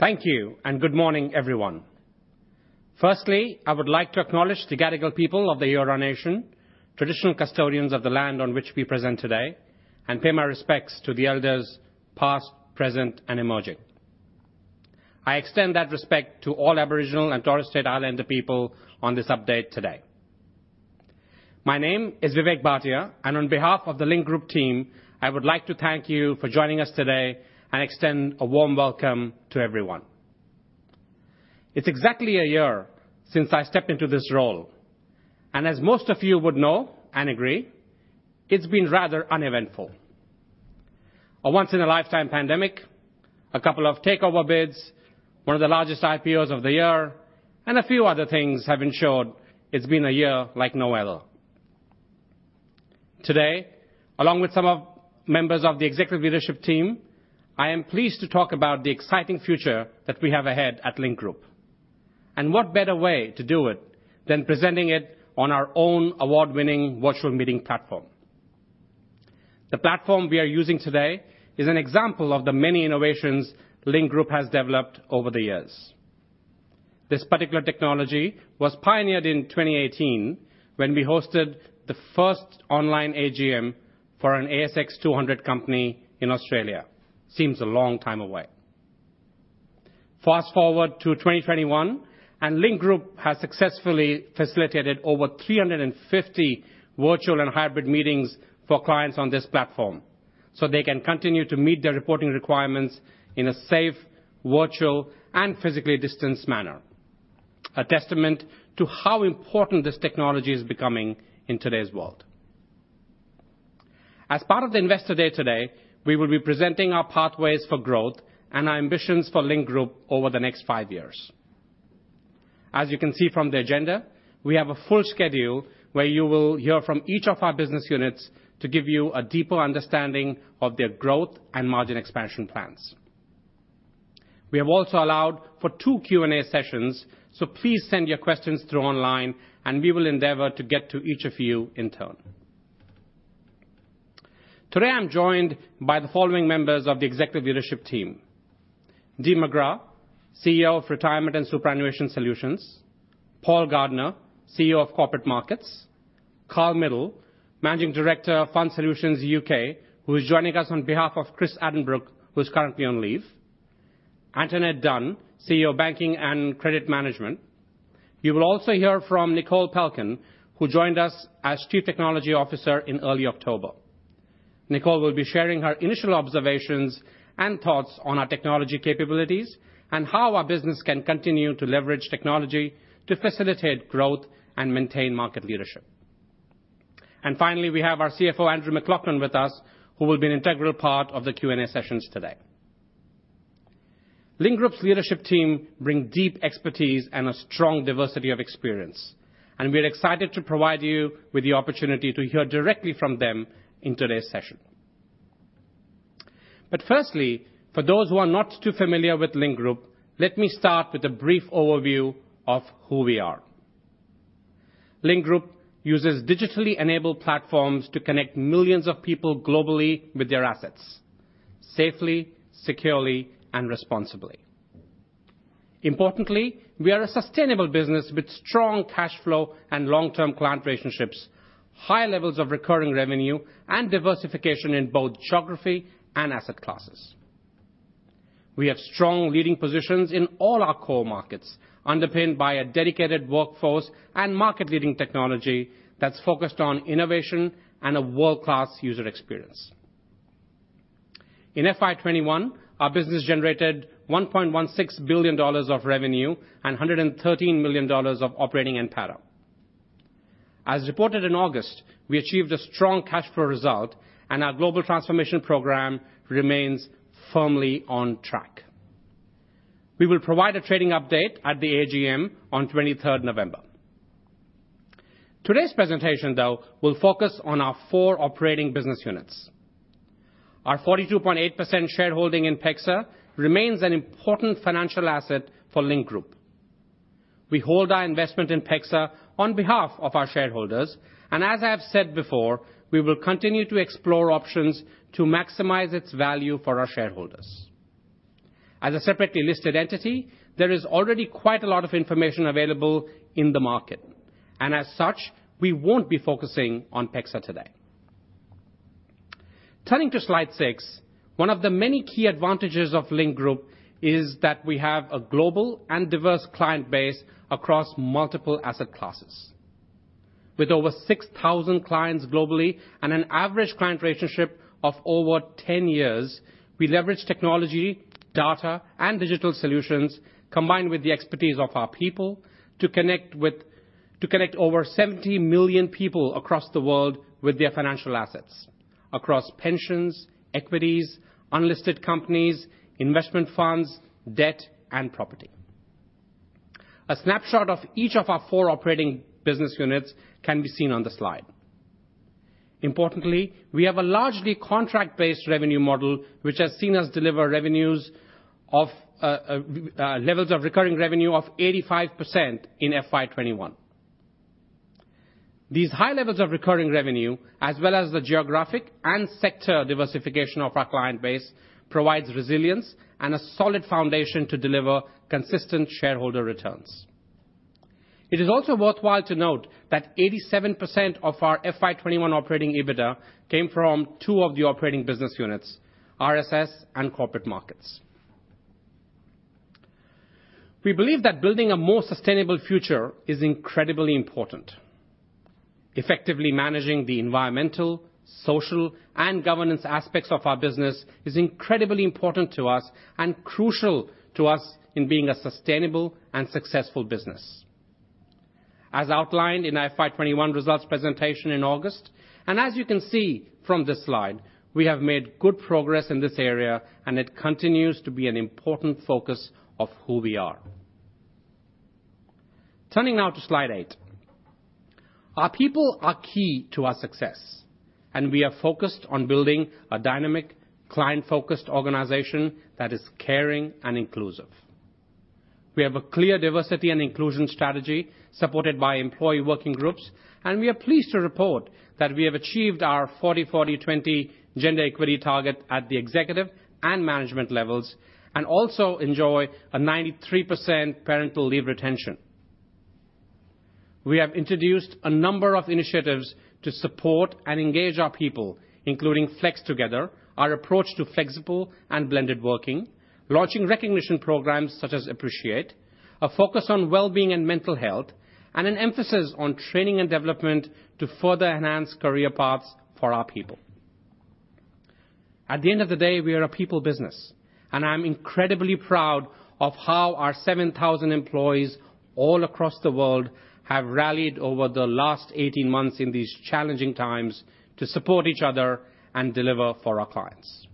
Thank you, and good morning, everyone. Firstly, I would like to acknowledge the Gadigal people of the Eora Nation, traditional custodians of the land on which we present today, and pay my respects to the elders past, present, and emerging. I extend that respect to all Aboriginal and Torres Strait Islander people on this update today. My name is Vivek Bhatia, and on behalf of the Link Group team, I would like to thank you for joining us today and extend a warm welcome to everyone. It's exactly a year since I stepped into this role, and as most of you would know and agree, it's been rather uneventful. A once-in-a-lifetime pandemic, a couple of takeover bids, one of the largest IPOs of the year, and a few other things have ensured it's been a year like no other. Today, along with some of the members of the executive leadership team, I am pleased to talk about the exciting future that we have ahead at Link Group. What better way to do it than presenting it on our own award-winning virtual meeting platform. The platform we are using today is an example of the many innovations Link Group has developed over the years. This particular technology was pioneered in 2018 when we hosted the first online AGM for an ASX 200 company in Australia. Seems a long time away. Fast-forward to 2021, and Link Group has successfully facilitated over 350 virtual and hybrid meetings for clients on this platform, so they can continue to meet their reporting requirements in a safe, virtual and physically distanced manner. A testament to how important this technology is becoming in today's world. As part of the Investor Day today, we will be presenting our pathways for growth and our ambitions for Link Group over the next five years. As you can see from the agenda, we have a full schedule where you will hear from each of our business units to give you a deeper understanding of their growth and margin expansion plans. We have also allowed for two Q&A sessions, so please send your questions through online, and we will endeavor to get to each of you in turn. Today I'm joined by the following members of the executive leadership team. Dee McGrath, CEO of Retirement and Superannuation Solutions. Paul Gardiner, CEO of Corporate Markets. Karl Midl, Managing Director of Fund Solutions UK, who is joining us on behalf of Chris Addenbrooke, who's currently on leave. Antoinette Dunne, CEO of Banking and Credit Management. You will also hear from Nicole Pelchen, who joined us as Chief Technology Officer in early October. Nicole will be sharing her initial observations and thoughts on our technology capabilities and how our business can continue to leverage technology to facilitate growth and maintain market leadership. Finally, we have our CFO, Andrew MacLachlan, with us, who will be an integral part of the Q&A sessions today. Link Group's leadership team bring deep expertise and a strong diversity of experience, and we're excited to provide you with the opportunity to hear directly from them in today's session. Firstly, for those who are not too familiar with Link Group, let me start with a brief overview of who we are. Link Group uses digitally enabled platforms to connect millions of people globally with their assets, safely, securely and responsibly. Importantly, we are a sustainable business with strong cash flow and long-term client relationships, high levels of recurring revenue and diversification in both geography and asset classes. We have strong leading positions in all our core markets, underpinned by a dedicated workforce and market-leading technology that's focused on innovation and a world-class user experience. In FY 2021, our business generated 1.16 billion dollars of revenue and 113 million dollars of operating NPATA. As reported in August, we achieved a strong cash flow result and our global transformation program remains firmly on track. We will provide a trading update at the AGM on 23rd November. Today's presentation, though, will focus on our four operating business units. Our 42.8% shareholding in PEXA remains an important financial asset for Link Group. We hold our investment in PEXA on behalf of our shareholders, and as I have said before, we will continue to explore options to maximize its value for our shareholders. As a separately listed entity, there is already quite a lot of information available in the market, and as such, we won't be focusing on PEXA today. Turning to slide six, one of the many key advantages of Link Group is that we have a global and diverse client base across multiple asset classes. With over 6,000 clients globally and an average client relationship of over 10 years, we leverage technology, data, and digital solutions, combined with the expertise of our people, to connect over 70 million people across the world with their financial assets across pensions, equities, unlisted companies, investment funds, debt and property. A snapshot of each of our four operating business units can be seen on the slide. Importantly, we have a largely contract-based revenue model which has seen us deliver levels of recurring revenue of 85% in FY 2021. These high levels of recurring revenue, as well as the geographic and sector diversification of our client base, provides resilience and a solid foundation to deliver consistent shareholder returns. It is also worthwhile to note that 87% of our FY 2021 operating EBITDA came from two of the operating business units, RSS and Corporate Markets. We believe that building a more sustainable future is incredibly important. Effectively managing the environmental, social, and governance aspects of our business is incredibly important to us and crucial to us in being a sustainable and successful business. As outlined in our FY 2021 results presentation in August, and as you can see from this slide, we have made good progress in this area, and it continues to be an important focus of who we are. Turning now to slide 8. Our people are key to our success, and we are focused on building a dynamic, client-focused organization that is caring and inclusive. We have a clear diversity and inclusion strategy supported by employee working groups, and we are pleased to report that we have achieved our 40/40/20 gender equity target at the executive and management levels, and also enjoy a 93% parental leave retention. We have introduced a number of initiatives to support and engage our people, including Flex Together, our approach to flexible and blended working, launching recognition programs such as Appreciate, a focus on well-being and mental health, and an emphasis on training and development to further enhance career paths for our people. At the end of the day, we are a people business, and I'm incredibly proud of how our 7,000 employees all across the world have rallied over the last 18 months in these challenging times to support each other and deliver for our clients.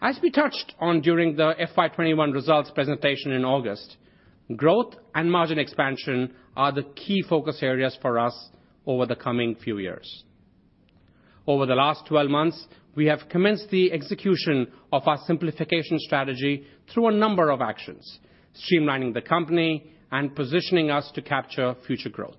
As we touched on during the FY 2021 results presentation in August, growth and margin expansion are the key focus areas for us over the coming few years. Over the last 12 months, we have commenced the execution of our simplification strategy through a number of actions, streamlining the company and positioning us to capture future growth.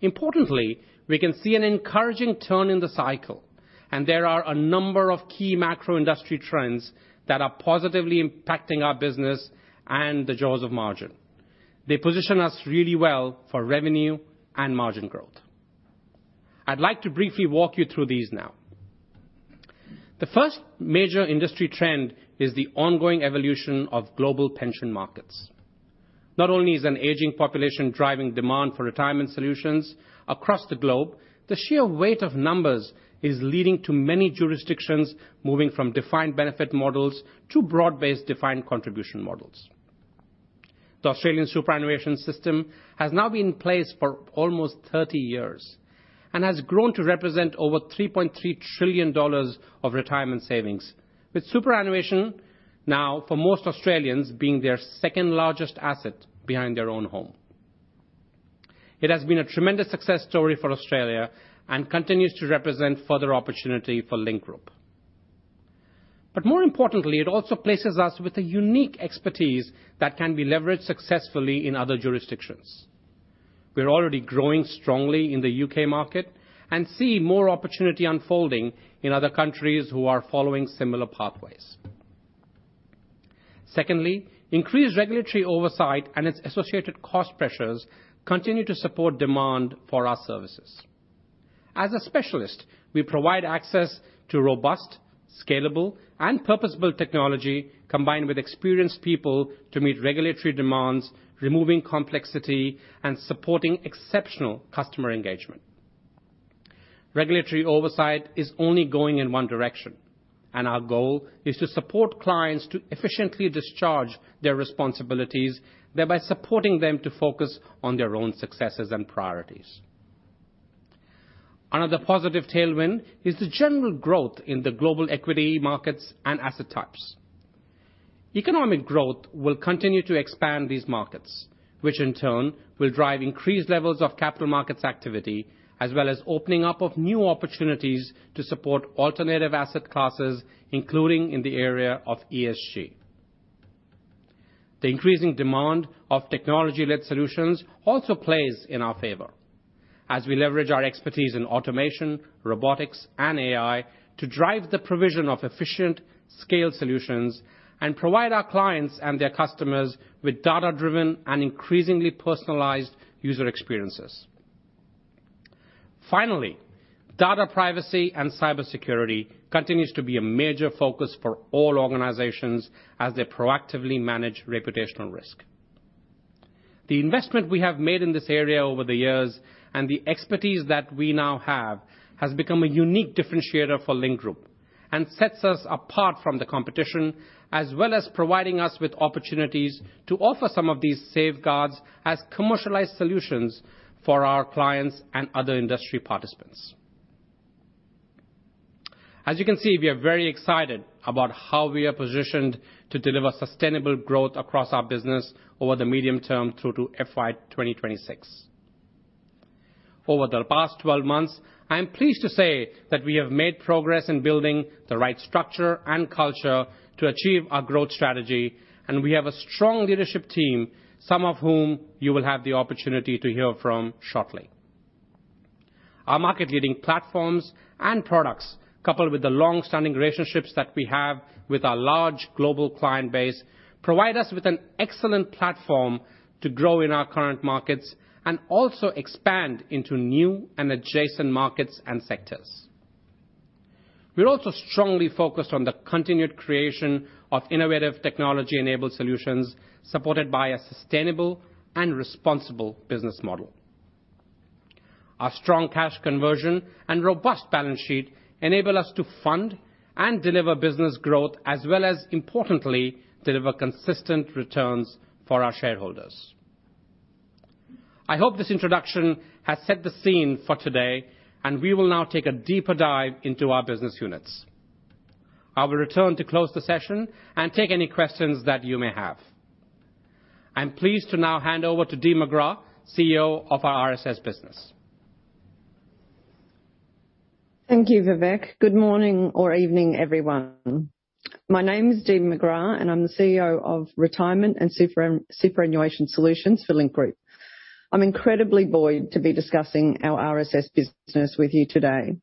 Importantly, we can see an encouraging turn in the cycle, and there are a number of key macro industry trends that are positively impacting our business and the jaws of margin. They position us really well for revenue and margin growth. I'd like to briefly walk you through these now. The first major industry trend is the ongoing evolution of global pension markets. Not only is an aging population driving demand for retirement solutions across the globe, the sheer weight of numbers is leading to many jurisdictions moving from defined benefit models to broad-based defined contribution models. The Australian superannuation system has now been in place for almost 30 years and has grown to represent over 3.3 trillion dollars of retirement savings, with superannuation now for most Australians being their second-largest asset behind their own home. It has been a tremendous success story for Australia and continues to represent further opportunity for Link Group. More importantly, it also places us with a unique expertise that can be leveraged successfully in other jurisdictions. We're already growing strongly in the U.K. market and see more opportunity unfolding in other countries who are following similar pathways. Secondly, increased regulatory oversight and its associated cost pressures continue to support demand for our services. As a specialist, we provide access to robust, scalable, and purpose-built technology combined with experienced people to meet regulatory demands, removing complexity and supporting exceptional customer engagement. Regulatory oversight is only going in one direction, and our goal is to support clients to efficiently discharge their responsibilities, thereby supporting them to focus on their own successes and priorities. Another positive tailwind is the general growth in the global equity markets and asset types. Economic growth will continue to expand these markets, which in turn will drive increased levels of capital markets activity, as well as opening up of new opportunities to support alternative asset classes, including in the area of ESG. The increasing demand of technology-led solutions also plays in our favor as we leverage our expertise in automation, robotics, and AI to drive the provision of efficient scale solutions and provide our clients and their customers with data-driven and increasingly personalized user experiences. Finally, data privacy and cybersecurity continues to be a major focus for all organizations as they proactively manage reputational risk. The investment we have made in this area over the years and the expertise that we now have has become a unique differentiator for Link Group and sets us apart from the competition, as well as providing us with opportunities to offer some of these safeguards as commercialized solutions for our clients and other industry participants. As you can see, we are very excited about how we are positioned to deliver sustainable growth across our business over the medium term through to FY 2026. Over the past 12 months, I am pleased to say that we have made progress in building the right structure and culture to achieve our growth strategy, and we have a strong leadership team, some of whom you will have the opportunity to hear from shortly. Our market-leading platforms and products, coupled with the long-standing relationships that we have with our large global client base, provide us with an excellent platform to grow in our current markets and also expand into new and adjacent markets and sectors. We're also strongly focused on the continued creation of innovative technology-enabled solutions, supported by a sustainable and responsible business model. Our strong cash conversion and robust balance sheet enable us to fund and deliver business growth as well as, importantly, deliver consistent returns for our shareholders. I hope this introduction has set the scene for today, and we will now take a deeper dive into our business units. I will return to close the session and take any questions that you may have. I'm pleased to now hand over to Dee McGrath, CEO of our RSS business. Thank you, Vivek. Good morning or evening, everyone. My name is Dee McGrath, and I'm the CEO of Retirement and Superannuation Solutions for Link Group. I'm incredibly buoyed to be discussing our RSS business with you today.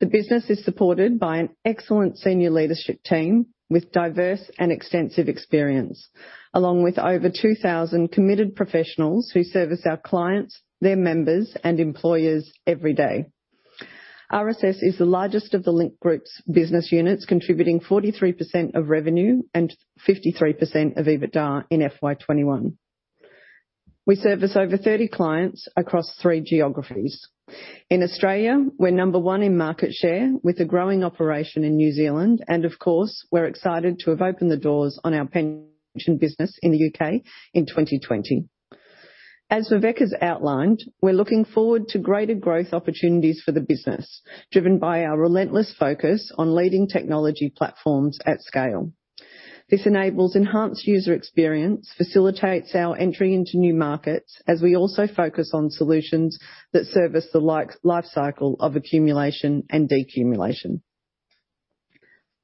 The business is supported by an excellent senior leadership team with diverse and extensive experience, along with over 2,000 committed professionals who service our clients, their members, and employers every day. RSS is the largest of the Link Group's business units, contributing 43% of revenue and 53% of EBITDA in FY 2021. We service over 30 clients across three geographies. In Australia, we're number one in market share with a growing operation in New Zealand, and of course, we're excited to have opened the doors on our pension business in the U.K. in 2020. As Vivek has outlined, we're looking forward to greater growth opportunities for the business, driven by our relentless focus on leading technology platforms at scale. This enables enhanced user experience, facilitates our entry into new markets as we also focus on solutions that service the life cycle of accumulation and decumulation.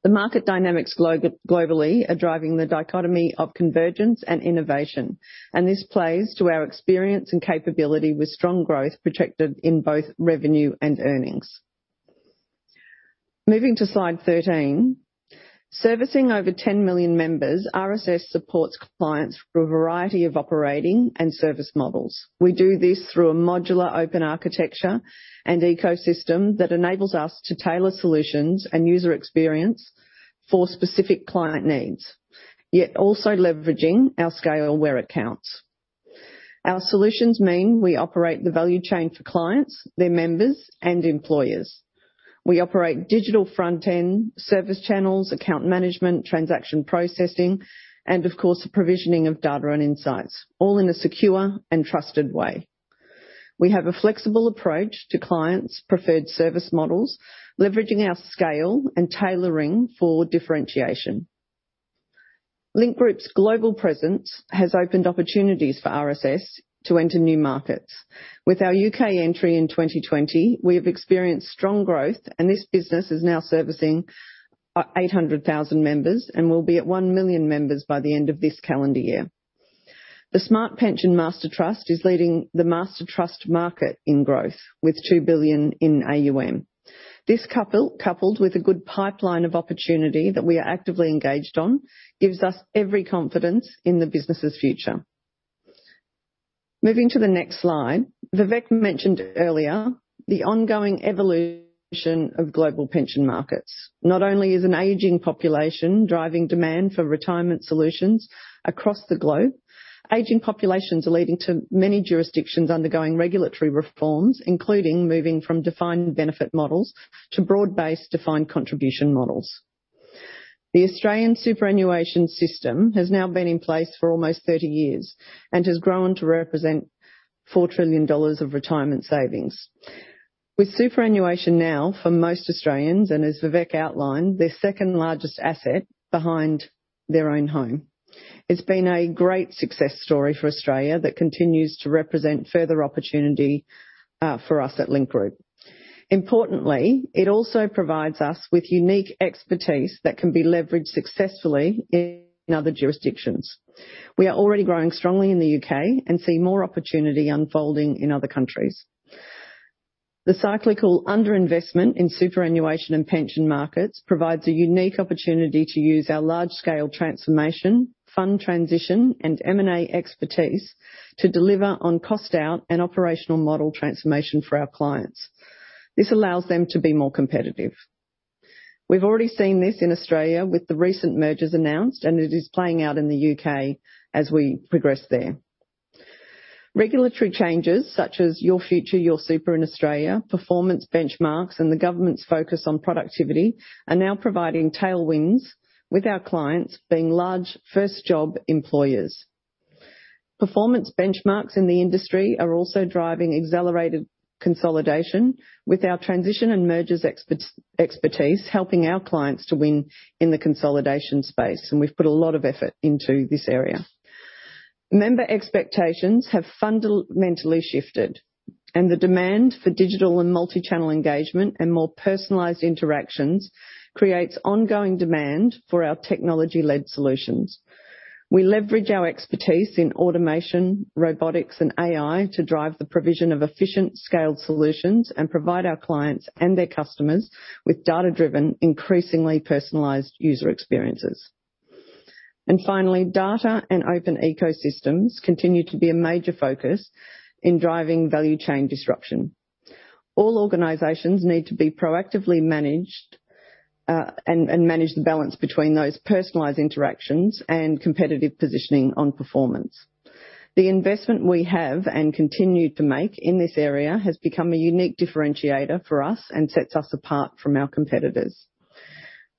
The market dynamics globally are driving the dichotomy of convergence and innovation, and this plays to our experience and capability with strong growth projected in both revenue and earnings. Moving to slide 13, servicing over 10 million members, RSS supports clients through a variety of operating and service models. We do this through a modular open architecture and ecosystem that enables us to tailor solutions and user experience for specific client needs, yet also leveraging our scale where it counts. Our solutions mean we operate the value chain for clients, their members, and employers. We operate digital front-end service channels, account management, transaction processing, and of course, the provisioning of data and insights, all in a secure and trusted way. We have a flexible approach to clients' preferred service models, leveraging our scale and tailoring for differentiation. Link Group's global presence has opened opportunities for RSS to enter new markets. With our U.K. entry in 2020, we have experienced strong growth, and this business is now servicing 800,000 members and will be at 1 million members by the end of this calendar year. The Smart Pension Master Trust is leading the Master Trust market in growth with 2 billion in AUM. This, coupled with a good pipeline of opportunity that we are actively engaged on, gives us every confidence in the business's future. Moving to the next slide, Vivek mentioned earlier the ongoing evolution of global pension markets. Not only is an aging population driving demand for retirement solutions across the globe, aging populations are leading to many jurisdictions undergoing regulatory reforms, including moving from defined benefit models to broad-based defined contribution models. The Australian superannuation system has now been in place for almost 30 years and has grown to represent 4 trillion dollars of retirement savings. With superannuation now for most Australians, and as Vivek outlined, their second-largest asset behind their own home, it's been a great success story for Australia that continues to represent further opportunity for us at Link Group. Importantly, it also provides us with unique expertise that can be leveraged successfully in other jurisdictions. We are already growing strongly in the U.K. and see more opportunity unfolding in other countries. The cyclical underinvestment in superannuation and pension markets provides a unique opportunity to use our large-scale transformation, fund transition, and M&A expertise to deliver on cost out and operational model transformation for our clients. This allows them to be more competitive. We've already seen this in Australia with the recent mergers announced, and it is playing out in the U.K. as we progress there. Regulatory changes such as Your Future, Your Super in Australia, performance benchmarks, and the government's focus on productivity are now providing tailwinds, with our clients being large first-job employers. Performance benchmarks in the industry are also driving accelerated consolidation, with our transition and mergers expertise helping our clients to win in the consolidation space, and we've put a lot of effort into this area. Member expectations have fundamentally shifted. The demand for digital and multi-channel engagement and more personalized interactions creates ongoing demand for our technology-led solutions. We leverage our expertise in automation, robotics, and AI to drive the provision of efficient scaled solutions and provide our clients and their customers with data-driven, increasingly personalized user experiences. Finally, data and open ecosystems continue to be a major focus in driving value chain disruption. All organizations need to be proactively managed and manage the balance between those personalized interactions and competitive positioning on performance. The investment we have and continue to make in this area has become a unique differentiator for us and sets us apart from our competitors.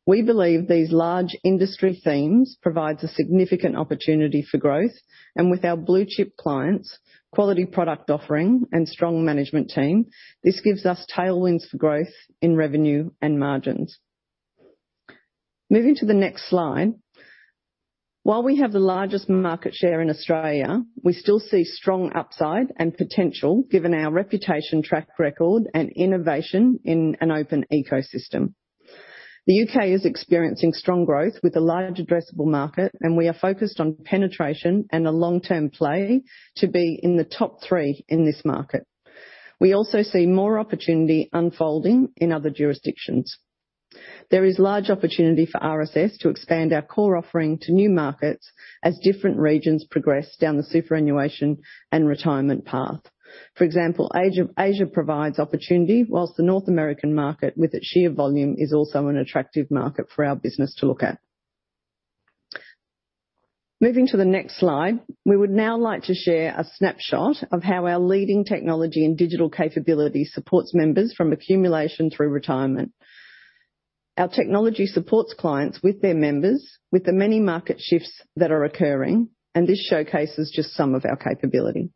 We believe these large industry themes provides a significant opportunity for growth, and with our blue-chip clients, quality product offering, and strong management team, this gives us tailwinds for growth in revenue and margins. Moving to the next slide. While we have the largest market share in Australia, we still see strong upside and potential given our reputation, track record, and innovation in an open ecosystem. The U.K. is experiencing strong growth with a large addressable market, and we are focused on penetration and a long-term play to be in the top three in this market. We also see more opportunity unfolding in other jurisdictions. There is large opportunity for RSS to expand our core offering to new markets as different regions progress down the superannuation and retirement path. For example, Asia provides opportunity, while the North American market, with its sheer volume, is also an attractive market for our business to look at. Moving to the next slide. We would now like to share a snapshot of how our leading technology and digital capability supports members from accumulation through retirement. Our technology supports clients with their members with the many market shifts that are occurring, and this showcases just some of our capability.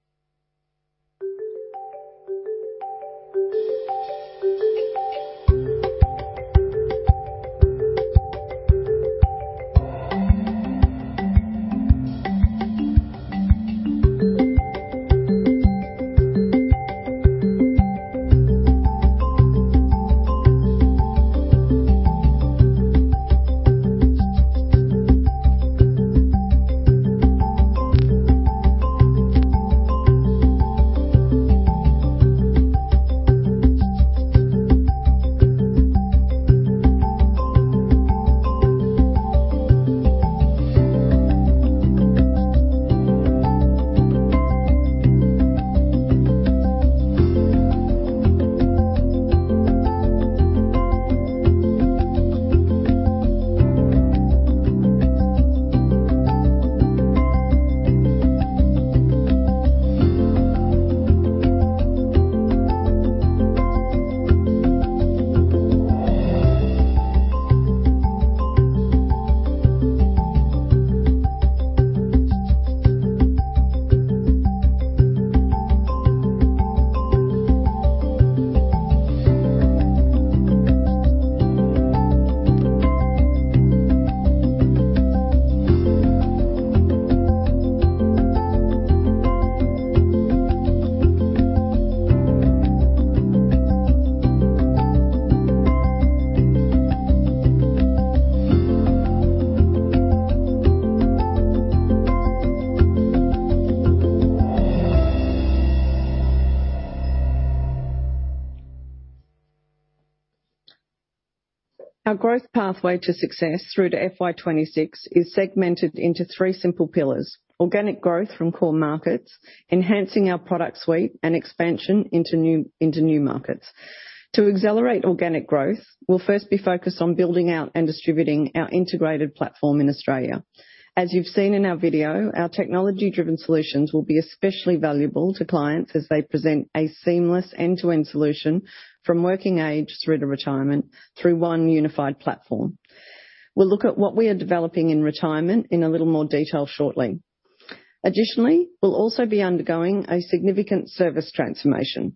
Our growth pathway to success through to FY 2026 is segmented into three simple pillars. Organic growth from core markets, enhancing our product suite, and expansion into new markets. To accelerate organic growth, we'll first be focused on building out and distributing our integrated platform in Australia. As you've seen in our video, our technology-driven solutions will be especially valuable to clients as they present a seamless end-to-end solution from working age through to retirement through one unified platform. We'll look at what we are developing in retirement in a little more detail shortly. Additionally, we'll also be undergoing a significant service transformation.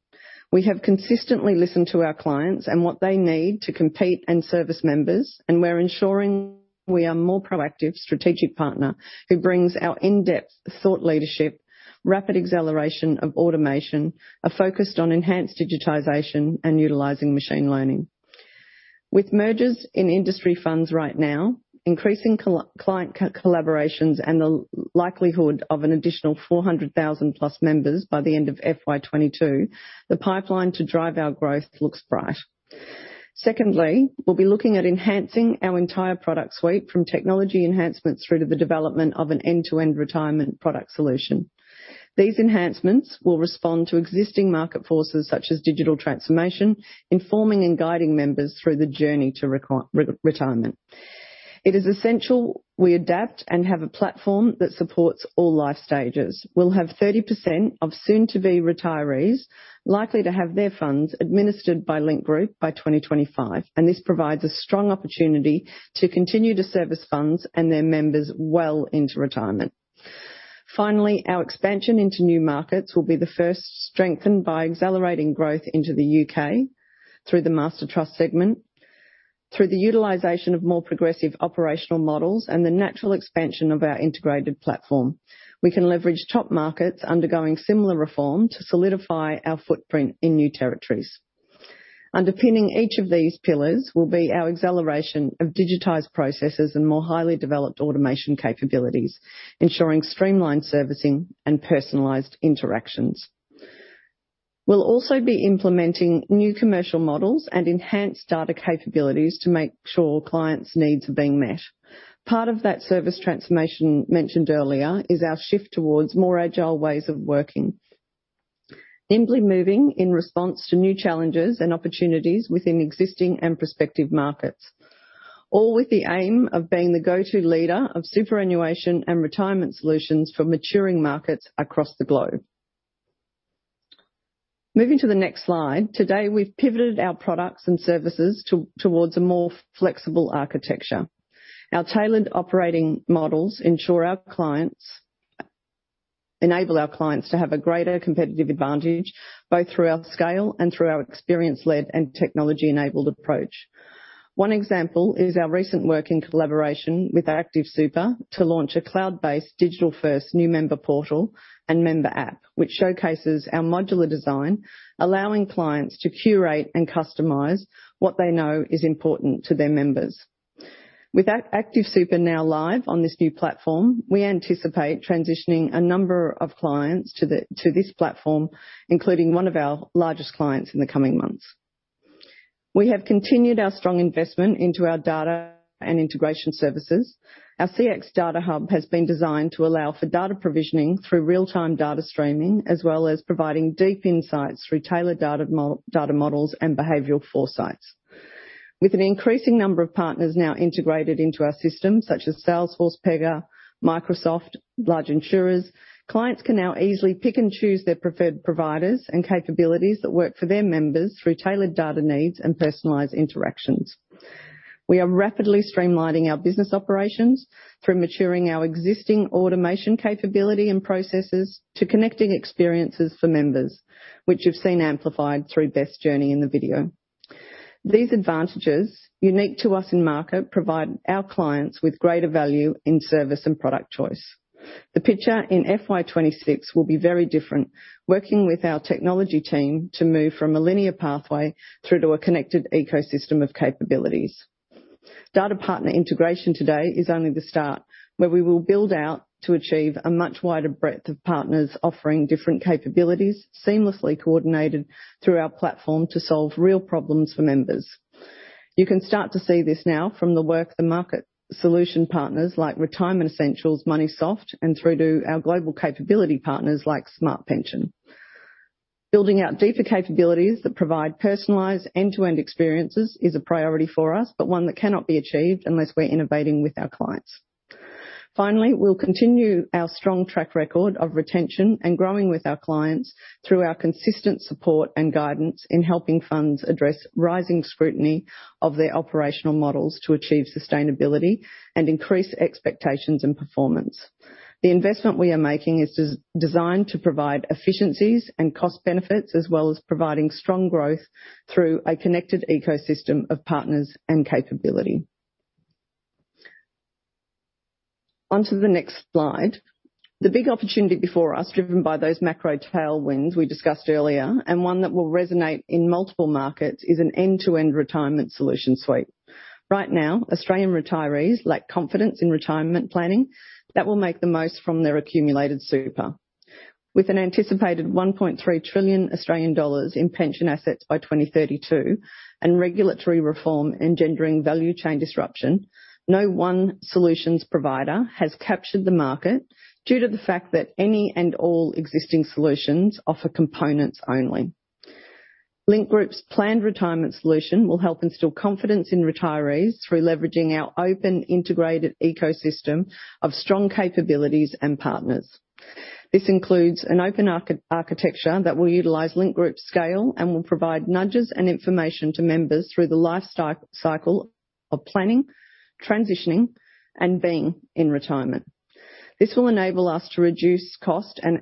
We have consistently listened to our clients and what they need to compete and service members, and we're ensuring we are a more proactive strategic partner who brings our in-depth thought leadership, rapid acceleration of automation, a focus on enhanced digitization, and utilizing machine learning. With mergers in industry funds right now, increasing client collaborations, and the likelihood of an additional 400,000+ members by the end of FY 2022, the pipeline to drive our growth looks bright. Secondly, we'll be looking at enhancing our entire product suite from technology enhancements through to the development of an end-to-end retirement product solution. These enhancements will respond to existing market forces such as digital transformation, informing and guiding members through the journey to retirement. It is essential we adapt and have a platform that supports all life stages. We'll have 30% of soon-to-be retirees likely to have their funds administered by Link Group by 2025, and this provides a strong opportunity to continue to service funds and their members well into retirement. Finally, our expansion into new markets will be the first strengthened by accelerating growth into the U.K. through the master trust segment. Through the utilization of more progressive operational models and the natural expansion of our integrated platform, we can leverage top markets undergoing similar reform to solidify our footprint in new territories. Underpinning each of these pillars will be our acceleration of digitized processes and more highly developed automation capabilities, ensuring streamlined servicing and personalized interactions. We'll also be implementing new commercial models and enhanced data capabilities to make sure clients' needs are being met. Part of that service transformation mentioned earlier is our shift towards more agile ways of working, nimbly moving in response to new challenges and opportunities within existing and prospective markets, all with the aim of being the go-to leader of superannuation and retirement solutions for maturing markets across the globe. Moving to the next slide. Today, we've pivoted our products and services towards a more flexible architecture. Our tailored operating models enable our clients to have a greater competitive advantage both through our scale and through our experience-led and technology-enabled approach. One example is our recent work in collaboration with Active Super to launch a cloud-based digital-first new member portal and member app, which showcases our modular design, allowing clients to curate and customize what they know is important to their members. With Active Super now live on this new platform, we anticipate transitioning a number of clients to this platform, including one of our largest clients in the coming months. We have continued our strong investment into our data and integration services. Our CX Data Hub has been designed to allow for data provisioning through real-time data streaming, as well as providing deep insights through tailored data models and behavioral foresights. With an increasing number of partners now integrated into our system, such as Salesforce, Pega, Microsoft, large insurers, clients can now easily pick and choose their preferred providers and capabilities that work for their members through tailored data needs and personalized interactions. We are rapidly streamlining our business operations through maturing our existing automation capability and processes to connecting experiences for members, which you've seen amplified through Beth's journey in the video. These advantages, unique to us in market, provide our clients with greater value in service and product choice. The picture in FY 2026 will be very different, working with our technology team to move from a linear pathway through to a connected ecosystem of capabilities. Data partner integration today is only the start, where we will build out to achieve a much wider breadth of partners offering different capabilities, seamlessly coordinated through our platform to solve real problems for members. You can start to see this now from the work with the market solution partners like Retirement Essentials, Moneysoft Q3, and through to our global capability partners like Smart Pension. Building out deeper capabilities that provide personalized end-to-end experiences is a priority for us, but one that cannot be achieved unless we're innovating with our clients. Finally, we'll continue our strong track record of retention and growing with our clients through our consistent support and guidance in helping funds address rising scrutiny of their operational models to achieve sustainability and increase expectations and performance. The investment we are making is designed to provide efficiencies and cost benefits, as well as providing strong growth through a connected ecosystem of partners and capability. On to the next slide. The big opportunity before us, driven by those macro tailwinds we discussed earlier, and one that will resonate in multiple markets, is an end-to-end retirement solution suite. Right now, Australian retirees lack confidence in retirement planning that will make the most from their accumulated super. With an anticipated 1.3 trillion Australian dollars in pension assets by 2032 and regulatory reform engendering value chain disruption, no one solutions provider has captured the market due to the fact that any and all existing solutions offer components only. Link Group's planned retirement solution will help instill confidence in retirees through leveraging our open integrated ecosystem of strong capabilities and partners. This includes an open architecture that will utilize Link Group's scale and will provide nudges and information to members through the life cycle of planning, transitioning, and being in retirement. This will enable us to reduce cost and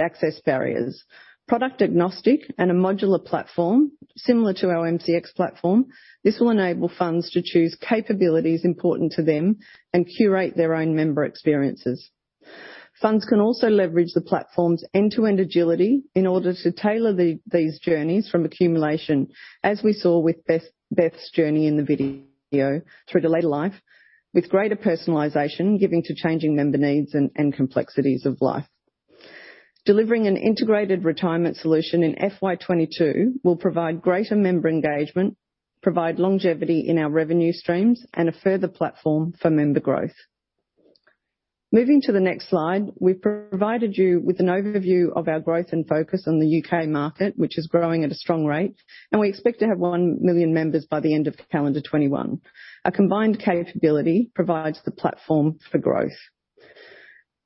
access barriers. Product agnostic and a modular platform, similar to our MCX platform, this will enable funds to choose capabilities important to them and curate their own member experiences. Funds can also leverage the platform's end-to-end agility in order to tailor these journeys from accumulation, as we saw with Beth's journey in the video, through to later life, with greater personalization given to changing member needs and complexities of life. Delivering an integrated retirement solution in FY 2022 will provide greater member engagement, provide longevity in our revenue streams, and a further platform for member growth. Moving to the next slide, we've provided you with an overview of our growth and focus on the UK market, which is growing at a strong rate, and we expect to have 1 million members by the end of calendar 2021. A combined capability provides the platform for growth.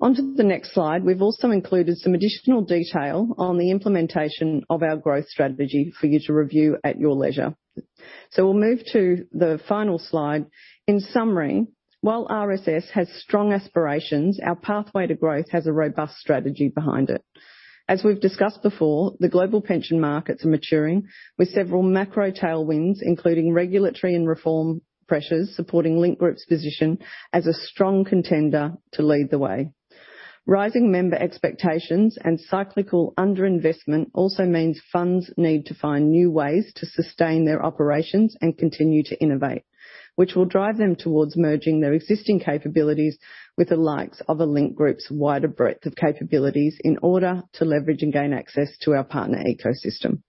On to the next slide, we've also included some additional detail on the implementation of our growth strategy for you to review at your leisure. We'll move to the final slide. In summary, while RSS has strong aspirations, our pathway to growth has a robust strategy behind it. As we've discussed before, the global pension markets are maturing with several macro tailwinds, including regulatory and reform pressures, supporting Link Group's position as a strong contender to lead the way. Rising member expectations and cyclical under-investment also means funds need to find new ways to sustain their operations and continue to innovate, which will drive them towards merging their existing capabilities with the likes of a Link Group's wider breadth of capabilities in order to leverage and gain access to our partner ecosystem.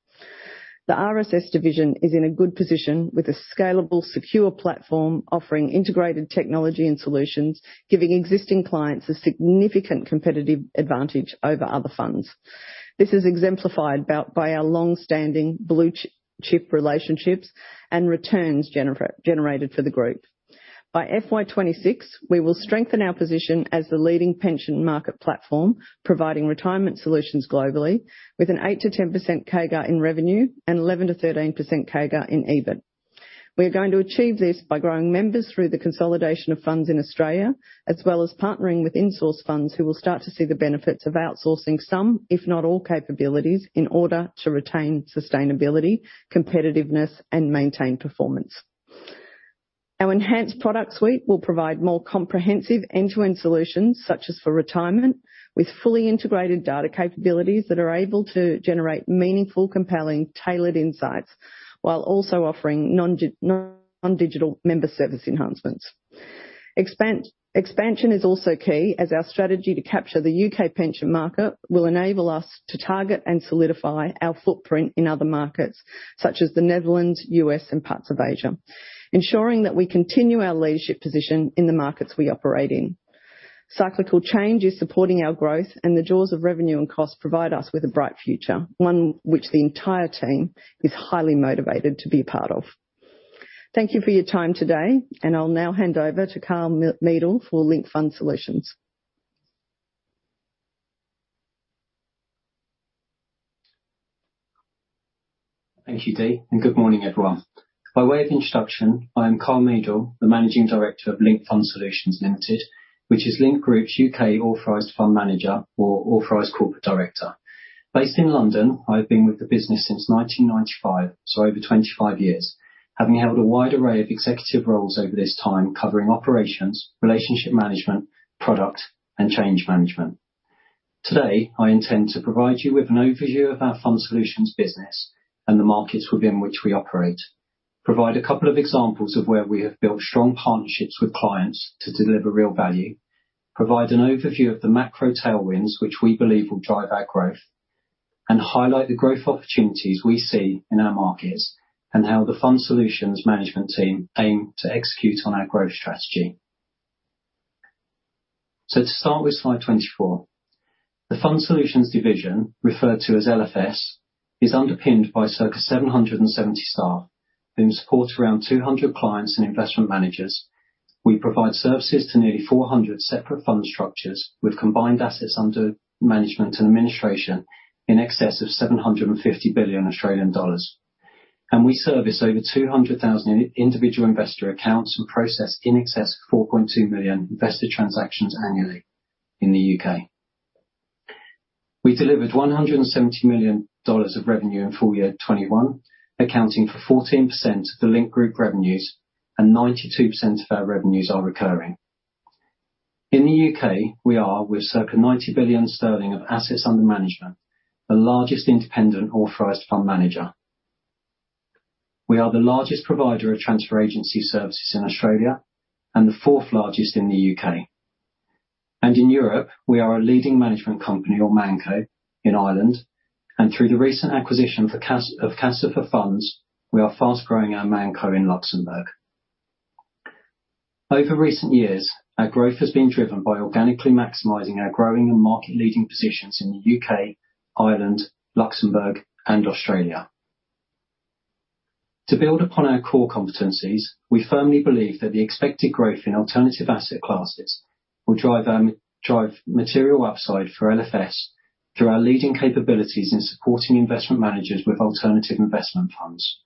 The RSS division is in a good position with a scalable, secure platform offering integrated technology and solutions, giving existing clients a significant competitive advantage over other funds. This is exemplified by our long-standing blue-chip relationships and returns generated for the group. By FY 2026, we will strengthen our position as the leading pension market platform, providing retirement solutions globally with an 8%-10% CAGR in revenue and 11%-13% CAGR in EBIT. We are going to achieve this by growing members through the consolidation of funds in Australia, as well as partnering with insourced funds who will start to see the benefits of outsourcing some, if not all, capabilities in order to retain sustainability, competitiveness, and maintain performance. Our enhanced product suite will provide more comprehensive end-to-end solutions, such as for retirement, with fully integrated data capabilities that are able to generate meaningful, compelling, tailored insights, while also offering non-digital member service enhancements. Expansion is also key as our strategy to capture the U.K. pension market will enable us to target and solidify our footprint in other markets such as the Netherlands, U.S., and parts of Asia, ensuring that we continue our leadership position in the markets we operate in. Cyclical change is supporting our growth and the jaws of revenue and cost provide us with a bright future, one which the entire team is highly motivated to be a part of. Thank you for your time today, and I'll now hand over to Karl Midl for Link Fund Solutions. Thank you, Dee, and good morning, everyone. By way of introduction, I am Karl Midl, the Managing Director of Link Fund Solutions Limited, which is Link Group's UK authorized fund manager or authorized corporate director. Based in London, I've been with the business since 1995, so over 25 years, having held a wide array of executive roles over this time, covering operations, relationship management, product, and change management. Today, I intend to provide you with an overview of our Fund Solutions business and the markets within which we operate, provide a couple of examples of where we have built strong partnerships with clients to deliver real value, provide an overview of the macro tailwinds, which we believe will drive our growth, and highlight the growth opportunities we see in our markets, and how the Fund Solutions management team aim to execute on our growth strategy. To start with slide 24. The Fund Solutions division, referred to as LFS, is underpinned by circa 770 staff who support around 200 clients and investment managers. We provide services to nearly 400 separate fund structures, with combined assets under management and administration in excess of 750 billion Australian dollars. We service over 200,000 individual investor accounts and process in excess of 4.2 million investor transactions annually in the U.K.. We delivered 170 million dollars of revenue in FY 2021, accounting for 14% of the Link Group revenues and 92% of our revenues are recurring. In the U.K., we are, with circa 90 billion sterling of assets under management, the largest independent authorized fund manager. We are the largest provider of transfer agency services in Australia and the fourth largest in the U.K. In Europe, we are a leading management company or ManCo in Ireland, and through the recent acquisition of Casa4Funds, we are fast growing our ManCo in Luxembourg. Over recent years, our growth has been driven by organically maximizing our growing and market-leading positions in the U.K., Ireland, Luxembourg, and Australia. To build upon our core competencies, we firmly believe that the expected growth in alternative asset classes will drive material upside for LFS through our leading capabilities in supporting investment managers with alternative investment funds.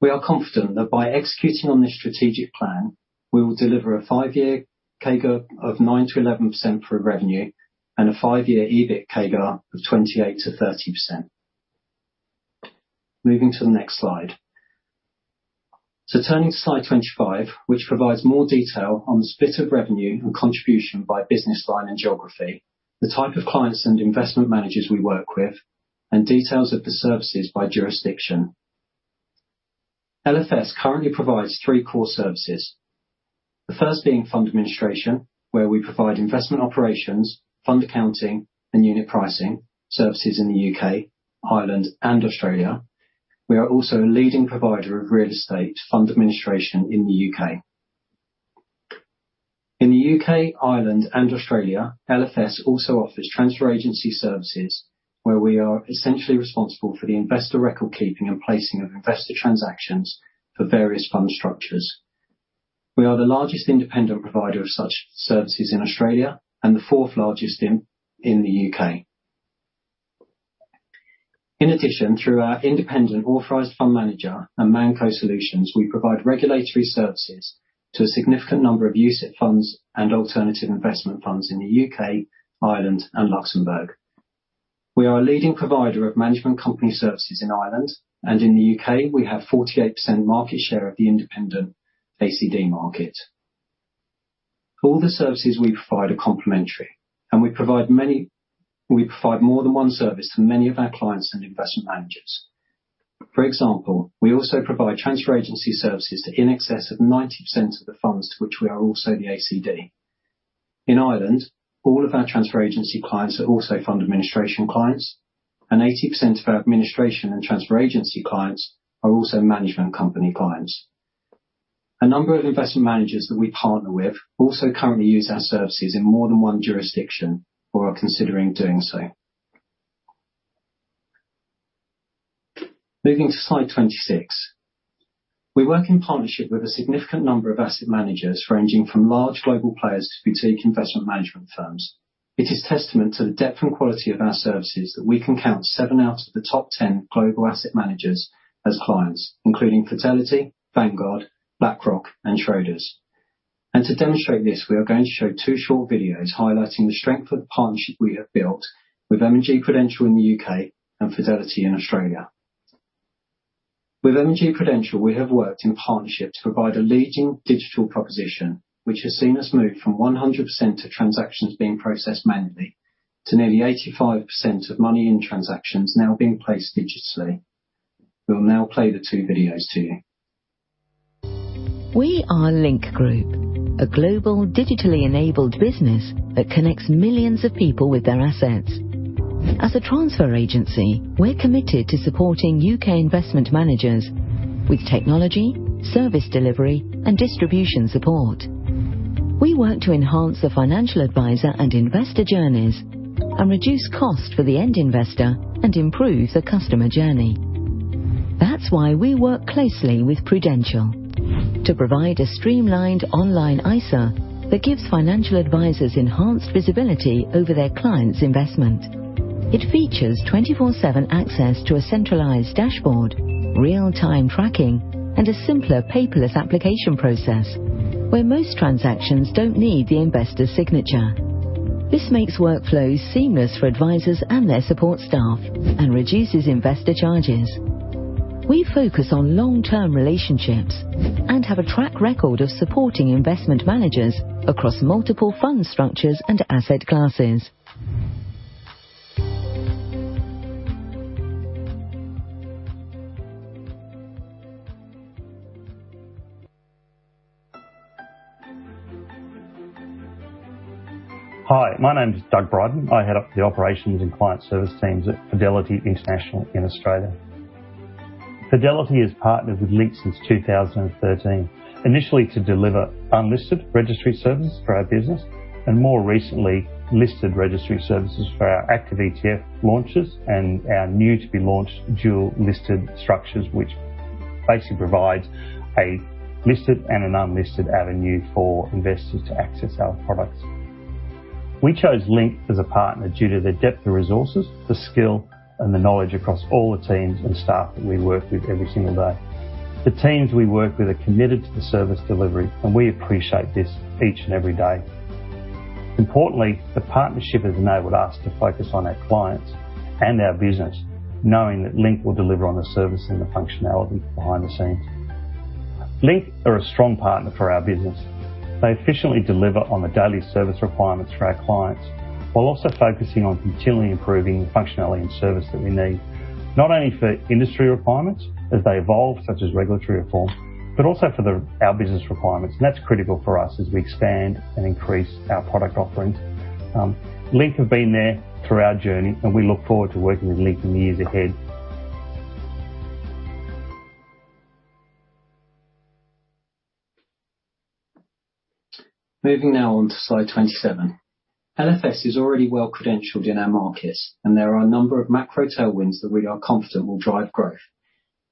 We are confident that by executing on this strategic plan, we will deliver a five-year CAGR of 9%-11% for revenue and a five-year EBIT CAGR of 28%-30%. Moving to the next slide. Turning to slide 25, which provides more detail on the split of revenue and contribution by business line and geography, the type of clients and investment managers we work with, and details of the services by jurisdiction. LFS currently provides three core services, the first being fund administration, where we provide investment operations, fund accounting, and unit pricing services in the U.K., Ireland, and Australia. We are also a leading provider of real estate fund administration in the U.K. In the U.K., Ireland, and Australia, LFS also offers transfer agency services where we are essentially responsible for the investor record keeping and placing of investor transactions for various fund structures. We are the largest independent provider of such services in Australia and the fourth largest in the U.K.. In addition, through our independent authorized fund manager and ManCo solutions, we provide regulatory services to a significant number of UCITS funds and alternative investment funds in the U.K., Ireland, and Luxembourg. We are a leading provider of management company services in Ireland and in the U.K., we have 48% market share of the independent ACD market. All the services we provide are complementary and we provide more than one service to many of our clients and investment managers. For example, we also provide transfer agency services to in excess of 90% of the funds which we are also the ACD. In Ireland, all of our transfer agency clients are also fund administration clients, and 80% of our administration and transfer agency clients are also management company clients. A number of investment managers that we partner with also currently use our services in more than one jurisdiction or are considering doing so. Moving to slide 26. We work in partnership with a significant number of asset managers, ranging from large global players to boutique investment management firms. It is testament to the depth and quality of our services that we can count seven out of the top 10 global asset managers as clients, including Fidelity, Vanguard, BlackRock, and Schroders. To demonstrate this, we are going to show two short videos highlighting the strength of the partnership we have built with M&G Prudential in the U.K. and Fidelity in Australia. With M&G Prudential, we have worked in partnership to provide a leading digital proposition, which has seen us move from 100% of transactions being processed manually to nearly 85% of money in transactions now being placed digitally. We will now play the two videos to you. We are Link Group, a global digitally enabled business that connects millions of people with their assets. As a transfer agency, we're committed to supporting U.K. investment managers with technology, service delivery, and distribution support. We work to enhance the financial advisor and investor journeys and reduce cost for the end investor and improve the customer journey. That's why we work closely with Prudential to provide a streamlined online ISA that gives financial advisors enhanced visibility over their clients' investment. It features 24/7 access to a centralized dashboard, real-time tracking, and a simpler paperless application process where most transactions don't need the investor's signature. This makes workflows seamless for advisors and their support staff and reduces investor charges. We focus on long-term relationships and have a track record of supporting investment managers across multiple fund structures and asset classes. Hi, my name is Doug Bryden. I head up the operations and client service teams at Fidelity International in Australia. Fidelity has partnered with Link since 2013, initially to deliver unlisted registry services for our business, and more recently, listed registry services for our active ETF launches and our new to be launched dual-listed structures, which basically provides a listed and an unlisted avenue for investors to access our products. We chose Link as a partner due to the depth of resources, the skill, and the knowledge across all the teams and staff that we work with every single day. The teams we work with are committed to the service delivery, and we appreciate this each and every day. Importantly, the partnership has enabled us to focus on our clients and our business, knowing that Link will deliver on the service and the functionality behind the scenes. Link are a strong partner for our business. They efficiently deliver on the daily service requirements for our clients, while also focusing on continually improving the functionality and service that we need, not only for industry requirements as they evolve, such as regulatory reform, but also for our business requirements, and that's critical for us as we expand and increase our product offering. Link have been there through our journey, and we look forward to working with Link in the years ahead. Moving now on to slide 27. LFS is already well-credentialed in our markets, and there are a number of macro tailwinds that we are confident will drive growth,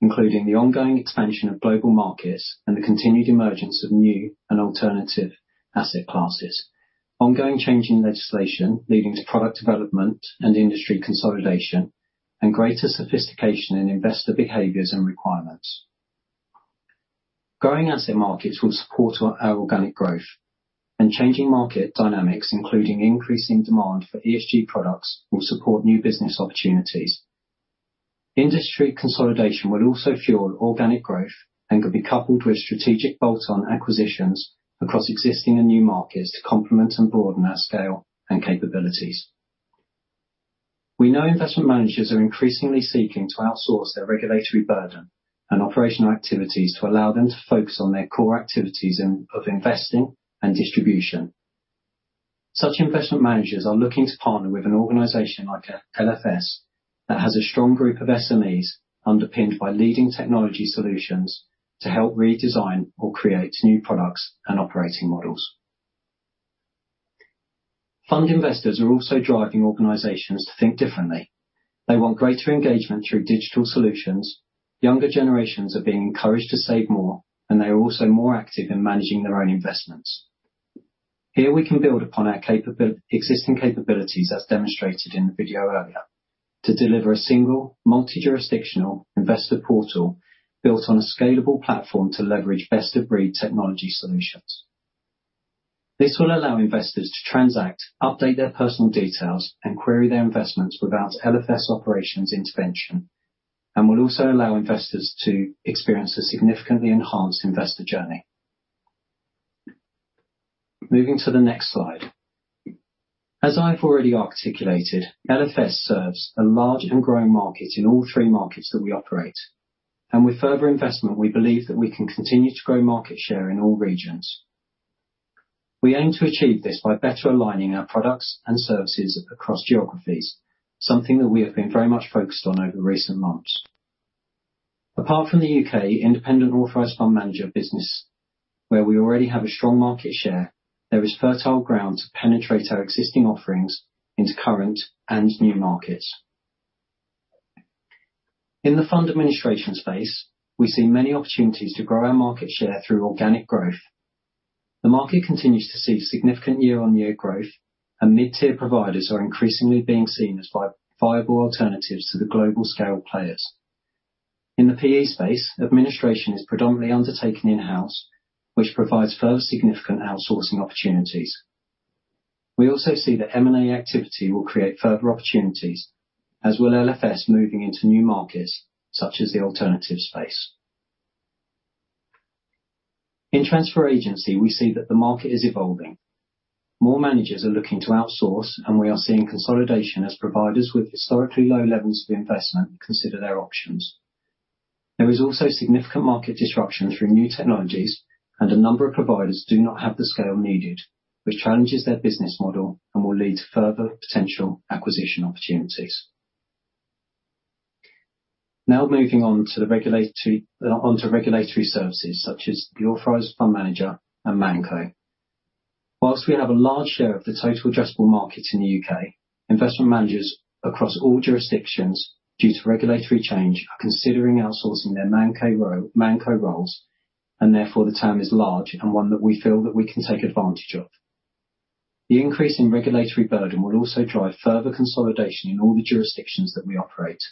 including the ongoing expansion of global markets and the continued emergence of new and alternative asset classes, ongoing change in legislation leading to product development and industry consolidation and greater sophistication in investor behaviors and requirements. Growing asset markets will support our organic growth, and changing market dynamics, including increasing demand for ESG products, will support new business opportunities. Industry consolidation will also fuel organic growth and could be coupled with strategic bolt-on acquisitions across existing and new markets to complement and broaden our scale and capabilities. We know investment managers are increasingly seeking to outsource their regulatory burden and operational activities to allow them to focus on their core activities in, of investing and distribution. Such investment managers are looking to partner with an organization like LFS that has a strong group of SMEs underpinned by leading technology solutions to help redesign or create new products and operating models. Fund investors are also driving organizations to think differently. They want greater engagement through digital solutions. Younger generations are being encouraged to save more, and they are also more active in managing their own investments. Here we can build upon our existing capabilities, as demonstrated in the video earlier, to deliver a single multi-jurisdictional investor portal built on a scalable platform to leverage best-of-breed technology solutions. This will allow investors to transact, update their personal details, and query their investments without LFS operations intervention, and will also allow investors to experience a significantly enhanced investor journey. Moving to the next slide. As I've already articulated, LFS serves a large and growing market in all three markets that we operate. With further investment, we believe that we can continue to grow market share in all regions. We aim to achieve this by better aligning our products and services across geographies, something that we have been very much focused on over recent months. Apart from the U.K. independent authorized fund manager business where we already have a strong market share, there is fertile ground to penetrate our existing offerings into current and new markets. In the fund administration space, we see many opportunities to grow our market share through organic growth. The market continues to see significant year-on-year growth, and mid-tier providers are increasingly being seen as viable alternatives to the global scale players. In the PE space, administration is predominantly undertaken in-house, which provides further significant outsourcing opportunities. We also see that M&A activity will create further opportunities as will LFS moving into new markets such as the alternative space. In transfer agency, we see that the market is evolving. More managers are looking to outsource, and we are seeing consolidation as providers with historically low levels of investment consider their options. There is also significant market disruption through new technologies, and a number of providers do not have the scale needed, which challenges their business model and will lead to further potential acquisition opportunities. Now moving on to regulatory services such as the authorized fund manager and ManCo. While we have a large share of the total addressable market in the U.K., investment managers across all jurisdictions, due to regulatory change, are considering outsourcing their ManCo roles, and therefore the TAM is large and one that we feel that we can take advantage of. The increase in regulatory burden will also drive further consolidation in all the jurisdictions that we operate,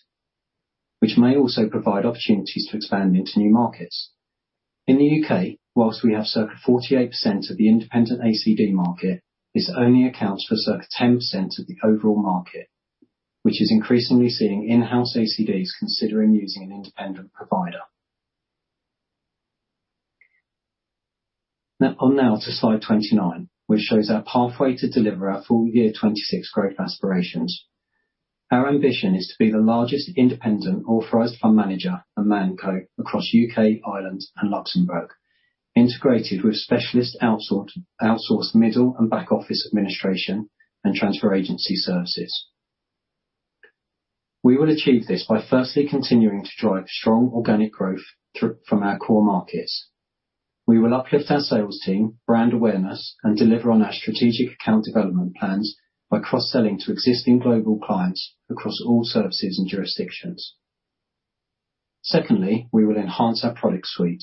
which may also provide opportunities to expand into new markets. In the U.K., while we have circa 48% of the independent ACD market, this only accounts for circa 10% of the overall market, which is increasingly seeing in-house ACDs considering using an independent provider. Now to slide 29, which shows our pathway to deliver our full year 2026 growth aspirations. Our ambition is to be the largest independent authorized fund manager and ManCo across U.K., Ireland and Luxembourg, integrated with specialist outsourced middle and back office administration and transfer agency services. We will achieve this by firstly continuing to drive strong organic growth from our core markets. We will uplift our sales team, brand awareness and deliver on our strategic account development plans by cross-selling to existing global clients across all services and jurisdictions. Secondly, we will enhance our product suite.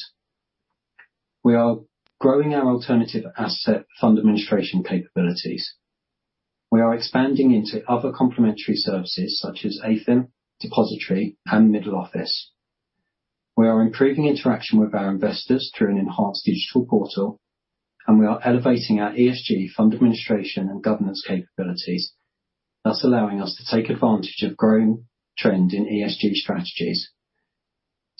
We are growing our alternative asset fund administration capabilities. We are expanding into other complementary services such as AFIM, depository and middle office. We are improving interaction with our investors through an enhanced digital portal, and we are elevating our ESG fund administration and governance capabilities, thus allowing us to take advantage of growing trend in ESG strategies.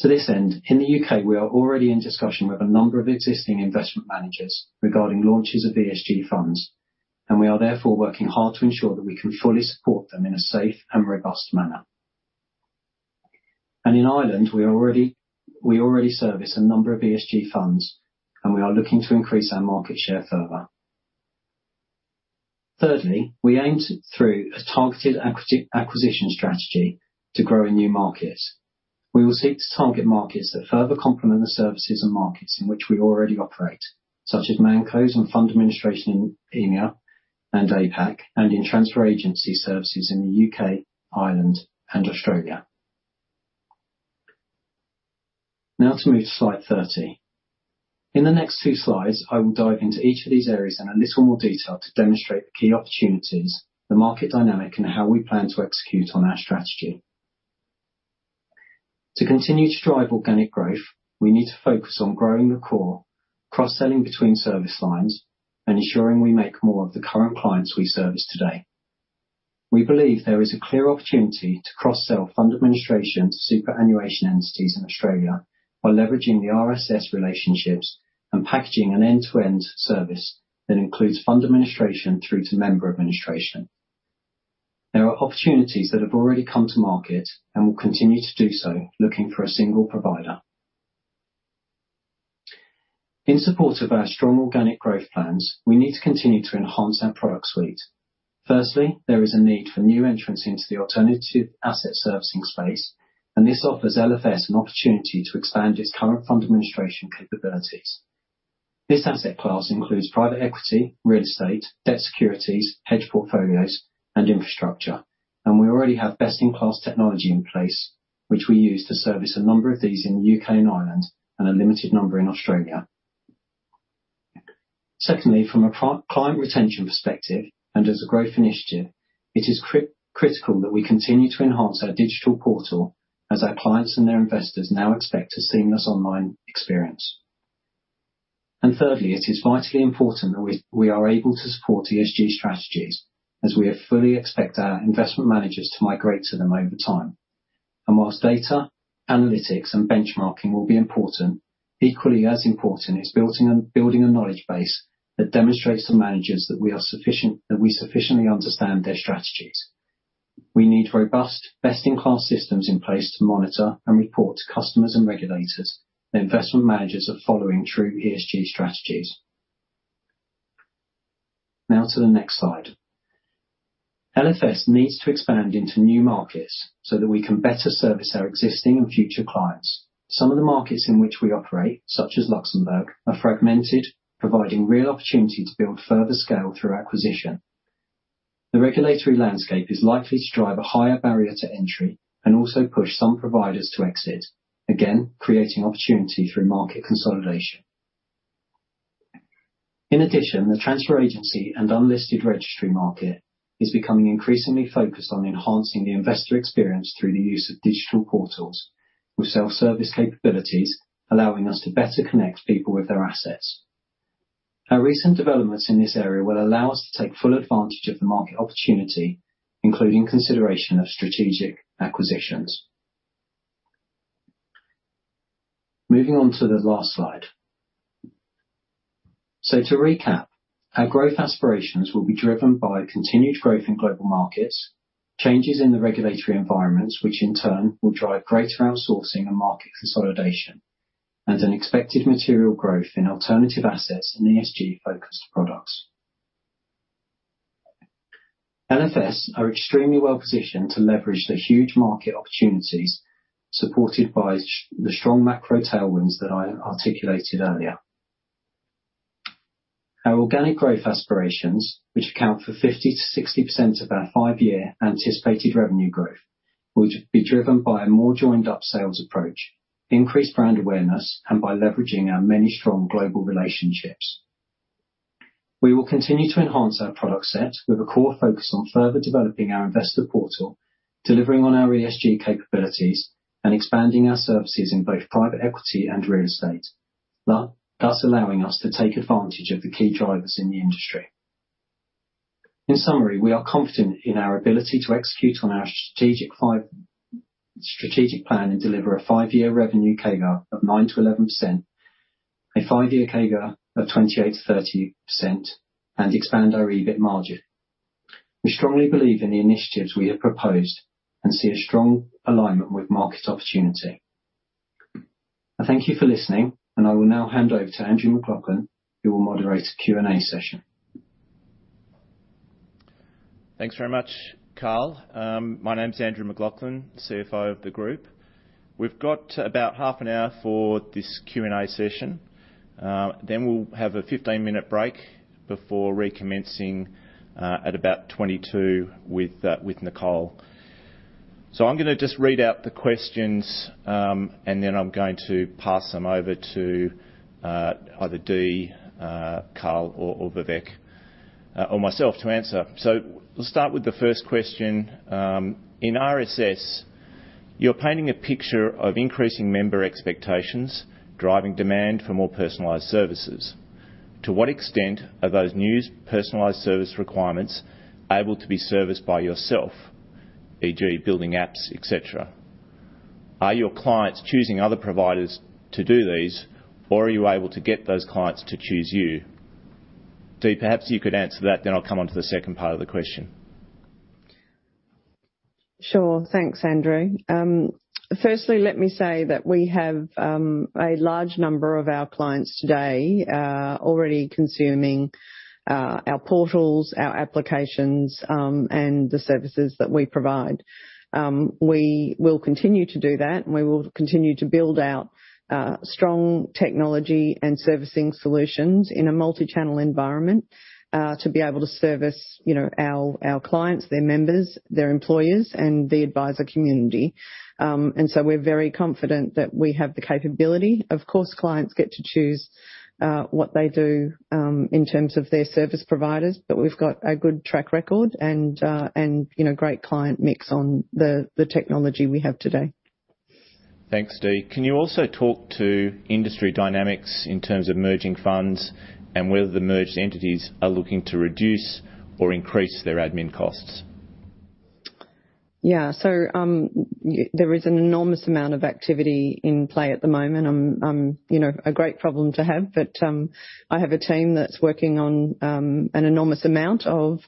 To this end, in the U.K., we are already in discussion with a number of existing investment managers regarding launches of ESG funds, and we are therefore working hard to ensure that we can fully support them in a safe and robust manner. In Ireland, we already service a number of ESG funds and we are looking to increase our market share further. Thirdly, we aim to through a targeted acquisition strategy to grow in new markets. We will seek to target markets that further complement the services and markets in which we already operate, such as ManCos and fund administration in EMEA and APAC, and in transfer agency services in the U.K., Ireland and Australia. Now to move to slide 30. In the next two slides I will dive into each of these areas in a little more detail to demonstrate the key opportunities, the market dynamic and how we plan to execute on our strategy. To continue to drive organic growth, we need to focus on growing the core, cross-selling between service lines and ensuring we make more of the current clients we service today. We believe there is a clear opportunity to cross-sell fund administration to superannuation entities in Australia by leveraging the RSS relationships and packaging an end-to-end service that includes fund administration through to member administration. There are opportunities that have already come to market and will continue to do so, looking for a single provider. In support of our strong organic growth plans, we need to continue to enhance our product suite. Firstly, there is a need for new entrants into the alternative asset servicing space and this offers LFS an opportunity to expand its current fund administration capabilities. This asset class includes private equity, real estate, debt securities, hedge portfolios and infrastructure. We already have best-in-class technology in place, which we use to service a number of these in U.K. and Ireland, and a limited number in Australia. Secondly, from a pro-client retention perspective, and as a growth initiative, it is critical that we continue to enhance our digital portal as our clients and their investors now expect a seamless online experience. Thirdly, it is vitally important that we are able to support ESG strategies as we fully expect our investment managers to migrate to them over time. While data, analytics, and benchmarking will be important, equally as important is building a knowledge base that demonstrates to managers that we sufficiently understand their strategies. We need robust, best-in-class systems in place to monitor and report to customers and regulators that investment managers are following true ESG strategies. Now to the next slide. LFS needs to expand into new markets so that we can better service our existing and future clients. Some of the markets in which we operate, such as Luxembourg, are fragmented, providing real opportunity to build further scale through acquisition. The regulatory landscape is likely to drive a higher barrier to entry and also push some providers to exit, again, creating opportunity through market consolidation. In addition, the transfer agency and unlisted registry market is becoming increasingly focused on enhancing the investor experience through the use of digital portals with self-service capabilities, allowing us to better connect people with their assets. Our recent developments in this area will allow us to take full advantage of the market opportunity, including consideration of strategic acquisitions. Moving on to the last slide. To recap, our growth aspirations will be driven by continued growth in global markets, changes in the regulatory environments, which in turn will drive greater outsourcing and market consolidation, and an expected material growth in alternative assets and ESG-focused products. LFS are extremely well-positioned to leverage the huge market opportunities supported by the strong macro tailwinds that I articulated earlier. Our organic growth aspirations, which account for 50%-60% of our five-year anticipated revenue growth, will be driven by a more joined-up sales approach, increased brand awareness, and by leveraging our many strong global relationships. We will continue to enhance our product set with a core focus on further developing our investor portal, delivering on our ESG capabilities, and expanding our services in both private equity and real estate, thus allowing us to take advantage of the key drivers in the industry. In summary, we are confident in our ability to execute on our strategic plan and deliver a five-year revenue CAGR of 9%-11%, a five-year CAGR of 28%-30%, and expand our EBIT margin. We strongly believe in the initiatives we have proposed and see a strong alignment with market opportunity. I thank you for listening, and I will now hand over to Andrew MacLachlan, who will moderate a Q&A session. Thanks very much, Karl. My name's Andrew MacLachlan, CFO of the group. We've got about half an hour for this Q&A session. Then we'll have a 15-minute break before recommencing at about 10:22 with Nicole Pelchen. I'm gonna just read out the questions, and then I'm going to pass them over to either Dee, Carl, or Vivek, or myself to answer. We'll start with the first question. In RSS, you're painting a picture of increasing member expectations driving demand for more personalized services. To what extent are those new personalized service requirements able to be serviced by yourself, e.g., building apps, et cetera? Are your clients choosing other providers to do these, or are you able to get those clients to choose you? Dee, perhaps you could answer that, then I'll come on to the second part of the question. Sure. Thanks, Andrew. Firstly, let me say that we have a large number of our clients today already consuming our portals, our applications, and the services that we provide. We will continue to do that, and we will continue to build out strong technology and servicing solutions in a multi-channel environment to be able to service you know our clients, their members, their employers, and the advisor community. We're very confident that we have the capability. Of course, clients get to choose what they do in terms of their service providers, but we've got a good track record and you know great client mix on the technology we have today. Thanks, Dee. Can you also talk to industry dynamics in terms of merging funds and whether the merged entities are looking to reduce or increase their admin costs? Yeah. There is an enormous amount of activity in play at the moment. You know, a great problem to have, but I have a team that's working on an enormous amount of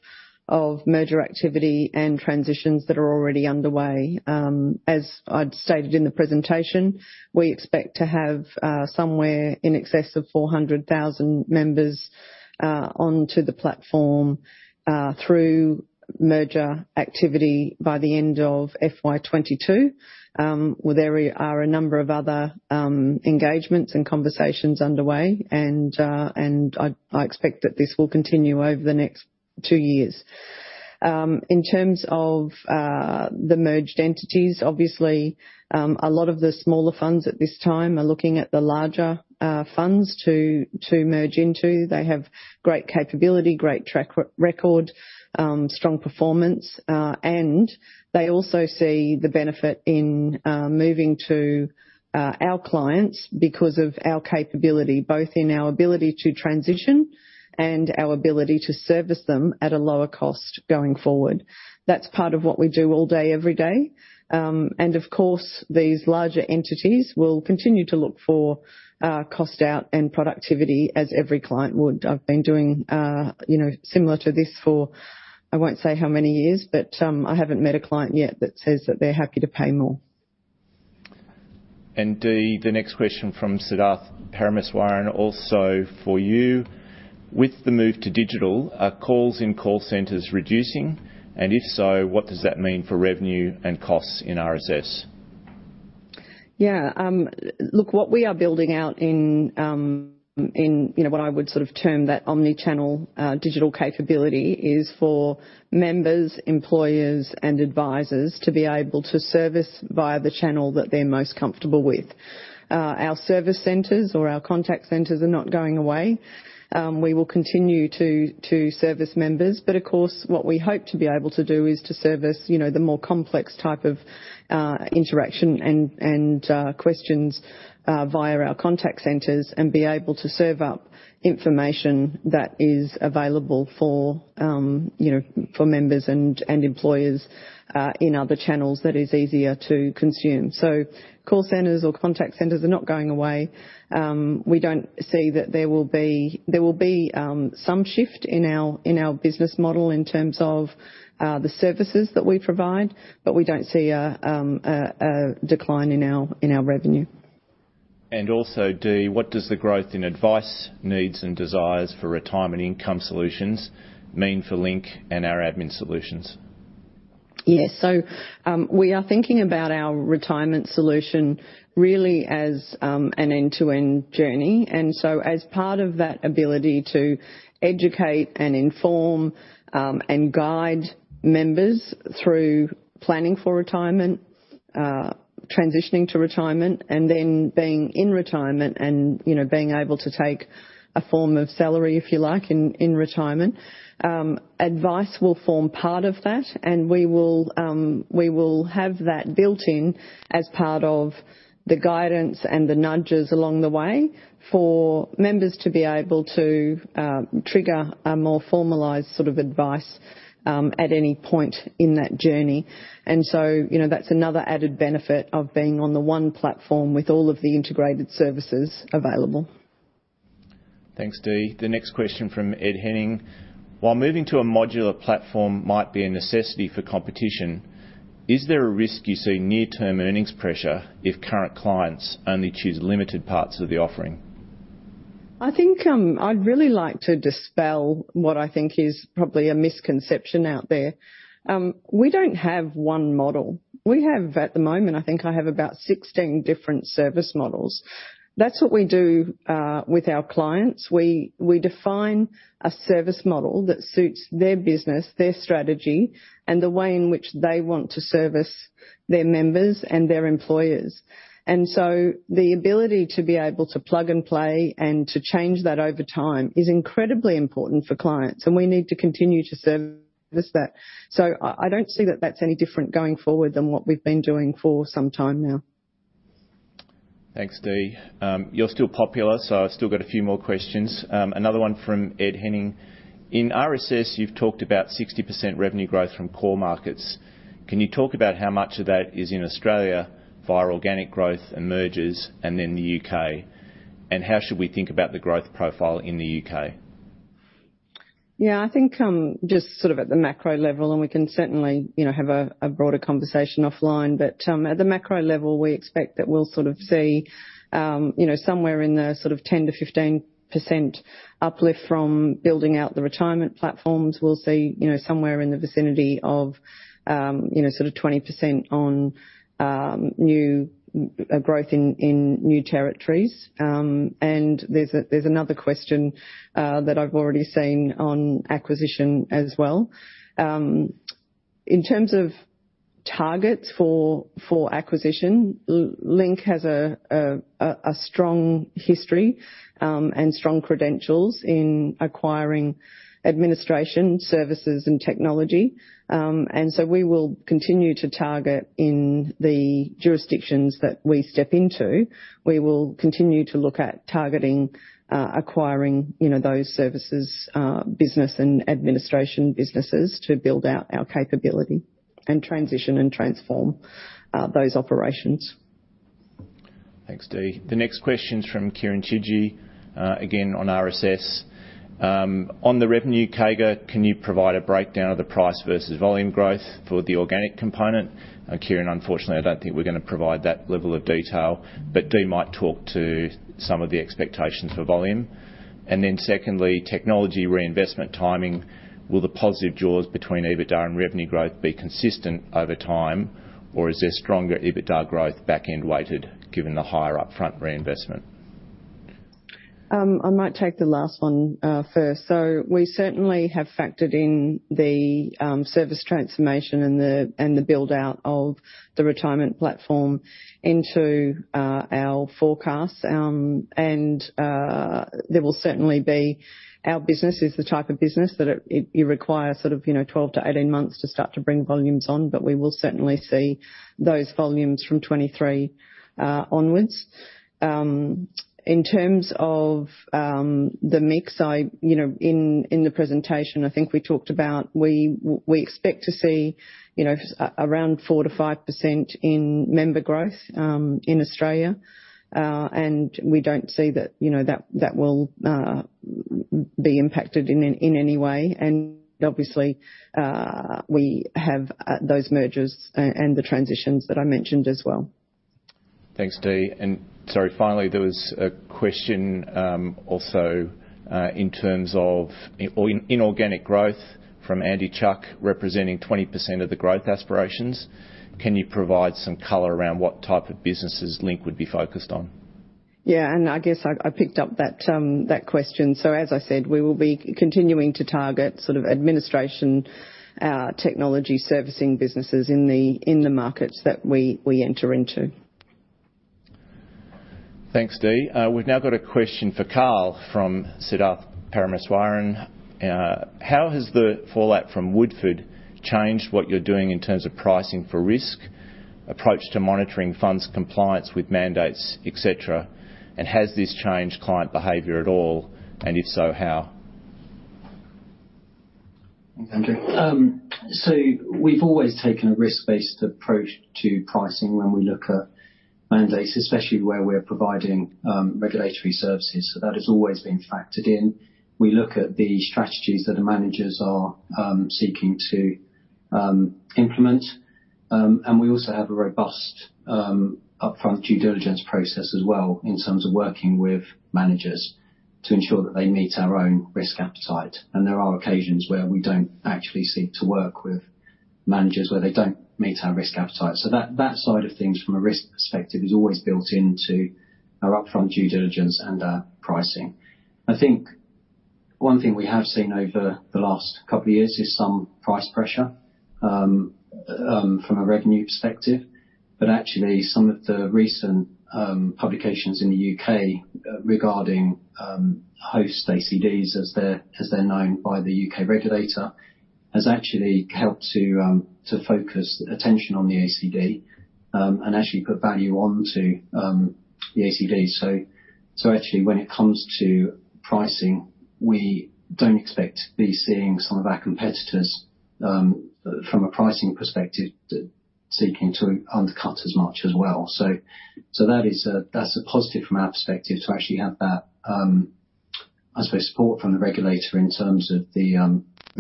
merger activity and transitions that are already underway. As I'd stated in the presentation, we expect to have somewhere in excess of 400,000 members onto the platform through merger activity by the end of FY 2022. Well, there are a number of other engagements and conversations underway, and I expect that this will continue over the next two years. In terms of the merged entities, obviously, a lot of the smaller funds at this time are looking at the larger funds to merge into. They have great capability, great track record, strong performance, and they also see the benefit in moving to our clients because of our capability, both in our ability to transition and our ability to service them at a lower cost going forward. That's part of what we do all day, every day. Of course, these larger entities will continue to look for cost out and productivity as every client would. I've been doing, you know, similar to this for, I won't say how many years, but, I haven't met a client yet that says that they're happy to pay more. Dee, the next question from Siddharth Parameswaran also for you: with the move to digital, are calls in call centers reducing? And if so, what does that mean for revenue and costs in RSS? Yeah. Look, what we are building out in, you know, what I would sort of term that omni-channel digital capability is for members, employers, and advisors to be able to service via the channel that they're most comfortable with. Our service centers or our contact centers are not going away. We will continue to service members, but of course, what we hope to be able to do is to service, you know, the more complex type of interaction and questions via our contact centers and be able to serve up information that is available for, you know, for members and employers in other channels that is easier to consume. Call centers or contact centers are not going away. We don't see that there will be. There will be some shift in our business model in terms of the services that we provide, but we don't see a decline in our revenue. Dee, what does the growth in advice, needs, and desires for retirement income solutions mean for Link and our admin solutions? Yes. We are thinking about our retirement solution really as an end-to-end journey. As part of that ability to educate and inform and guide members through planning for retirement, transitioning to retirement, and then being in retirement and, you know, being able to take a form of salary, if you like, in retirement, advice will form part of that, and we will have that built in as part of the guidance and the nudges along the way for members to be able to trigger a more formalized sort of advice at any point in that journey. You know, that's another added benefit of being on the one platform with all of the integrated services available. Thanks, Dee. The next question from Ed Henning: while moving to a modular platform might be a necessity for competition, is there a risk you see near-term earnings pressure if current clients only choose limited parts of the offering? I think I'd really like to dispel what I think is probably a misconception out there. We don't have one model. We have, at the moment, I think I have about 16 different service models. That's what we do with our clients. We define a service model that suits their business, their strategy, and the way in which they want to service their members and their employers. The ability to be able to plug and play and to change that over time is incredibly important for clients, and we need to continue to service that. I don't see that that's any different going forward than what we've been doing for some time now. Thanks, Dee. You're still popular, so I've still got a few more questions. Another one from Ed Henning: in RSS, you've talked about 60% revenue growth from core markets. Can you talk about how much of that is in Australia via organic growth and mergers and in the U.K.? And how should we think about the growth profile in the U.K.? Yeah, I think just sort of at the macro level, and we can certainly, you know, have a broader conversation offline. At the macro level, we expect that we'll sort of see, you know, somewhere in the sort of 10%-15% uplift from building out the retirement platforms. We'll see, you know, somewhere in the vicinity of, you know, sort of 20% on new growth in new territories. There's another question that I've already seen on acquisition as well. In terms of targets for acquisition, Link has a strong history and strong credentials in acquiring administration services and technology. We will continue to target in the jurisdictions that we step into. We will continue to look at targeting, acquiring, you know, those services, business and administration businesses to build out our capability and transition and transform, those operations. Thanks, Dee. The next question's from Kieran Chidgey, again, on RSS. On the revenue CAGR, can you provide a breakdown of the price versus volume growth for the organic component? Kieran, unfortunately, I don't think we're gonna provide that level of detail, but Dee might talk to some of the expectations for volume. Secondly, technology reinvestment timing. Will the positive jaws between EBITDA and revenue growth be consistent over time, or is there stronger EBITDA growth back-end weighted given the higher upfront reinvestment? I might take the last one first. We certainly have factored in the service transformation and the build-out of the retirement platform into our forecasts. There will certainly be our business is the type of business that it requires sort of, you know, 12-18 months to start to bring volumes on, but we will certainly see those volumes from 2023 onwards. In terms of the mix, I, you know, in the presentation, I think we talked about we expect to see, you know, around 4%-5% in member growth in Australia. We don't see that, you know, that will be impacted in any way. Obviously, we have those mergers and the transitions that I mentioned as well. Thanks, Dee. Sorry, finally, there was a question, also, in terms of inorganic growth from Andy Chuck representing 20% of the growth aspirations. Can you provide some color around what type of businesses Link would be focused on? Yeah, I guess I picked up that question. As I said, we will be continuing to target sort of administration technology servicing businesses in the markets that we enter into. Thanks, Dee. We've now got a question for Karl from Siddharth Parameswaran. How has the fallout from Woodford changed what you're doing in terms of pricing for risk, approach to monitoring funds, compliance with mandates, et cetera? And has this changed client behavior at all? And if so, how? Thanks, Andrew. We've always taken a risk-based approach to pricing when we look at mandates, especially where we're providing regulatory services. That has always been factored in. We look at the strategies that the managers are seeking to implement. We also have a robust upfront due diligence process as well, in terms of working with managers to ensure that they meet our own risk appetite. There are occasions where we don't actually seek to work with managers where they don't meet our risk appetite. That side of things from a risk perspective is always built into our upfront due diligence and our pricing. I think one thing we have seen over the last couple of years is some price pressure from a revenue perspective, but actually some of the recent publications in the U.K. regarding host ACDs as they're known by the U.K. regulator has actually helped to focus attention on the ACD and actually put value onto the ACD. So actually when it comes to pricing, we don't expect to be seeing some of our competitors from a pricing perspective seeking to undercut as much as well. So that's a positive from our perspective to actually have that, I suppose, support from the regulator in terms of the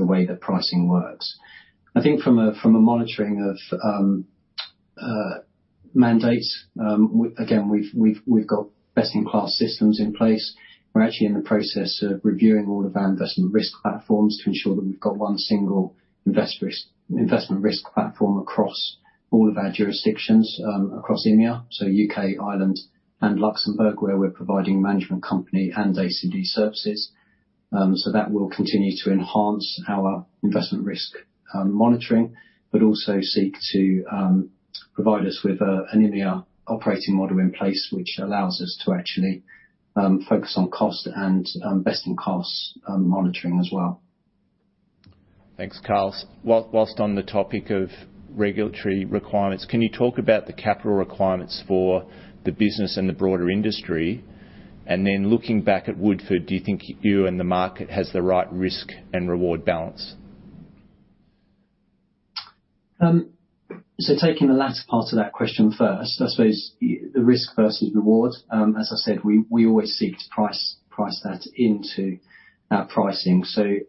way the pricing works. I think from a monitoring of mandates again we've got best-in-class systems in place. We're actually in the process of reviewing all of our investment risk platforms to ensure that we've got one single investment risk platform across all of our jurisdictions across EMEA, so U.K., Ireland, and Luxembourg, where we're providing management company and ACD services. That will continue to enhance our investment risk monitoring, but also seek to provide us with an EMEA operating model in place, which allows us to actually focus on cost and best in class monitoring as well. Thanks, Karl. While on the topic of regulatory requirements, can you talk about the capital requirements for the business and the broader industry? Looking back at Woodford, do you think you and the market has the right risk and reward balance? Taking the latter part of that question first, I suppose the risk versus reward, as I said, we always seek to price that into our pricing.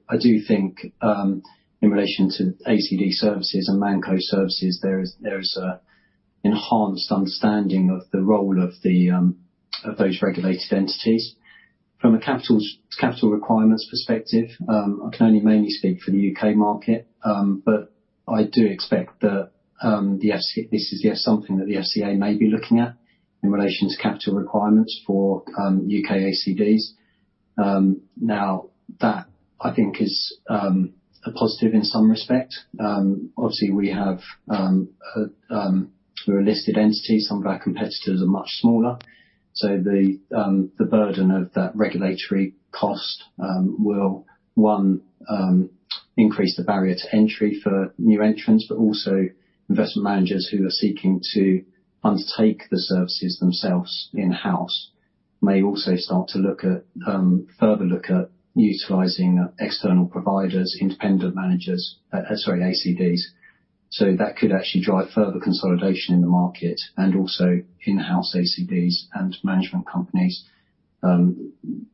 I do think in relation to ACD services and ManCo services, there is an enhanced understanding of the role of those regulated entities. From a capital requirements perspective, I can only mainly speak for the U.K. market, but I do expect that this is yet something that the FCA may be looking at in relation to capital requirements for U.K. ACDs. Now, that I think is a positive in some respect. Obviously, we're a listed entity. Some of our competitors are much smaller. The burden of that regulatory cost will increase the barrier to entry for new entrants. Investment managers who are seeking to undertake the services themselves in-house may also start to look at utilizing external providers, independent ACDs. That could actually drive further consolidation in the market and also in-house ACDs and management companies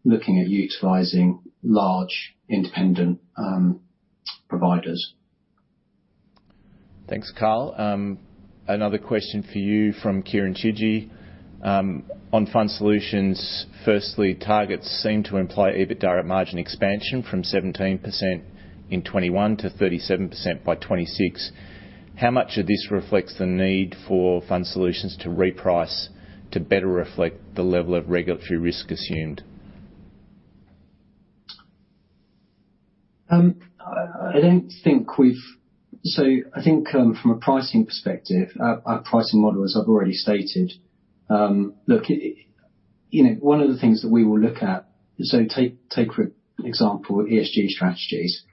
looking at utilizing large independent providers. Thanks, Karl. Another question for you from Kieran Chidgey. On Fund Solutions, firstly, targets seem to imply EBITDA margin expansion from 17% in 2021 to 37% by 2026. How much of this reflects the need for Fund Solutions to reprice to better reflect the level of regulatory risk assumed? I think, from a pricing perspective, our pricing model, as I've already stated, look, it, you know, one of the things that we will look at, take for example ESG strategies.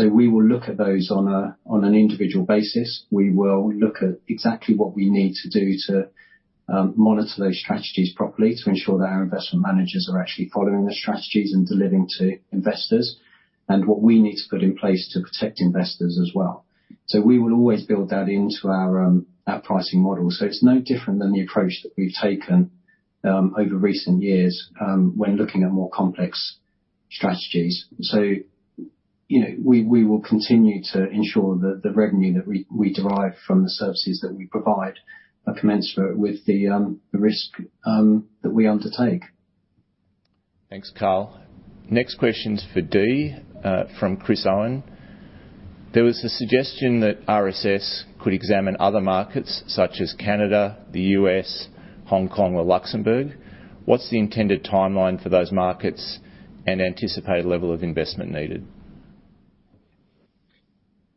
We will look at those on an individual basis. We will look at exactly what we need to do to monitor those strategies properly to ensure that our investment managers are actually following the strategies and delivering to investors, and what we need to put in place to protect investors as well. We will always build that into our pricing model. It's no different than the approach that we've taken over recent years when looking at more complex strategies. You know, we will continue to ensure that the revenue that we derive from the services that we provide are commensurate with the risk that we undertake. Thanks, Karl. Next question's for Dee, from Chris Owen. There was a suggestion that RSS could examine other markets such as Canada, the U.S., Hong Kong or Luxembourg. What's the intended timeline for those markets and anticipated level of investment needed?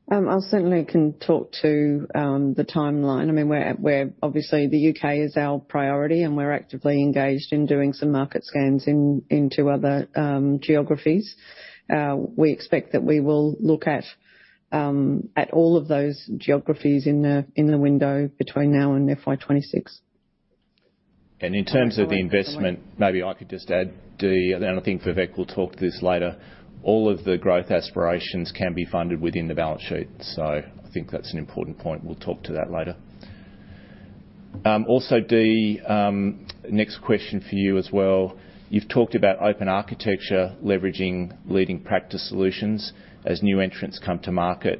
I'll certainly can talk to the timeline. I mean, we're obviously the U.K. is our priority, and we're actively engaged in doing some market scans into other geographies. We expect that we will look at all of those geographies in the window between now and FY 2026. In terms of the investment, maybe I could just add, Dee, and then I think Vivek will talk to this later. All of the growth aspirations can be funded within the balance sheet, so I think that's an important point. We'll talk to that later. Also, Dee, next question for you as well. You've talked about open architecture leveraging leading practice solutions as new entrants come to market,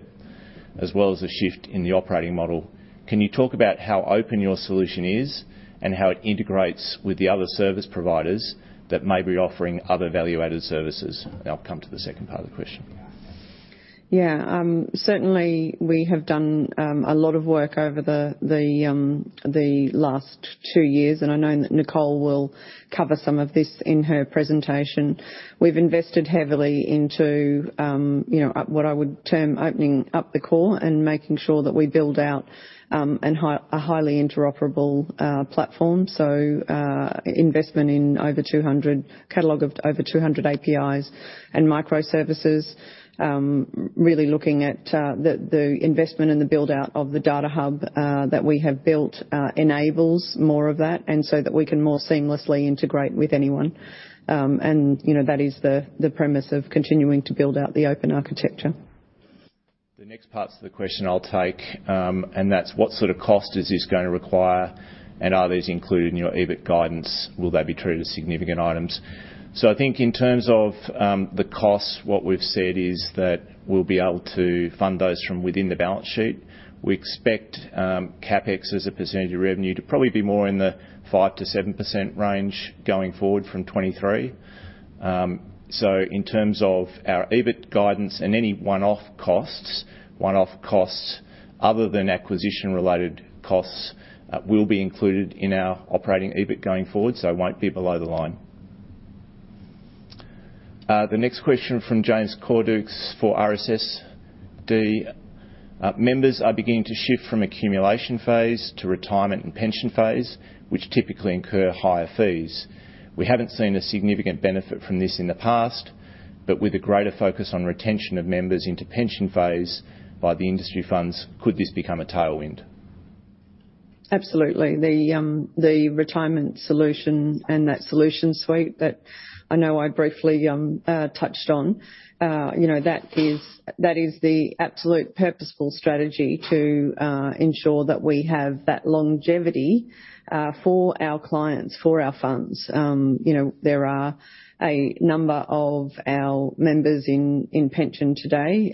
as well as a shift in the operating model. Can you talk about how open your solution is and how it integrates with the other service providers that may be offering other value-added services? I'll come to the second part of the question. Certainly we have done a lot of work over the last two years, and I know that Nicole will cover some of this in her presentation. We've invested heavily into you know what I would term opening up the core and making sure that we build out a highly interoperable platform. Investment in a catalog of over 200 APIs and microservices. Really looking at the investment and the build-out of the data hub that we have built enables more of that, and so that we can more seamlessly integrate with anyone. You know that is the premise of continuing to build out the open architecture. The next parts of the question I'll take, and that's what sort of cost is this gonna require, and are these included in your EBIT guidance? Will they be treated as significant items? I think in terms of the costs, what we've said is that we'll be able to fund those from within the balance sheet. We expect CapEx as a percentage of revenue to probably be more in the 5%-7% range going forward from 2023. In terms of our EBIT guidance and any one-off costs other than acquisition related costs, will be included in our operating EBIT going forward, so won't be below the line. The next question from James Cordukes for RSSD. Members are beginning to shift from accumulation phase to retirement and pension phase, which typically incur higher fees. We haven't seen a significant benefit from this in the past, but with a greater focus on retention of members into pension phase by the industry funds, could this become a tailwind? Absolutely. The retirement solution and that solution suite that I know I briefly touched on, you know, that is the absolute purposeful strategy to ensure that we have that longevity for our clients, for our funds. You know, there are a number of our members in pension today,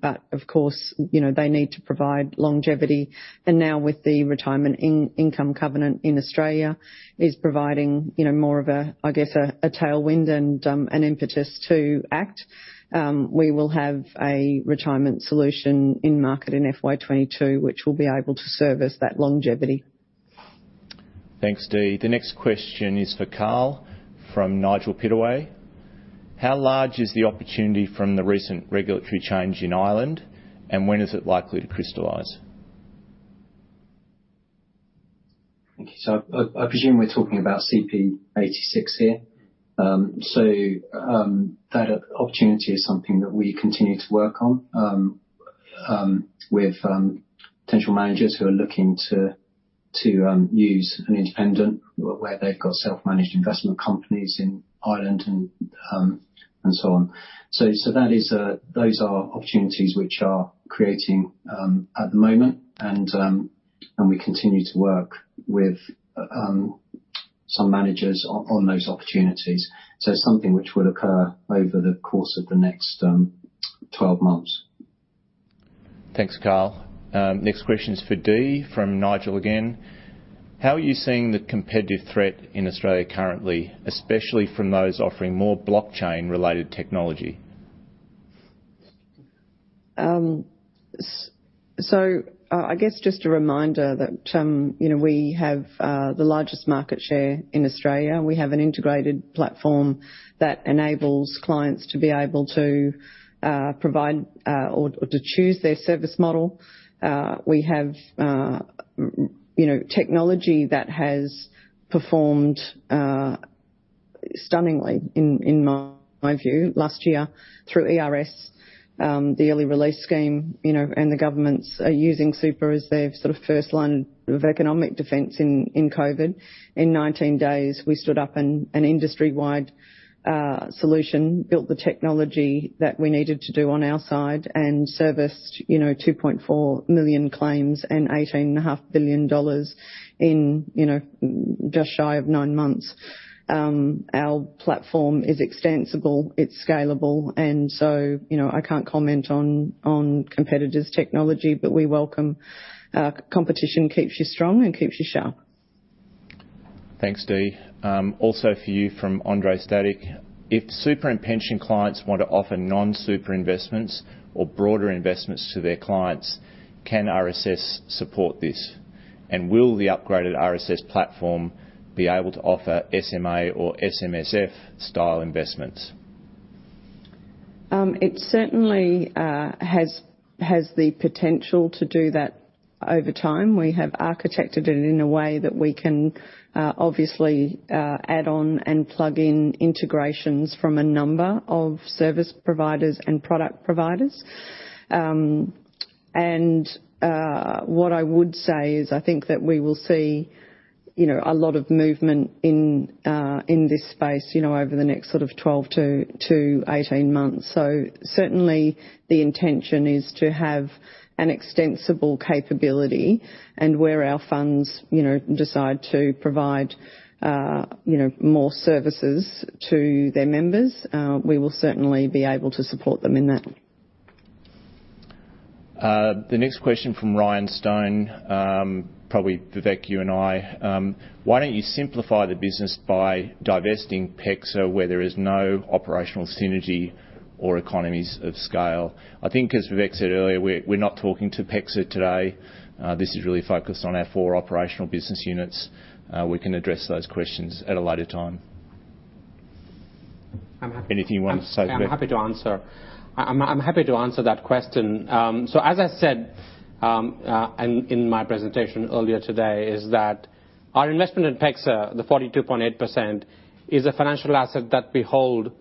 but of course, you know, they need to provide longevity. Now with the Retirement Income Covenant in Australia is providing, you know, more of a, I guess, a tailwind and an impetus to act. We will have a retirement solution in market in FY 2022, which will be able to service that longevity. Thanks, Dee. The next question is for Karl from Nigel Pittaway. How large is the opportunity from the recent regulatory change in Ireland, and when is it likely to crystallize? Thank you. I presume we're talking about CP86 here. That opportunity is something that we continue to work on with potential managers who are looking to use an independent where they've got self-managed investment companies in Ireland and so on. That is, those are opportunities which are creating at the moment and we continue to work with some managers on those opportunities. Something which would occur over the course of the next 12 months. Thanks, Karl. Next question is for Dee from Nigel again. How are you seeing the competitive threat in Australia currently, especially from those offering more blockchain related technology? I guess just a reminder that, you know, we have the largest market share in Australia. We have an integrated platform that enables clients to be able to provide or to choose their service model. We have, you know, technology that has performed stunningly in my view last year through ERS, the Early Release Scheme, you know, and the governments are using super as their sort of first line of economic defense in COVID. In 19 days, we stood up an industry-wide solution, built the technology that we needed to do on our side, and serviced, you know, 2.4 million claims and 18.5 billion dollars in just shy of 9 months. Our platform is extensible, it's scalable, and so, you know, I can't comment on competitors' technology, but we welcome competition. Competition keeps you strong and keeps you sharp. Thanks, Dee. Also for you from Andrei Stadnik. If super and pension clients want to offer non-super investments or broader investments to their clients, can RSS support this? And will the upgraded RSS platform be able to offer SMA or SMSF-style investments? It certainly has the potential to do that over time. We have architected it in a way that we can obviously add on and plug in integrations from a number of service providers and product providers. What I would say is I think that we will see, you know, a lot of movement in this space, you know, over the next sort of 12 to 18 months. Certainly the intention is to have an extensible capability, and where our funds, you know, decide to provide, you know, more services to their members, we will certainly be able to support them in that. The next question from Ryan Stone, probably Vivek, you and I. Why don't you simplify the business by divesting PEXA where there is no operational synergy or economies of scale? I think as Vivek said earlier, we're not talking to PEXA today. This is really focused on our four operational business units. We can address those questions at a later time. I'm happy. Anything you want to say, Vivek? I'm happy to answer that question. So as I said, in my presentation earlier today, is that our investment in PEXA, the 42.8%, is a financial asset that we hold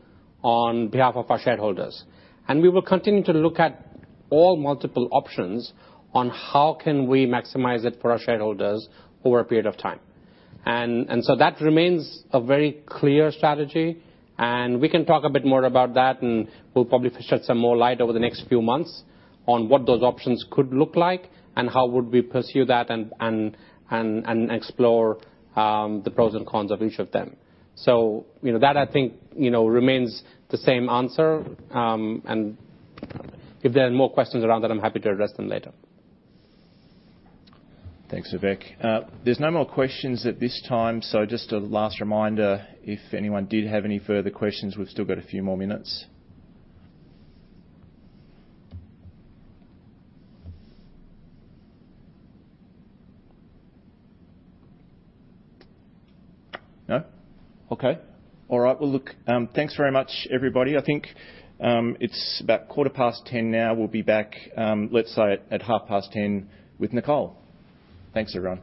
on behalf of our shareholders. We will continue to look at all multiple options on how can we maximize it for our shareholders over a period of time. So that remains a very clear strategy, and we can talk a bit more about that, and we'll probably shed some more light over the next few months on what those options could look like and how would we pursue that and explore the pros and cons of each of them. You know, that I think, you know, remains the same answer. If there are more questions around that, I'm happy to address them later. Thanks, Vivek. There's no more questions at this time, so just a last reminder, if anyone did have any further questions, we've still got a few more minutes. No? Okay. All right. Well, look, thanks very much, everybody. I think it's about 10:15 A.M. now. We'll be back, let's say at 10:30 A.M. with Nicole. Thanks, everyone.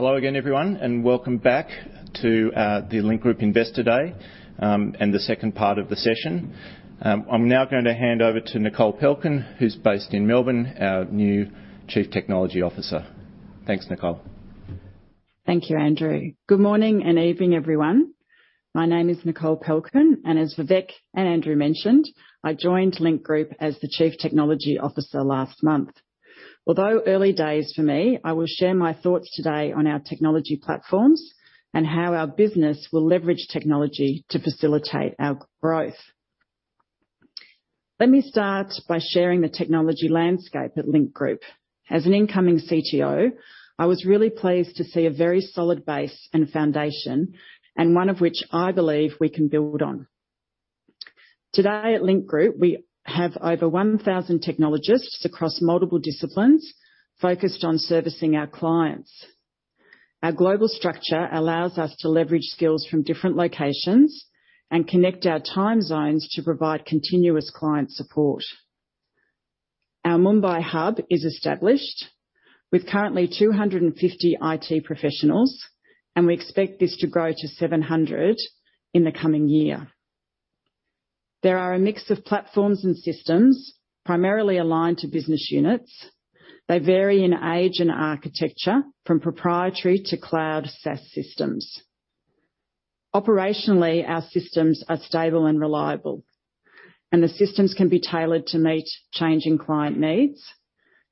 Hello again, everyone, and welcome back to the Link Group Investor Day, and the second part of the session. I'm now gonna hand over to Nicole Pelchen, who's based in Melbourne, our new Chief Technology Officer. Thanks, Nicole. Thank you, Andrew. Good morning and evening, everyone. My name is Nicole Pelchen, and as Vivek and Andrew mentioned, I joined Link Group as the Chief Technology Officer last month. Although early days for me, I will share my thoughts today on our technology platforms and how our business will leverage technology to facilitate our growth. Let me start by sharing the technology landscape at Link Group. As an incoming CTO, I was really pleased to see a very solid base and foundation, and one of which I believe we can build on. Today at Link Group, we have over 1,000 technologists across multiple disciplines focused on servicing our clients. Our global structure allows us to leverage skills from different locations and connect our time zones to provide continuous client support. Our Mumbai hub is established with currently 250 IT professionals, and we expect this to grow to 700 in the coming year. There are a mix of platforms and systems primarily aligned to business units. They vary in age and architecture from proprietary to cloud SaaS systems. Operationally, our systems are stable and reliable, and the systems can be tailored to meet changing client needs.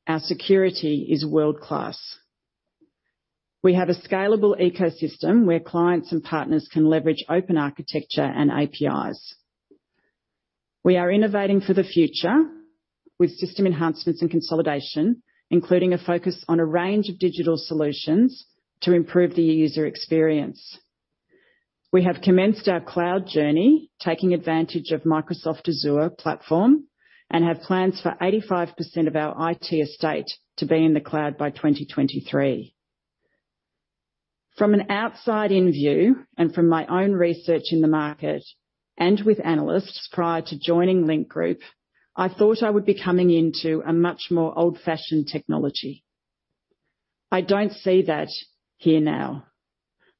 Our security is world-class. We have a scalable ecosystem where clients and partners can leverage open architecture and APIs. We are innovating for the future with system enhancements and consolidation, including a focus on a range of digital solutions to improve the user experience. We have commenced our cloud journey, taking advantage of Microsoft Azure platform and have plans for 85% of our IT estate to be in the cloud by 2023. From an outside-in view and from my own research in the market and with analysts prior to joining Link Group, I thought I would be coming into a much more old-fashioned technology. I don't see that here now.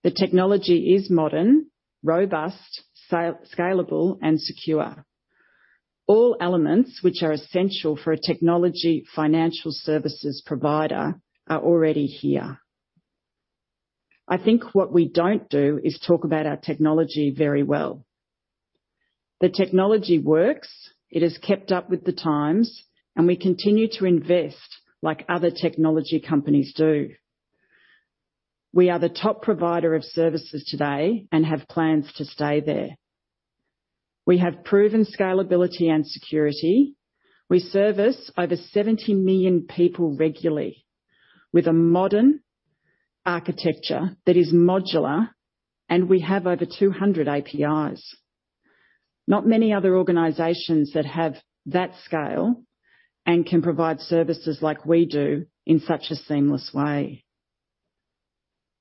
The technology is modern, robust, scalable, and secure. All elements which are essential for a technology financial services provider are already here. I think what we don't do is talk about our technology very well. The technology works. It has kept up with the times, and we continue to invest like other technology companies do. We are the top provider of services today and have plans to stay there. We have proven scalability and security. We service over 70 million people regularly with a modern architecture that is modular, and we have over 200 APIs. Not many other organizations that have that scale and can provide services like we do in such a seamless way.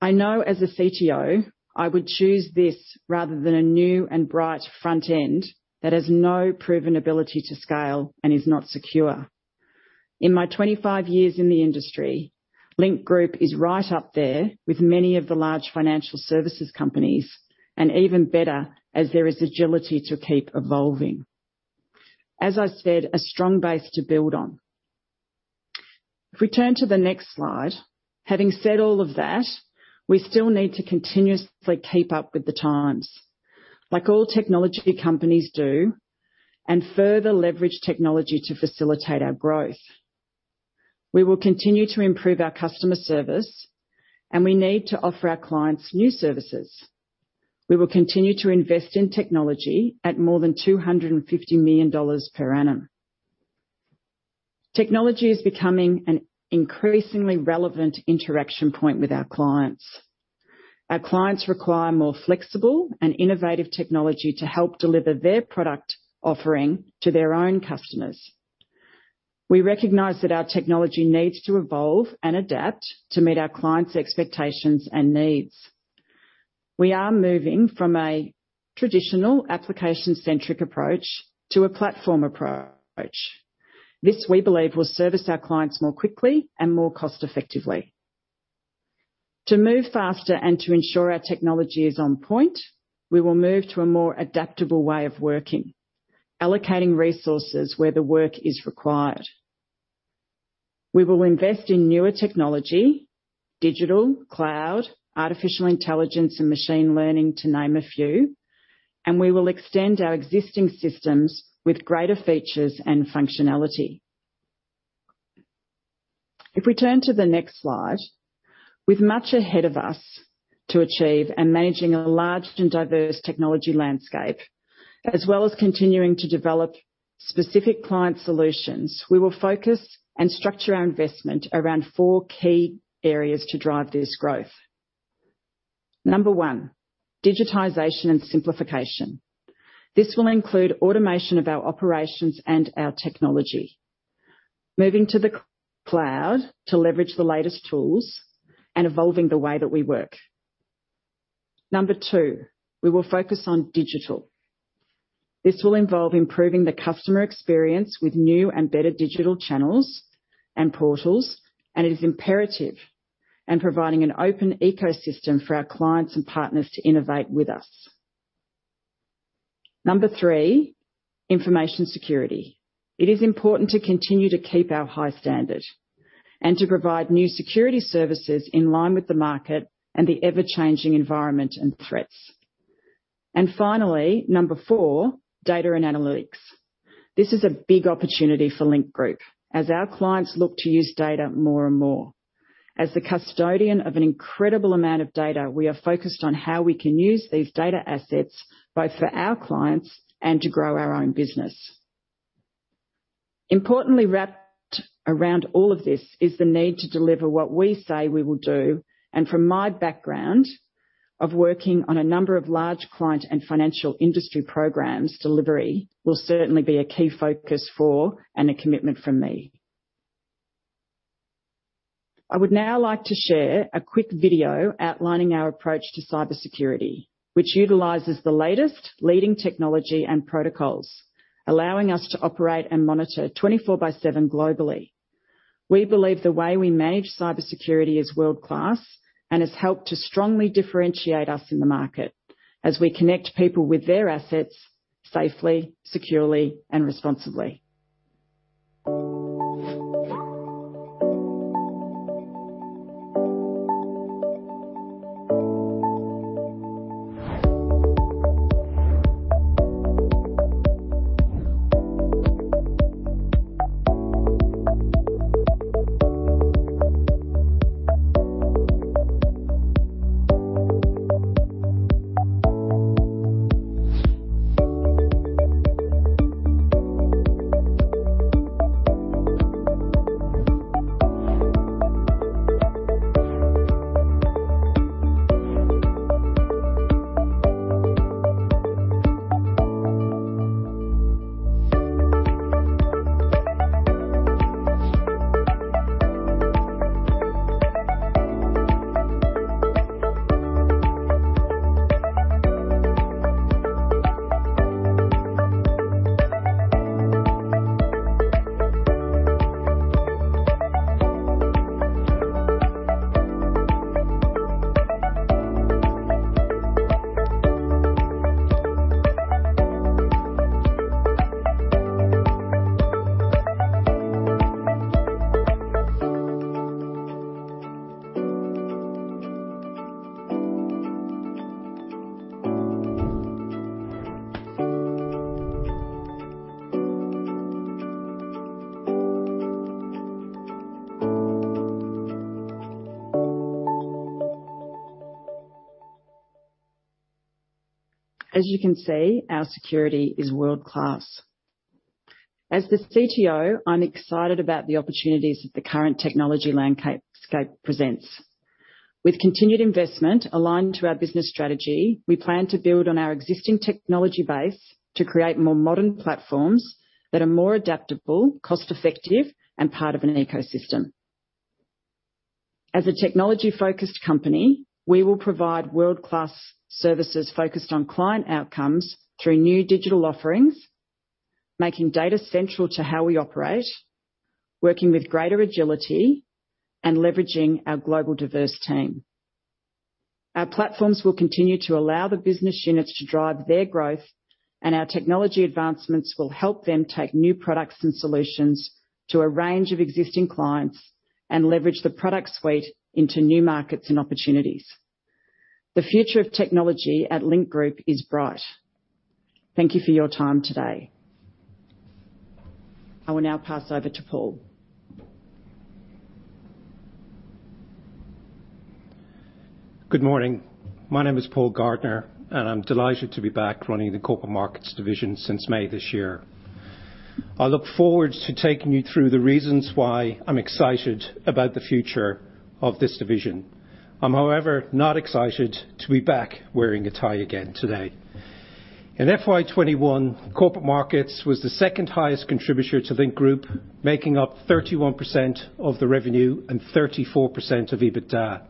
I know as a CTO, I would choose this rather than a new and bright front end that has no proven ability to scale and is not secure. In my 25 years in the industry, Link Group is right up there with many of the large financial services companies, and even better as there is agility to keep evolving. As I said, a strong base to build on. If we turn to the next slide. Having said all of that, we still need to continuously keep up with the times, like all technology companies do, and further leverage technology to facilitate our growth. We will continue to improve our customer service, and we need to offer our clients new services. We will continue to invest in technology at more than 250 million dollars per annum. Technology is becoming an increasingly relevant interaction point with our clients. Our clients require more flexible and innovative technology to help deliver their product offering to their own customers. We recognize that our technology needs to evolve and adapt to meet our clients' expectations and needs. We are moving from a traditional application-centric approach to a platform approach. This, we believe, will service our clients more quickly and more cost-effectively. To move faster and to ensure our technology is on point, we will move to a more adaptable way of working, allocating resources where the work is required. We will invest in newer technology, digital, cloud, artificial intelligence, and machine learning, to name a few, and we will extend our existing systems with greater features and functionality. If we turn to the next slide. With much ahead of us to achieve and managing a large and diverse technology landscape, as well as continuing to develop specific client solutions, we will focus and structure our investment around four key areas to drive this growth. Number one. Digitization and simplification. This will include automation of our operations and our technology, moving to the cloud to leverage the latest tools, and evolving the way that we work. Number two. We will focus on digital. This will involve improving the customer experience with new and better digital channels and portals, and it is imperative in providing an open ecosystem for our clients and partners to innovate with us. Number three. Information security. It is important to continue to keep our high standard and to provide new security services in line with the market and the ever-changing environment and threats. Finally, number four, data and analytics. This is a big opportunity for Link Group as our clients look to use data more and more. As the custodian of an incredible amount of data, we are focused on how we can use these data assets both for our clients and to grow our own business. Importantly, wrapped around all of this is the need to deliver what we say we will do. From my background of working on a number of large client and financial industry programs, delivery will certainly be a key focus for and a commitment from me. I would now like to share a quick video outlining our approach to cybersecurity, which utilizes the latest leading technology and protocols, allowing us to operate and monitor 24/7 globally. We believe the way we manage cybersecurity is world-class and has helped to strongly differentiate us in the market as we connect people with their assets safely, securely, and responsibly. As you can see, our security is world-class. As the CTO, I'm excited about the opportunities that the current technology landscape presents. With continued investment aligned to our business strategy, we plan to build on our existing technology base to create more modern platforms that are more adaptable, cost-effective, and part of an ecosystem. As a technology-focused company, we will provide world-class services focused on client outcomes through new digital offerings, making data central to how we operate, working with greater agility, and leveraging our global diverse team. Our platforms will continue to allow the business units to drive their growth, and our technology advancements will help them take new products and solutions to a range of existing clients and leverage the product suite into new markets and opportunities. The future of technology at Link Group is bright. Thank you for your time today. I will now pass over to Paul. Good morning. My name is Paul Gardiner, and I'm delighted to be back running the Corporate Markets division since May this year. I look forward to taking you through the reasons why I'm excited about the future of this division. I'm, however, not excited to be back wearing a tie again today. In FY 2021, Corporate Markets was the second highest contributor to Link Group, making up 31% of the revenue and 34% of EBITDA.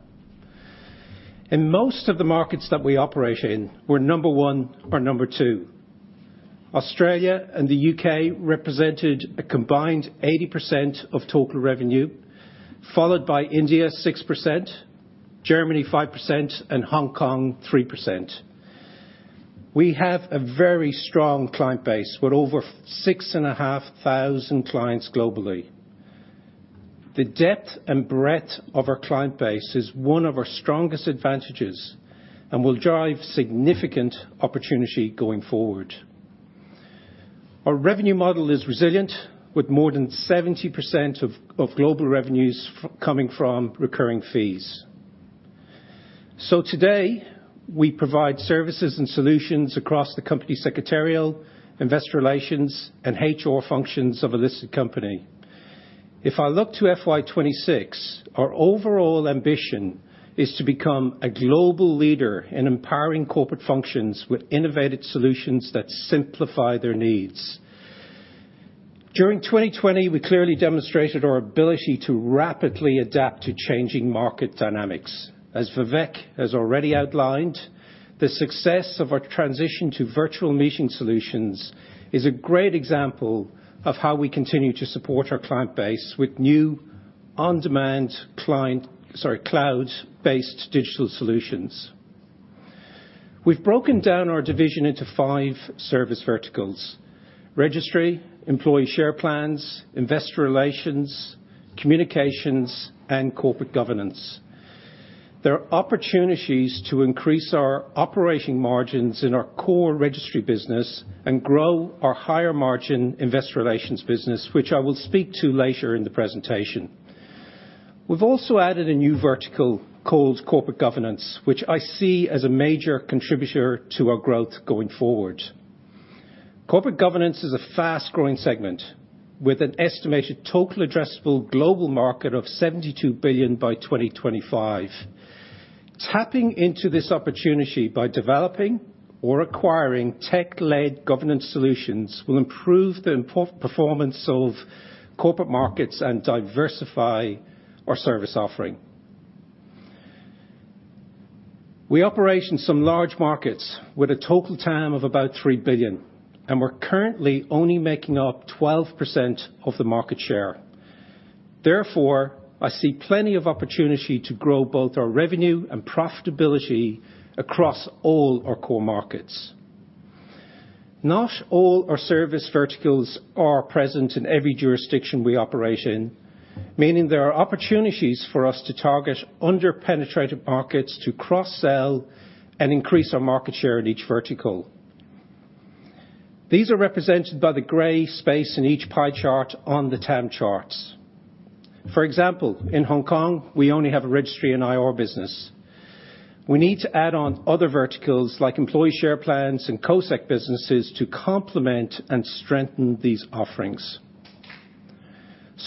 In most of the markets that we operate in, we're number one or number two. Australia and the U.K. represented a combined 80% of total revenue, followed by India, 6%, Germany, 5%, and Hong Kong, 3%. We have a very strong client base with over 6,500 clients globally. The depth and breadth of our client base is one of our strongest advantages and will drive significant opportunity going forward. Our revenue model is resilient with more than 70% of global revenues coming from recurring fees. Today, we provide services and solutions across the company secretarial, investor relations, and HR functions of a listed company. If I look to FY 2026, our overall ambition is to become a global leader in empowering corporate functions with innovative solutions that simplify their needs. During 2020, we clearly demonstrated our ability to rapidly adapt to changing market dynamics. As Vivek has already outlined, the success of our transition to virtual meeting solutions is a great example of how we continue to support our client base with new on-demand cloud-based digital solutions. We've broken down our division into five service verticals, registry, employee share plans, investor relations, communications, and corporate governance. There are opportunities to increase our operating margins in our core registry business and grow our higher margin investor relations business, which I will speak to later in the presentation. We've also added a new vertical called corporate governance, which I see as a major contributor to our growth going forward. Corporate governance is a fast-growing segment with an estimated total addressable global market of 72 billion by 2025. Tapping into this opportunity by developing or acquiring tech-led governance solutions will improve the important performance of Corporate Markets and diversify our service offering. We operate in some large markets with a total TAM of about 3 billion, and we're currently only making up 12% of the market share. Therefore, I see plenty of opportunity to grow both our revenue and profitability across all our core markets. Not all our service verticals are present in every jurisdiction we operate in, meaning there are opportunities for us to target under-penetrated markets to cross-sell and increase our market share in each vertical. These are represented by the gray space in each pie chart on the TAM charts. For example, in Hong Kong, we only have a registry in IR business. We need to add on other verticals like employee share plans and co-sec businesses to complement and strengthen these offerings.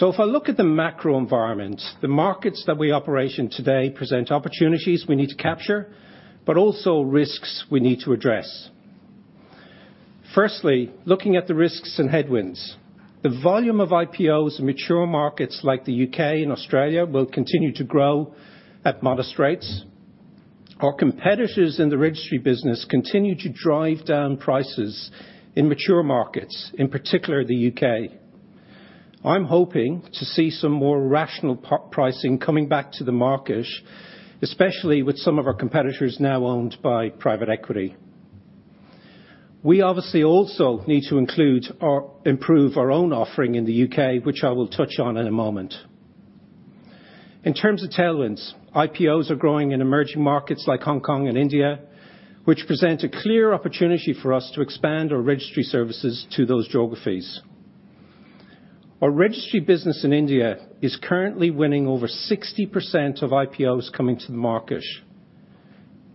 If I look at the macro environment, the markets that we operate today present opportunities we need to capture, but also risks we need to address. Firstly, looking at the risks and headwinds, the volume of IPOs in mature markets like the U.K. and Australia will continue to grow at modest rates. Our competitors in the registry business continue to drive down prices in mature markets, in particular the U.K. I'm hoping to see some more rational pricing coming back to the market, especially with some of our competitors now owned by private equity. We obviously also need to include or improve our own offering in the U.K., which I will touch on in a moment. In terms of tailwinds, IPOs are growing in emerging markets like Hong Kong and India, which present a clear opportunity for us to expand our registry services to those geographies. Our registry business in India is currently winning over 60% of IPOs coming to the market.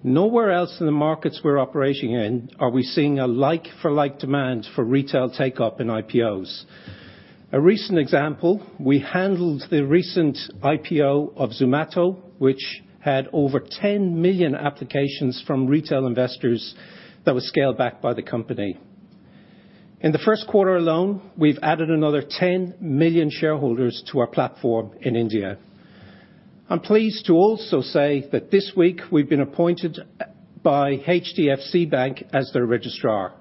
Nowhere else in the markets we're operating in are we seeing a like for like demand for retail take-up in IPOs. A recent example, we handled the recent IPO of Zomato, which had over 10 million applications from retail investors that were scaled back by the company. In the Q1 alone, we've added another 10 million shareholders to our platform in India. I'm pleased to also say that this week we've been appointed by HDFC Bank as their registrar.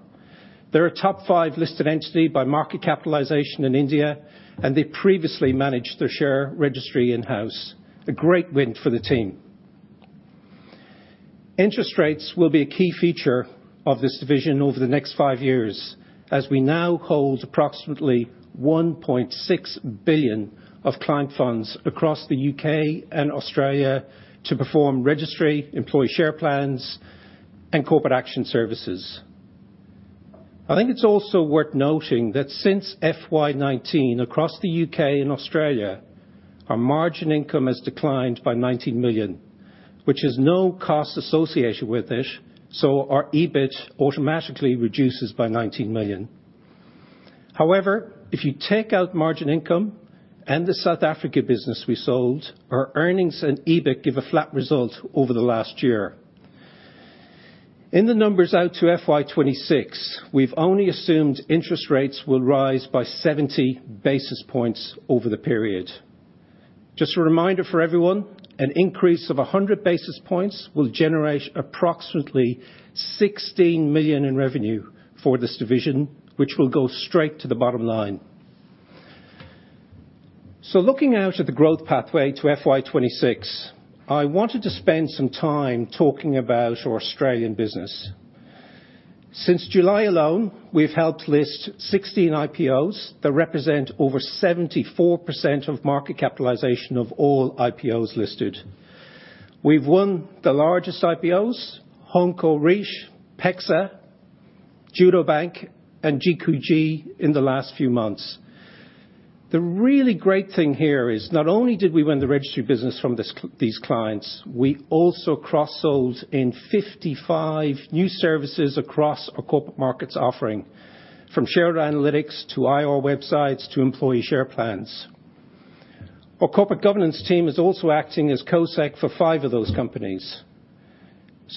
They're a top five listed entity by market capitalization in India, and they previously managed their share registry in-house, a great win for the team. Interest rates will be a key feature of this division over the next five years, as we now hold approximately 1.6 billion of client funds across the U.K. and Australia to perform registry, employee share plans, and corporate action services. I think it's also worth noting that since FY 2019 across the U.K. and Australia, our margin income has declined by 19 million, which has no cost associated with it, so our EBIT automatically reduces by 19 million. However, if you take out margin income and the South Africa business we sold, our earnings and EBIT give a flat result over the last year. In the numbers out to FY 2026, we've only assumed interest rates will rise by 70 basis points over the period. Just a reminder for everyone, an increase of 100 basis points will generate approximately 16 million in revenue for this division, which will go straight to the bottom line. Looking out at the growth pathway to FY 2026, I wanted to spend some time talking about our Australian business. Since July alone, we've helped list 16 IPOs that represent over 74% of market capitalization of all IPOs listed. We've won the largest IPOs, Hongkor Riche, PEXA, Judo Bank, and GQG in the last few months. The really great thing here is not only did we win the registry business from these clients, we also cross-sold in 55 new services across our Corporate Markets offering, from shared analytics to IR websites to employee share plans. Our corporate governance team is also acting as co-sec for five of those companies.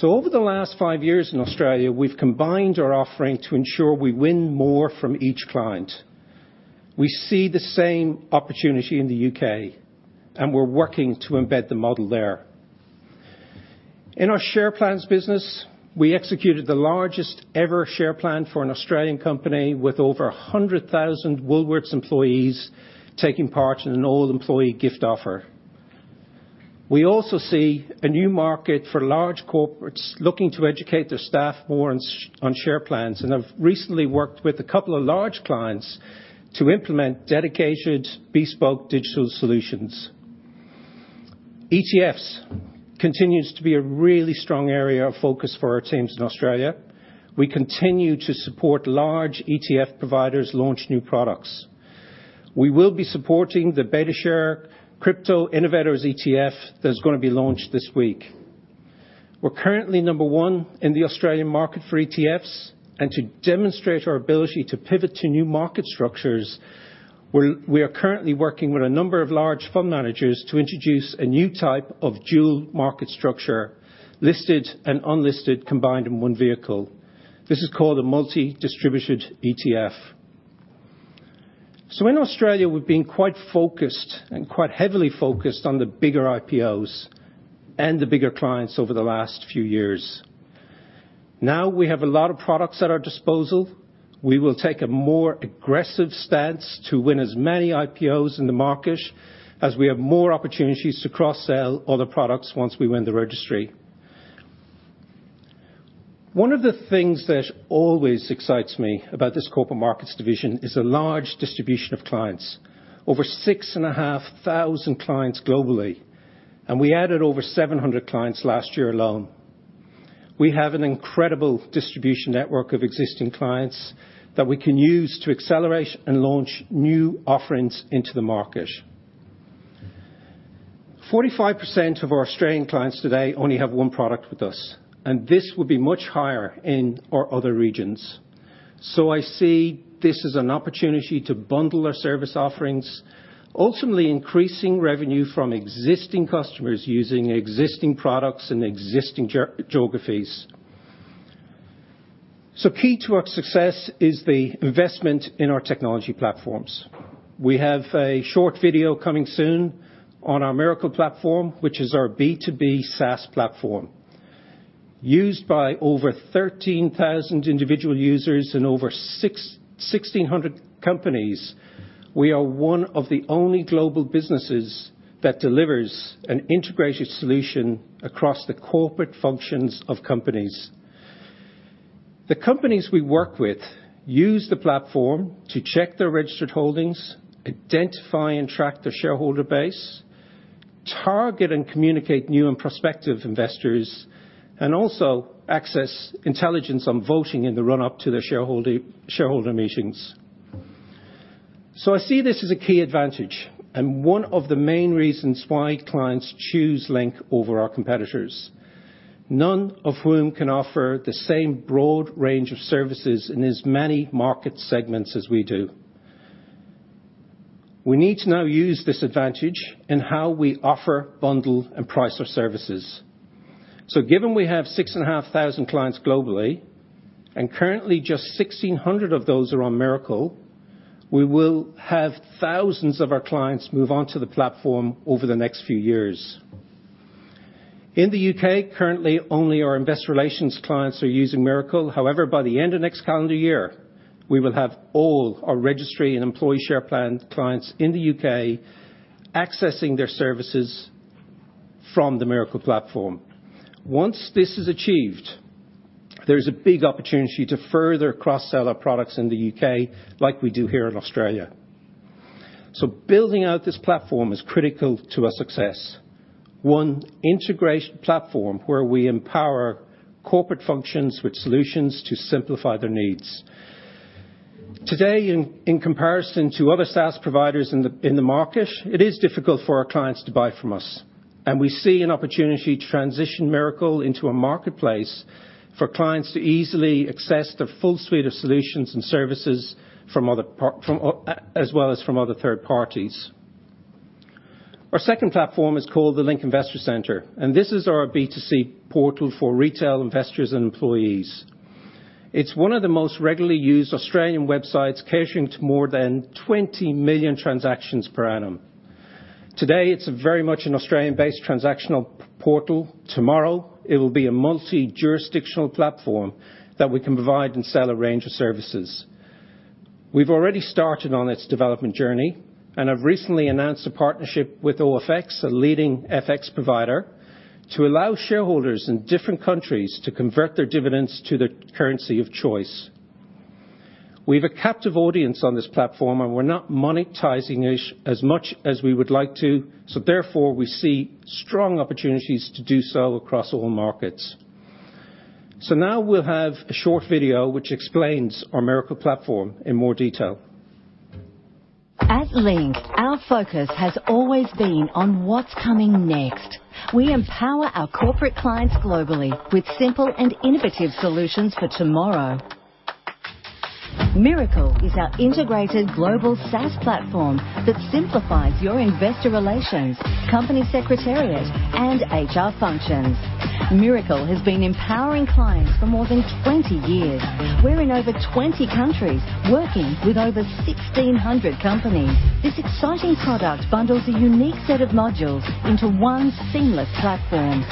Over the last five years in Australia, we've combined our offering to ensure we win more from each client. We see the same opportunity in the U.K., and we're working to embed the model there. In our share plans business, we executed the largest ever share plan for an Australian company with over 100,000 Woolworths employees taking part in an all-employee gift offer. We also see a new market for large corporates looking to educate their staff more on share plans, and I've recently worked with a couple of large clients to implement dedicated bespoke digital solutions. ETFs continues to be a really strong area of focus for our teams in Australia. We continue to support large ETF providers launch new products. We will be supporting the BetaShares Crypto Innovators ETF that's gonna be launched this week. We're currently number one in the Australian market for ETFs, and to demonstrate our ability to pivot to new market structures, we are currently working with a number of large fund managers to introduce a new type of dual market structure, listed and unlisted, combined in one vehicle. This is called a multi-distributed ETF. In Australia, we've been quite focused and quite heavily focused on the bigger IPOs and the bigger clients over the last few years. Now we have a lot of products at our disposal. We will take a more aggressive stance to win as many IPOs in the market as we have more opportunities to cross-sell other products once we win the registry. One of the things that always excites me about this Corporate Markets division is a large distribution of clients, over 6,500 clients globally, and we added over 700 clients last year alone. We have an incredible distribution network of existing clients that we can use to accelerate and launch new offerings into the market. 45% of our Australian clients today only have one product with us, and this will be much higher in our other regions. I see this as an opportunity to bundle our service offerings, ultimately increasing revenue from existing customers using existing products in existing geographies. Key to our success is the investment in our technology platforms. We have a short video coming soon on our Miracle platform, which is our B2B SaaS platform. Used by over 13,000 individual users in over 1,600 companies, we are one of the only global businesses that delivers an integrated solution across the corporate functions of companies. The companies we work with use the platform to check their registered holdings, identify and track their shareholder base, target and communicate new and prospective investors, and also access intelligence on voting in the run up to their shareholder meetings. I see this as a key advantage and one of the main reasons why clients choose Link over our competitors, none of whom can offer the same broad range of services in as many market segments as we do. We need to now use this advantage in how we offer, bundle, and price our services. Given we have 6,500 clients globally, and currently just 1,600 of those are on Miracle, we will have thousands of our clients move on to the platform over the next few years. In the U.K., currently, only our investor relations clients are using Miracle. However, by the end of next calendar year, we will have all our registry and employee share plan clients in the U.K. accessing their services from the Miracle platform. Once this is achieved, there's a big opportunity to further cross-sell our products in the U.K. like we do here in Australia. Building out this platform is critical to our success. One integration platform where we empower corporate functions with solutions to simplify their needs. Today, in comparison to other SaaS providers in the market, it is difficult for our clients to buy from us, and we see an opportunity to transition Miracle into a marketplace for clients to easily access the full suite of solutions and services from other as well as from other third parties. Our second platform is called the Link Investor Centre, and this is our B2C portal for retail investors and employees. It's one of the most regularly used Australian websites, catering to more than 20 million transactions per annum. Today, it's very much an Australian-based transactional portal. Tomorrow, it will be a multi-jurisdictional platform that we can provide and sell a range of services. We've already started on its development journey and have recently announced a partnership with OFX, a leading FX provider, to allow shareholders in different countries to convert their dividends to their currency of choice. We have a captive audience on this platform, and we're not monetizing it as much as we would like to. Therefore, we see strong opportunities to do so across all markets. Now we'll have a short video which explains our Miracle platform in more detail. At Link, our focus has always been on what's coming next. We empower our corporate clients globally with simple and innovative solutions for tomorrow. Miracle is our integrated global SaaS platform that simplifies your investor relations, company secretariat, and HR functions. Miracle has been empowering clients for more than 20 years. We're in over 20 countries, working with over 1,600 companies. This exciting product bundles a unique set of modules into one seamless platform.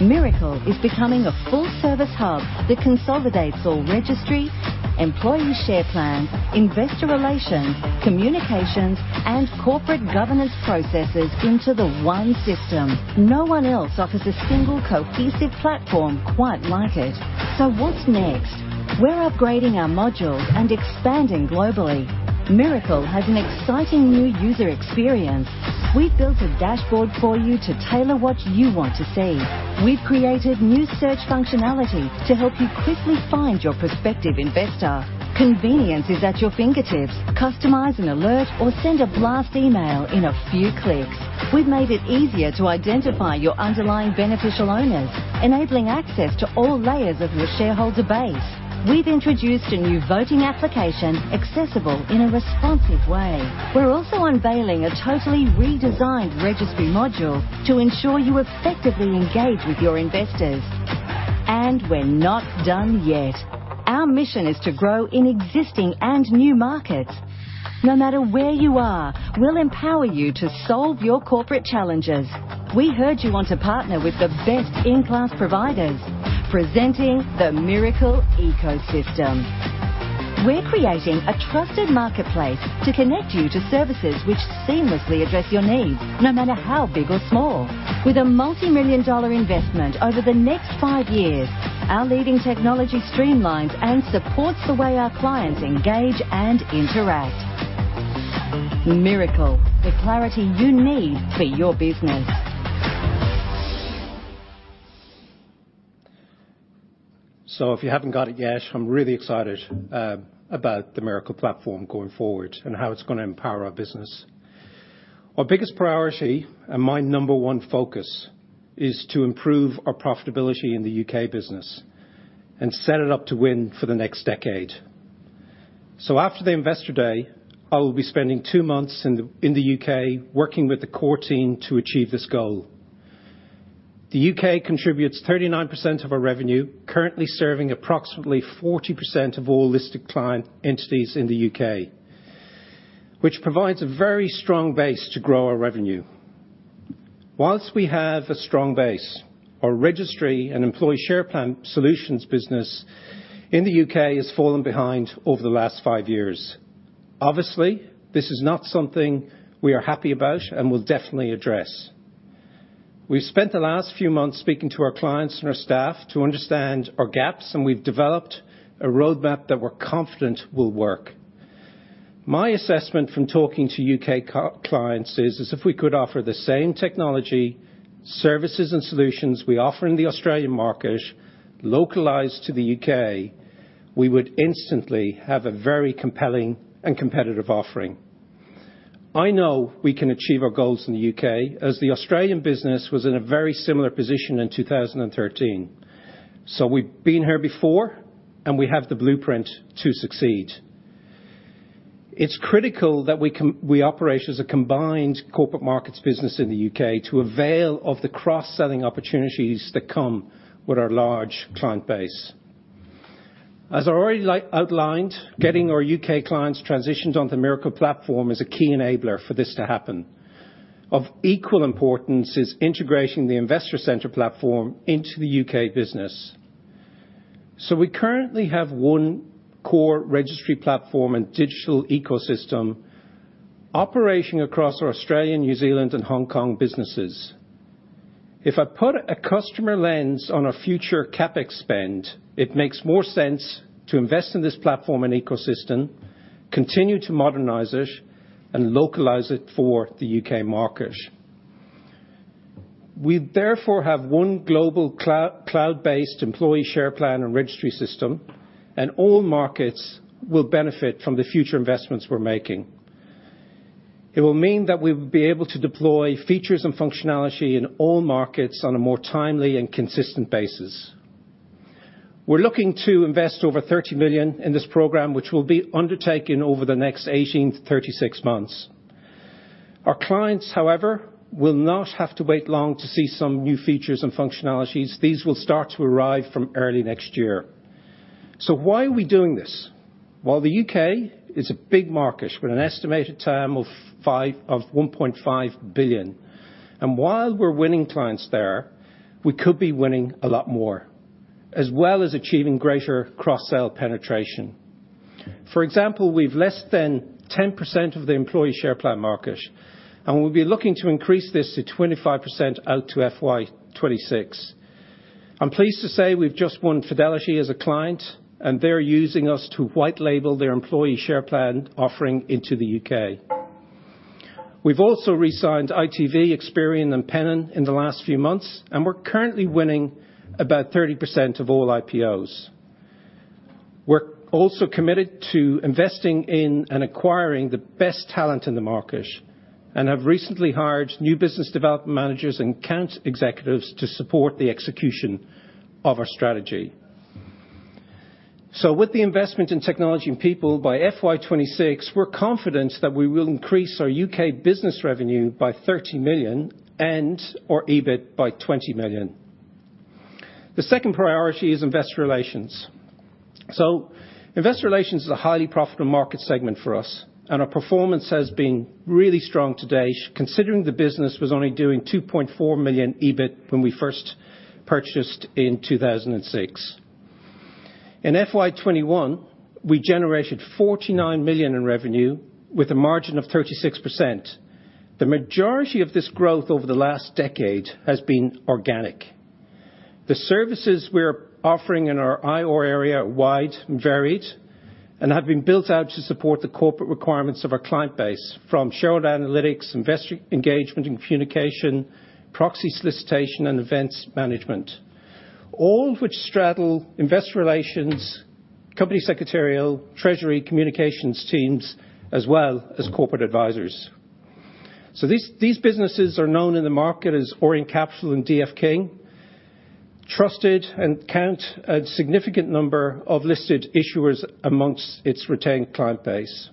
Miracle is becoming a full-service hub that consolidates all registries, employee share plans, investor relations, communications, and corporate governance processes into the one system. No one else offers a single cohesive platform quite like it. What's next? We're upgrading our modules and expanding globally. Miracle has an exciting new user experience. We've built a dashboard for you to tailor what you want to see. We've created new search functionality to help you quickly find your prospective investor. Convenience is at your fingertips. Customize an alert or send a blast email in a few clicks. We've made it easier to identify your underlying beneficial owners, enabling access to all layers of your shareholder base. We've introduced a new voting application accessible in a responsive way. We're also unveiling a totally redesigned registry module to ensure you effectively engage with your investors. We're not done yet. Our mission is to grow in existing and new markets. No matter where you are, we'll empower you to solve your corporate challenges. We heard you want to partner with the best-in-class providers. Presenting the Miracle Ecosystem. We're creating a trusted marketplace to connect you to services which seamlessly address your needs, no matter how big or small. With an AUD multi-million-dollar investment over the next five years, our leading technology streamlines and supports the way our clients engage and interact. Miracle, the clarity you need for your business. If you haven't got it yet, I'm really excited about the Miracle platform going forward and how it's gonna empower our business. Our biggest priority and my number one focus is to improve our profitability in the U.K. business and set it up to win for the next decade. After the investor day, I will be spending two months in the U.K. working with the core team to achieve this goal. The U.K. contributes 39% of our revenue, currently serving approximately 40% of all listed client entities in the U.K., which provides a very strong base to grow our revenue. While we have a strong base, our registry and employee share plan solutions business in the U.K. has fallen behind over the last five years. Obviously, this is not something we are happy about and will definitely address. We've spent the last few months speaking to our clients and our staff to understand our gaps, and we've developed a roadmap that we're confident will work. My assessment from talking to U.K. clients is if we could offer the same technology, services, and solutions we offer in the Australian market localized to the U.K., we would instantly have a very compelling and competitive offering. I know we can achieve our goals in the U.K. as the Australian business was in a very similar position in 2013. We've been here before, and we have the blueprint to succeed. It's critical that we operate as a combined corporate markets business in the U.K. to avail of the cross-selling opportunities that come with our large client base. As I already outlined, getting our U.K. clients transitioned onto Miracle platform is a key enabler for this to happen. Of equal importance is integrating the Investor Center platform into the U.K. business. We currently have one core registry platform and digital ecosystem operating across our Australian, New Zealand, and Hong Kong businesses. If I put a customer lens on a future CapEx spend, it makes more sense to invest in this platform and ecosystem, continue to modernize it, and localize it for the U.K. market. We therefore have one global cloud-based employee share plan and registry system, and all markets will benefit from the future investments we're making. It will mean that we will be able to deploy features and functionality in all markets on a more timely and consistent basis. We're looking to invest over 30 million in this program, which will be undertaken over the next 18-36 months. Our clients, however, will not have to wait long to see some new features and functionalities. These will start to arrive from early next year. Why are we doing this? While the U.K. is a big market with an estimated TAM of 1.5 billion, and while we're winning clients there, we could be winning a lot more, as well as achieving greater cross-sell penetration. For example, we've less than 10% of the employee share plan market, and we'll be looking to increase this to 25% out to FY 2026. I'm pleased to say we've just won Fidelity as a client, and they're using us to white label their employee share plan offering into the U.K. We've also resigned ITV, Experian, and Pennon in the last few months, and we're currently winning about 30% of all IPOs. We're also committed to investing in and acquiring the best talent in the market and have recently hired new business development managers and account executives to support the execution of our strategy. With the investment in technology and people, by FY 2026, we're confident that we will increase our U.K. business revenue by 30 million and our EBIT by 20 million. The second priority is investor relations. Investor relations is a highly profitable market segment for us, and our performance has been really strong to date, considering the business was only doing 2.4 million EBIT when we first purchased in 2006. In FY 2021, we generated 49 million in revenue with a margin of 36%. The majority of this growth over the last decade has been organic. The services we're offering in our IR area are wide and varied and have been built out to support the corporate requirements of our client base, from shareholder analytics, investor engagement and communication, proxy solicitation, and events management, all of which straddle investor relations, company secretarial, treasury, communications teams, as well as corporate advisors. These businesses are known in the market as Orient Capital and D.F. King, trusted and count a significant number of listed issuers among its retained client base.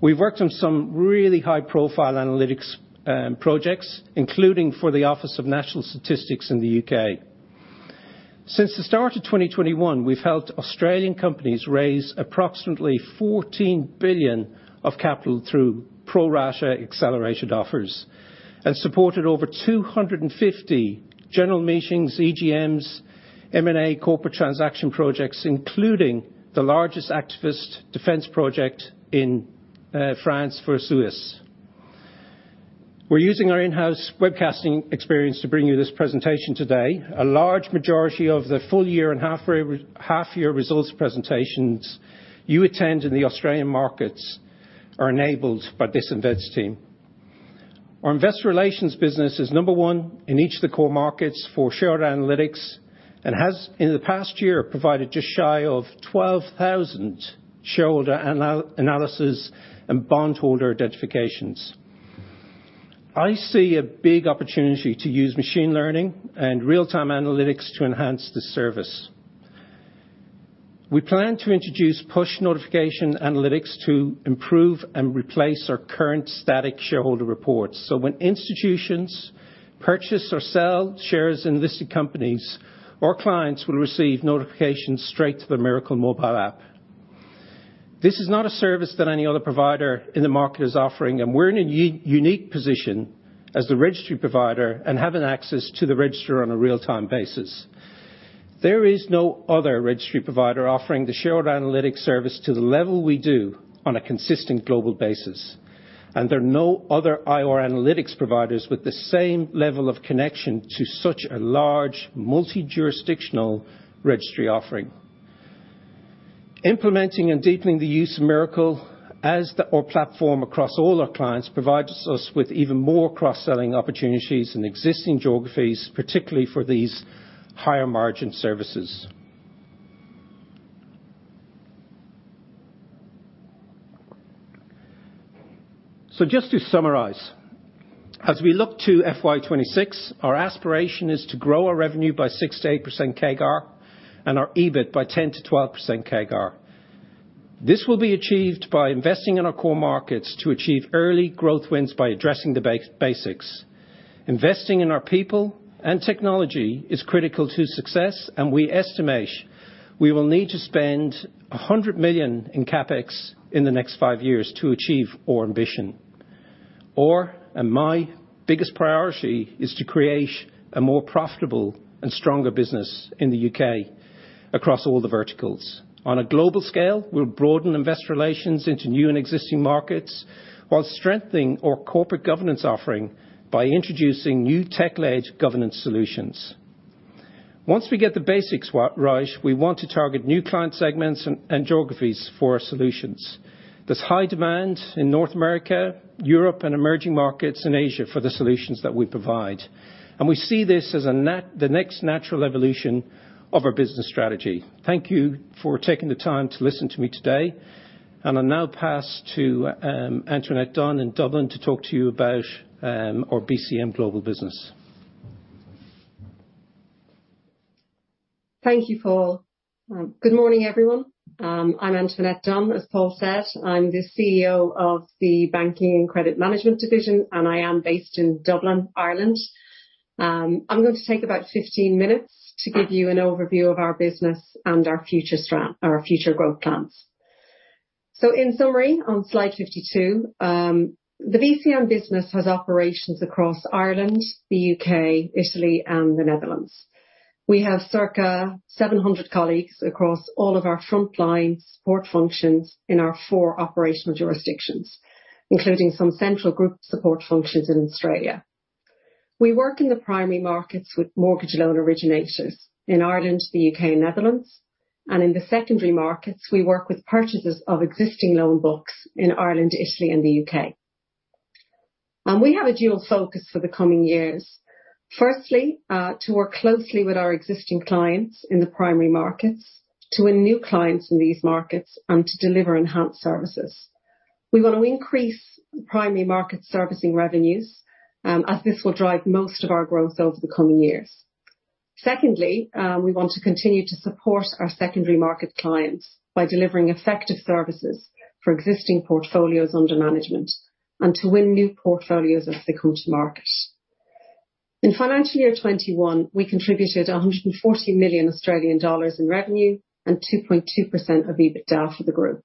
We've worked on some really high-profile analytics projects, including for the Office for National Statistics in the U.K. Since the start of 2021, we've helped Australian companies raise approximately 14 billion of capital through pro rata accelerated offers and supported over 250 general meetings, EGMs, M&A corporate transaction projects, including the largest activist defense project in France versus U.S. We're using our in-house webcasting experience to bring you this presentation today. A large majority of the full year and half-year results presentations you attend in the Australian markets are enabled by this events team. Our investor relations business is number one in each of the core markets for shareholder analytics, and has, in the past year, provided just shy of 12,000 shareholder analysis and bondholder identifications. I see a big opportunity to use machine learning and real-time analytics to enhance the service. We plan to introduce push notification analytics to improve and replace our current static shareholder reports. When institutions purchase or sell shares in listed companies, our clients will receive notifications straight to their Miracle mobile app. This is not a service that any other provider in the market is offering, and we're in a unique position as the registry provider and having access to the register on a real-time basis. There is no other registry provider offering the shareholder analytics service to the level we do on a consistent global basis, and there are no other IR analytics providers with the same level of connection to such a large multi-jurisdictional registry offering. Implementing and deepening the use of Miracle as our platform across all our clients provides us with even more cross-selling opportunities in existing geographies, particularly for these higher margin services. Just to summarize, as we look to FY 2026, our aspiration is to grow our revenue by 6%-8% CAGR and our EBIT by 10%-12% CAGR. This will be achieved by investing in our core markets to achieve early growth wins by addressing the basics. Investing in our people and technology is critical to success, and we estimate we will need to spend 100 million in CapEx in the next five years to achieve our ambition. Our and my biggest priority is to create a more profitable and stronger business in the U.K. across all the verticals. On a global scale, we'll broaden investor relations into new and existing markets while strengthening our corporate governance offering by introducing new tech-led governance solutions. Once we get the basics right, we want to target new client segments and geographies for our solutions. There's high demand in North America, Europe and emerging markets in Asia for the solutions that we provide, and we see this as the next natural evolution of our business strategy. Thank you for taking the time to listen to me today, and I'll now pass to Antoinette Dunne in Dublin to talk to you about our BCM Global business. Thank you, Paul. Good morning, everyone. I'm Antoinette Dunne. As Paul said, I'm the CEO of the Banking & Credit Management division, and I am based in Dublin, Ireland. I'm going to take about 15 minutes to give you an overview of our business and our future growth plans. In summary, on slide 52, the BCM business has operations across Ireland, the U.K., Italy and the Netherlands. We have circa 700 colleagues across all of our frontline support functions in our four operational jurisdictions, including some central group support functions in Australia. We work in the primary markets with mortgage loan originators in Ireland, the U.K. and Netherlands. In the secondary markets, we work with purchasers of existing loan books in Ireland, Italy and the U.K. We have a dual focus for the coming years. Firstly, to work closely with our existing clients in the primary markets, to win new clients in these markets and to deliver enhanced services. We want to increase primary market servicing revenues, as this will drive most of our growth over the coming years. Secondly, we want to continue to support our secondary market clients by delivering effective services for existing portfolios under management and to win new portfolios as they come to market. In financial year 2021, we contributed 140 million Australian dollars in revenue and 2.2% of EBITDA for the group.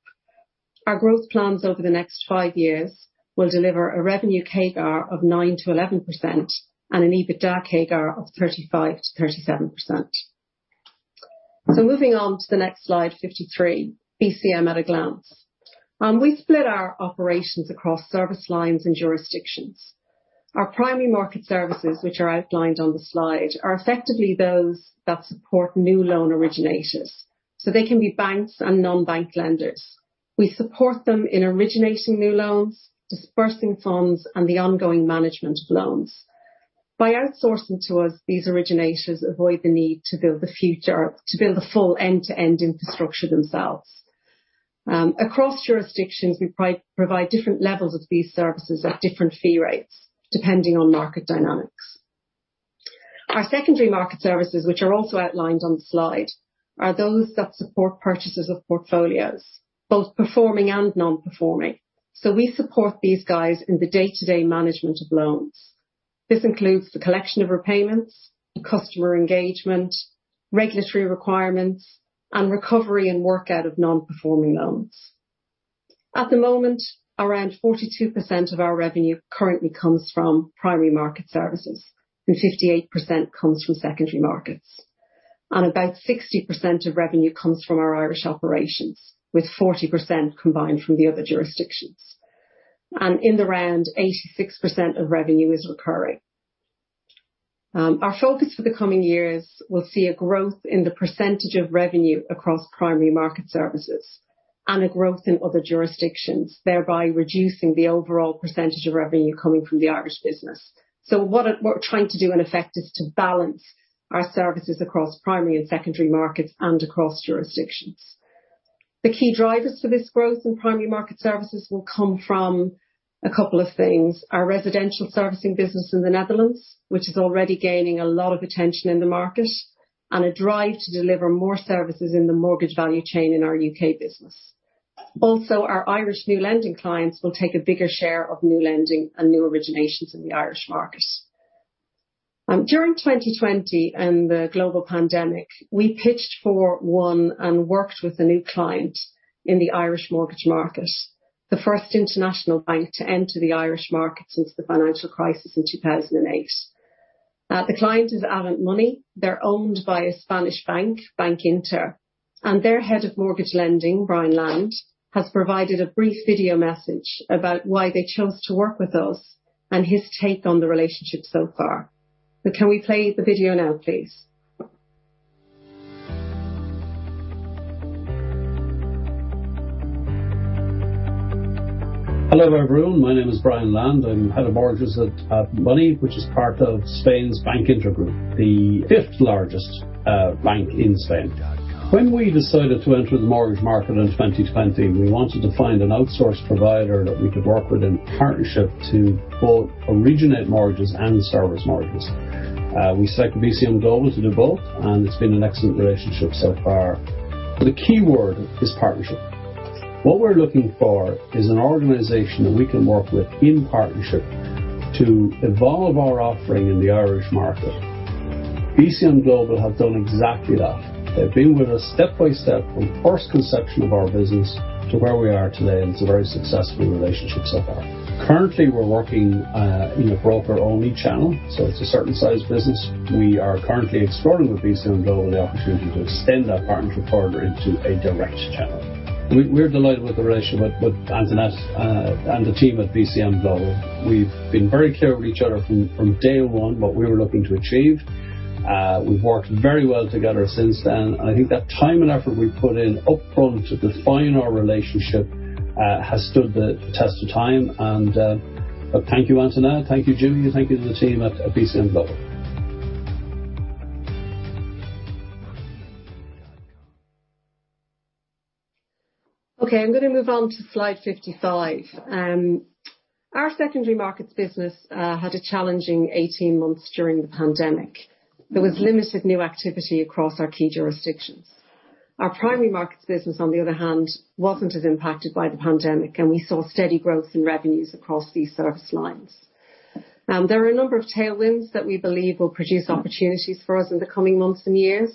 Our growth plans over the next five years will deliver a revenue CAGR of 9%-11% and an EBITDA CAGR of 35%-37%. Moving on to the next slide, 53. BCM at a glance. We've split our operations across service lines and jurisdictions. Our primary market services, which are outlined on the slide, are effectively those that support new loan originators, so they can be banks and non-bank lenders. We support them in originating new loans, dispersing funds and the ongoing management of loans. By outsourcing to us, these originators avoid the need to build a full end-to-end infrastructure themselves. Across jurisdictions, we provide different levels of these services at different fee rates, depending on market dynamics. Our secondary market services, which are also outlined on the slide, are those that support purchasers of portfolios, both performing and non-performing. We support these guys in the day-to-day management of loans. This includes the collection of repayments, customer engagement, regulatory requirements, and recovery and workout of non-performing loans. At the moment, around 42% of our revenue currently comes from primary market services and 58% comes from secondary markets. About 60% of revenue comes from our Irish operations, with 40% combined from the other jurisdictions. In the round, 86% of revenue is recurring. Our focus for the coming years will see a growth in the percentage of revenue across primary market services and a growth in other jurisdictions, thereby reducing the overall percentage of revenue coming from the Irish business. What we're trying to do in effect is to balance our services across primary and secondary markets and across jurisdictions. The key drivers for this growth in primary market services will come from a couple of things. Our residential servicing business in the Netherlands, which is already gaining a lot of attention in the market, and a drive to deliver more services in the mortgage value chain in our U.K. business. Also, our Irish new lending clients will take a bigger share of new lending and new originations in the Irish market. During 2020 and the global pandemic, we pitched for one and worked with a new client in the Irish mortgage market, the first international bank to enter the Irish market since the financial crisis in 2008. The client is Avant Money. They're owned by a Spanish bank, Bankinter, and their Head of Mortgages, Brian Lande, has provided a brief video message about why they chose to work with us and his take on the relationship so far. Can we play the video now, please? Hello, everyone. My name is Brian Lande. I'm Head of Mortgages at Avant Money, which is part of Spain's Bankinter Group, the fifth largest bank in Spain. When we decided to enter the mortgage market in 2020, we wanted to find an outsource provider that we could work with in partnership to both originate mortgages and service mortgages. We selected BCM Global to do both, and it's been an excellent relationship so far. The key word is partnership. What we're looking for is an organization that we can work with in partnership to evolve our offering in the Irish market. BCM Global have done exactly that. They've been with us step by step from first conception of our business to where we are today, and it's a very successful relationship so far. Currently, we're working in a broker-only channel, so it's a certain size business. We are currently exploring with BCM Global the opportunity to extend that partnership further into a direct channel. We're delighted with the relationship with Antoinette and the team at BCM Global. We've been very clear with each other from day one what we were looking to achieve. We've worked very well together since then, and I think that time and effort we put in upfront to define our relationship has stood the test of time. Thank you, Antoinette. Thank you, Julia. Thank you to the team at BCM Global. Okay, I'm gonna move on to slide 55. Our secondary markets business had a challenging 18 months during the pandemic. There was limited new activity across our key jurisdictions. Our primary markets business, on the other hand, wasn't as impacted by the pandemic, and we saw steady growth in revenues across these service lines. There are a number of tailwinds that we believe will produce opportunities for us in the coming months and years.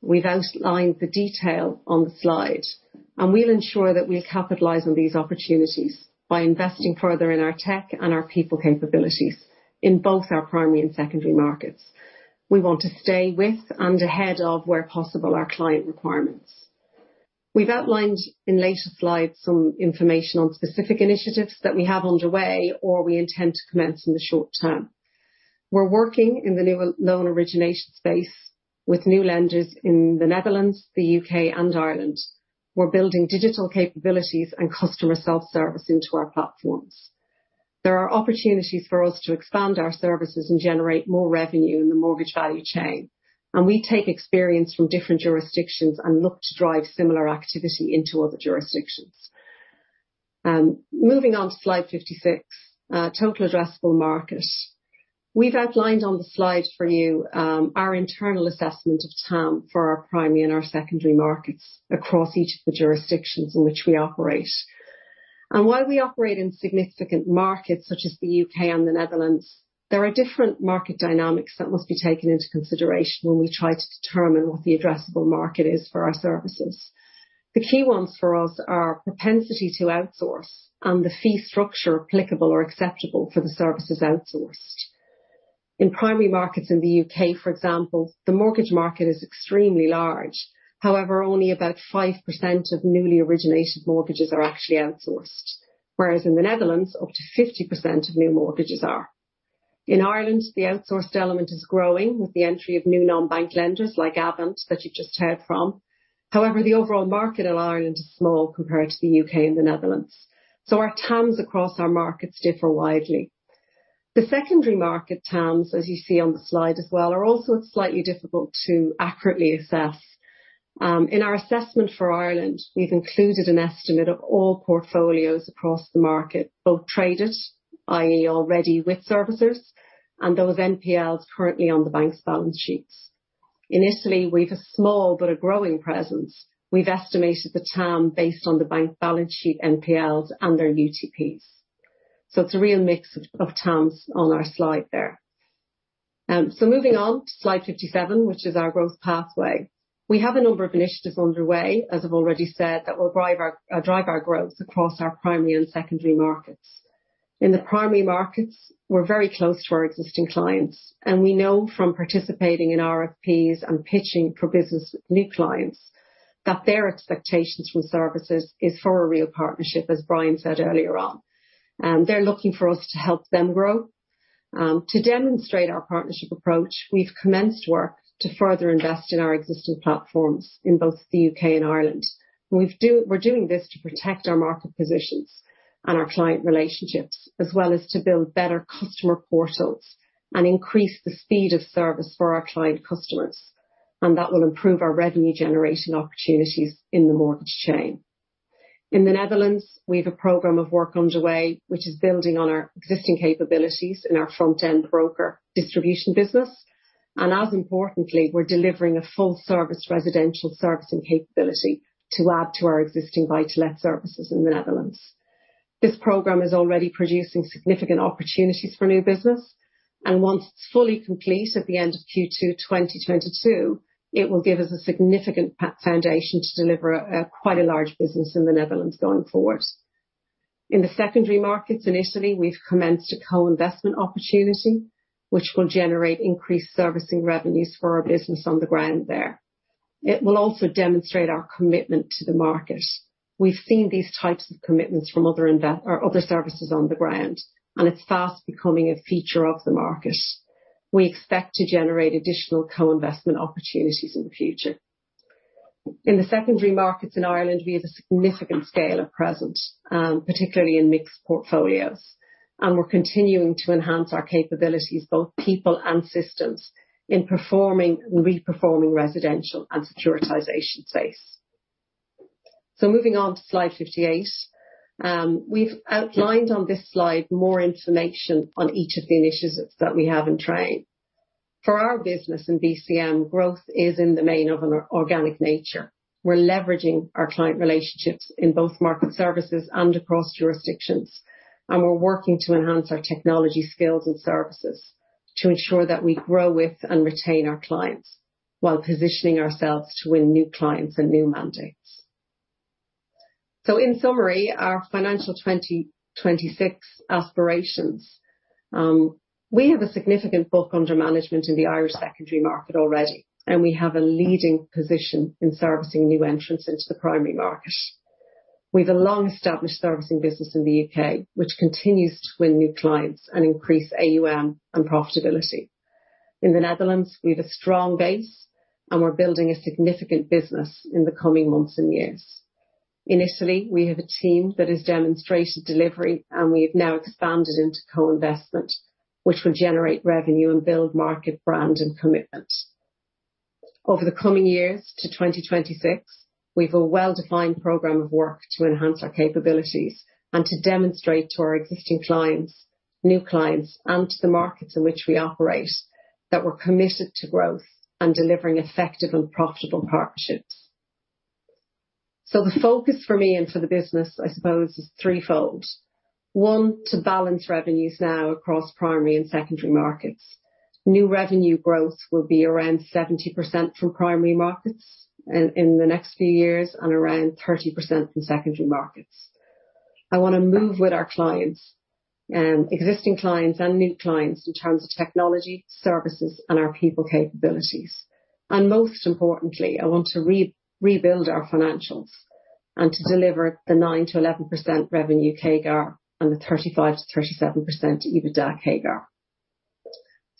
We've outlined the detail on the slide, and we'll ensure that we capitalize on these opportunities by investing further in our tech and our people capabilities in both our primary and secondary markets. We want to stay with and ahead of, where possible, our client requirements. We've outlined in later slides some information on specific initiatives that we have underway or we intend to commence in the short term. We're working in the new loan origination space with new lenders in the Netherlands, the U.K. and Ireland. We're building digital capabilities and customer self-service into our platforms. There are opportunities for us to expand our services and generate more revenue in the mortgage value chain, and we take experience from different jurisdictions and look to drive similar activity into other jurisdictions. Moving on to slide 56. Total addressable market. We've outlined on the slide for you our internal assessment of TAM for our primary and our secondary markets across each of the jurisdictions in which we operate. While we operate in significant markets such as the U.K. and the Netherlands, there are different market dynamics that must be taken into consideration when we try to determine what the addressable market is for our services. The key ones for us are propensity to outsource and the fee structure applicable or acceptable for the services outsourced. In primary markets in the U.K., for example, the mortgage market is extremely large. However, only about 5% of newly originated mortgages are actually outsourced, whereas in the Netherlands, up to 50% of new mortgages are. In Ireland, the outsourced element is growing with the entry of new non-bank lenders like Avant that you just heard from. However, the overall market in Ireland is small compared to the U.K. and the Netherlands. Our TAMs across our markets differ widely. The secondary market TAMs, as you see on the slide as well, are also slightly difficult to accurately assess. In our assessment for Ireland, we've included an estimate of all portfolios across the market, both traded, i.e., already with servicers, and those NPLs currently on the bank's balance sheets. In Italy, we've a small but a growing presence. We've estimated the TAM based on the bank balance sheet NPLs and their UTPs. It's a real mix of TAMs on our slide there. Moving on to slide 57, which is our growth pathway. We have a number of initiatives underway, as I've already said, that will drive our growth across our primary and secondary markets. In the primary markets, we're very close to our existing clients, and we know from participating in RFPs and pitching for business with new clients that their expectations from services is for a real partnership, as Brian said earlier on. They're looking for us to help them grow. To demonstrate our partnership approach, we've commenced work to further invest in our existing platforms in both the U.K. and Ireland. We're doing this to protect our market positions and our client relationships, as well as to build better customer portals and increase the speed of service for our client customers, and that will improve our revenue generation opportunities in the mortgage chain. In the Netherlands, we have a program of work underway, which is building on our existing capabilities in our front-end broker distribution business. As importantly, we're delivering a full service residential servicing capability to add to our existing buy-to-let services in the Netherlands. This program is already producing significant opportunities for new business, and once fully complete at the end of Q2 2022, it will give us a significant foundation to deliver a quite a large business in the Netherlands going forward. In the secondary markets in Italy, we've commenced a co-investment opportunity which will generate increased servicing revenues for our business on the ground there. It will also demonstrate our commitment to the market. We've seen these types of commitments from other services on the ground, and it's fast becoming a feature of the market. We expect to generate additional co-investment opportunities in the future. In the secondary markets in Ireland, we have a significant scale of presence, particularly in mixed portfolios, and we're continuing to enhance our capabilities, both people and systems, in performing and re-performing residential and securitization space. Moving on to slide 58. We've outlined on this slide more information on each of the initiatives that we have in train. For our business in BCM, growth is in the main of an organic nature. We're leveraging our client relationships in both market services and across jurisdictions, and we're working to enhance our technology, skills, and services to ensure that we grow with and retain our clients while positioning ourselves to win new clients and new mandates. In summary, our financial 2026 aspirations. We have a significant book under management in the Irish secondary market already, and we have a leading position in servicing new entrants into the primary market. We've a long-established servicing business in the U.K., which continues to win new clients and increase AUM and profitability. In the Netherlands, we have a strong base, and we're building a significant business in the coming months and years. In Italy, we have a team that has demonstrated delivery, and we have now expanded into co-investment, which will generate revenue and build market brand and commitment. Over the coming years to 2026, we've a well-defined program of work to enhance our capabilities and to demonstrate to our existing clients, new clients, and to the markets in which we operate that we're committed to growth and delivering effective and profitable partnerships. The focus for me and for the business, I suppose, is threefold. One, to balance revenues now across primary and secondary markets. New revenue growth will be around 70% from primary markets in the next few years and around 30% from secondary markets. I wanna move with our clients, existing clients and new clients in terms of technology, services, and our people capabilities. Most importantly, I want to rebuild our financials and to deliver the 9%-11% revenue CAGR and the 35%-37% EBITDA CAGR.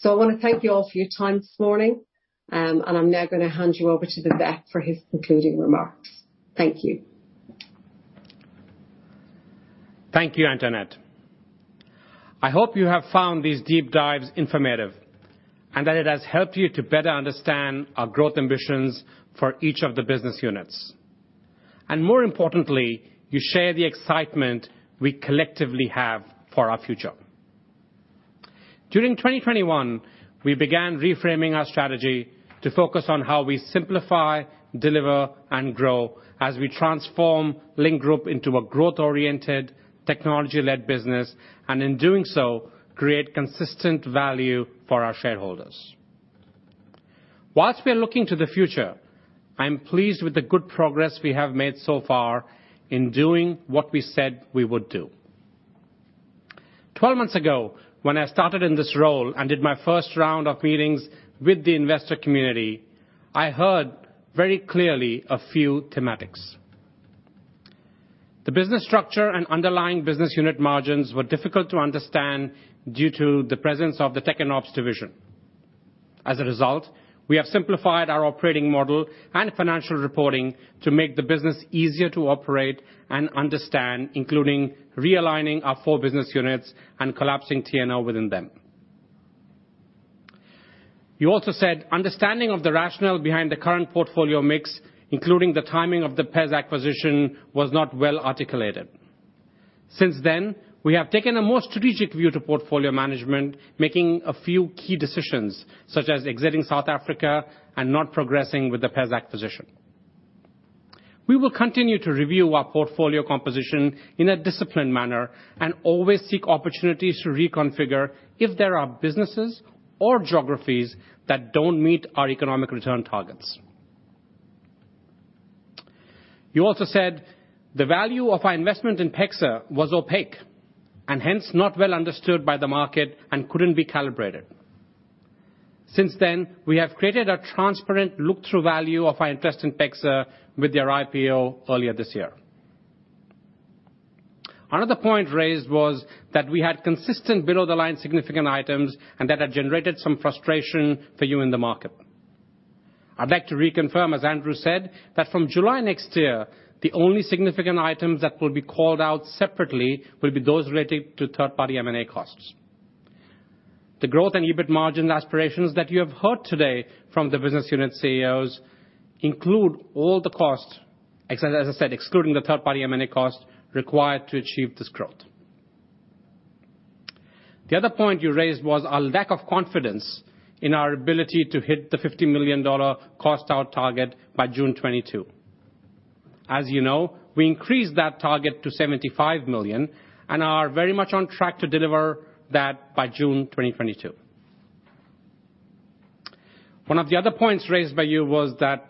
I wanna thank you all for your time this morning, and I'm now gonna hand you over to Vivek for his concluding remarks. Thank you. Thank you, Antoinette. I hope you have found these deep dives informative and that it has helped you to better understand our growth ambitions for each of the business units. More importantly, you share the excitement we collectively have for our future. During 2021, we began reframing our strategy to focus on how we simplify, deliver, and grow as we transform Link Group into a growth-oriented, technology-led business, and in doing so, create consistent value for our shareholders. While we are looking to the future, I'm pleased with the good progress we have made so far in doing what we said we would do. 12 months ago, when I started in this role and did my first round of meetings with the investor community, I heard very clearly a few thematics. The business structure and underlying business unit margins were difficult to understand due to the presence of the Tech and Ops division. As a result, we have simplified our operating model and financial reporting to make the business easier to operate and understand, including realigning our four business units and collapsing T&O within them. You also said understanding of the rationale behind the current portfolio mix, including the timing of the PEXA acquisition, was not well articulated. Since then, we have taken a more strategic view to portfolio management, making a few key decisions, such as exiting South Africa and not progressing with the PEXA acquisition. We will continue to review our portfolio composition in a disciplined manner and always seek opportunities to reconfigure if there are businesses or geographies that don't meet our economic return targets. You also said the value of our investment in PEXA was opaque, and hence not well understood by the market and couldn't be calibrated. Since then, we have created a transparent look-through value of our interest in PEXA with their IPO earlier this year. Another point raised was that we had consistent below-the-line significant items and that had generated some frustration for you in the market. I'd like to reconfirm, as Andrew said, that from July next year, the only significant items that will be called out separately will be those related to third-party M&A costs. The growth and EBIT margin aspirations that you have heard today from the business unit CEOs include all the costs, as I said, excluding the third-party M&A costs required to achieve this growth. The other point you raised was our lack of confidence in our ability to hit the 50 million dollar cost out target by June 2022. As you know, we increased that target to 75 million and are very much on track to deliver that by June 2022. One of the other points raised by you was that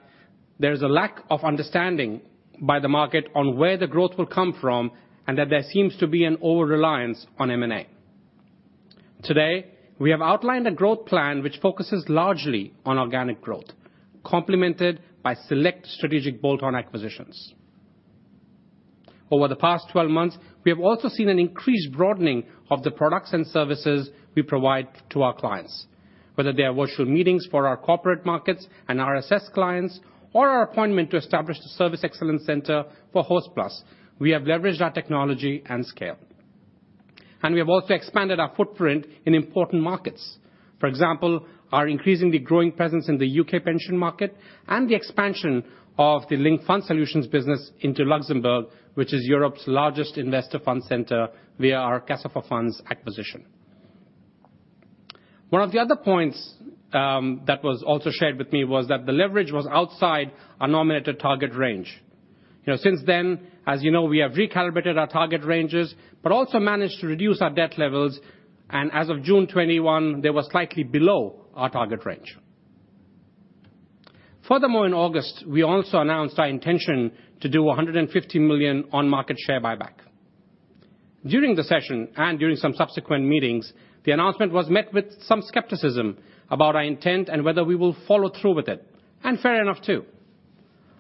there's a lack of understanding by the market on where the growth will come from and that there seems to be an over-reliance on M&A. Today, we have outlined a growth plan which focuses largely on organic growth, complemented by select strategic bolt-on acquisitions. Over the past 12 months, we have also seen an increased broadening of the products and services we provide to our clients. Whether they are virtual meetings for our corporate markets and RSS clients or our appointment to establish the Service Excellence Center for Hostplus, we have leveraged our technology and scale. We have also expanded our footprint in important markets. For example, our increasingly growing presence in the U.K. pension market and the expansion of the Link Fund Solutions business into Luxembourg, which is Europe's largest investor fund center via our Casa4Funds acquisition. One of the other points that was also shared with me was that the leverage was outside our nominated target range. You know, since then, as you know, we have recalibrated our target ranges, but also managed to reduce our debt levels and as of June 2021, they were slightly below our target range. Furthermore, in August, we also announced our intention to do 150 million on-market share buyback. During the session and during some subsequent meetings, the announcement was met with some skepticism about our intent and whether we will follow through with it, and fair enough too.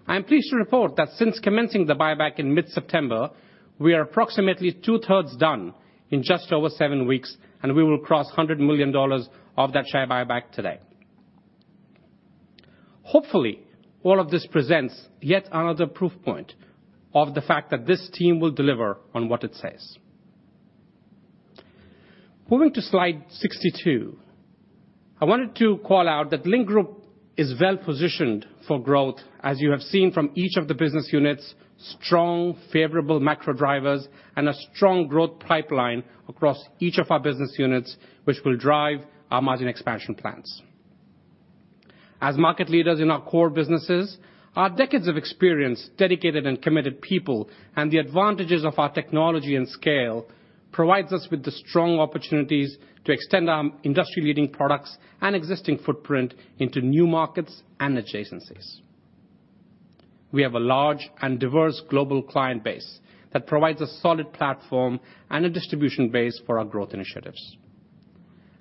I am pleased to report that since commencing the buyback in mid-September, we are approximately two-thirds done in just over seven weeks, and we will cross 100 million dollars of that share buyback today. Hopefully, all of this presents yet another proof point of the fact that this team will deliver on what it says. Moving to slide 62. I wanted to call out that Link Group is well-positioned for growth, as you have seen from each of the business units, strong, favorable macro drivers and a strong growth pipeline across each of our business units, which will drive our margin expansion plans. As market leaders in our core businesses, our decades of experience, dedicated and committed people, and the advantages of our technology and scale provides us with the strong opportunities to extend our industry-leading products and existing footprint into new markets and adjacencies. We have a large and diverse global client base that provides a solid platform and a distribution base for our growth initiatives.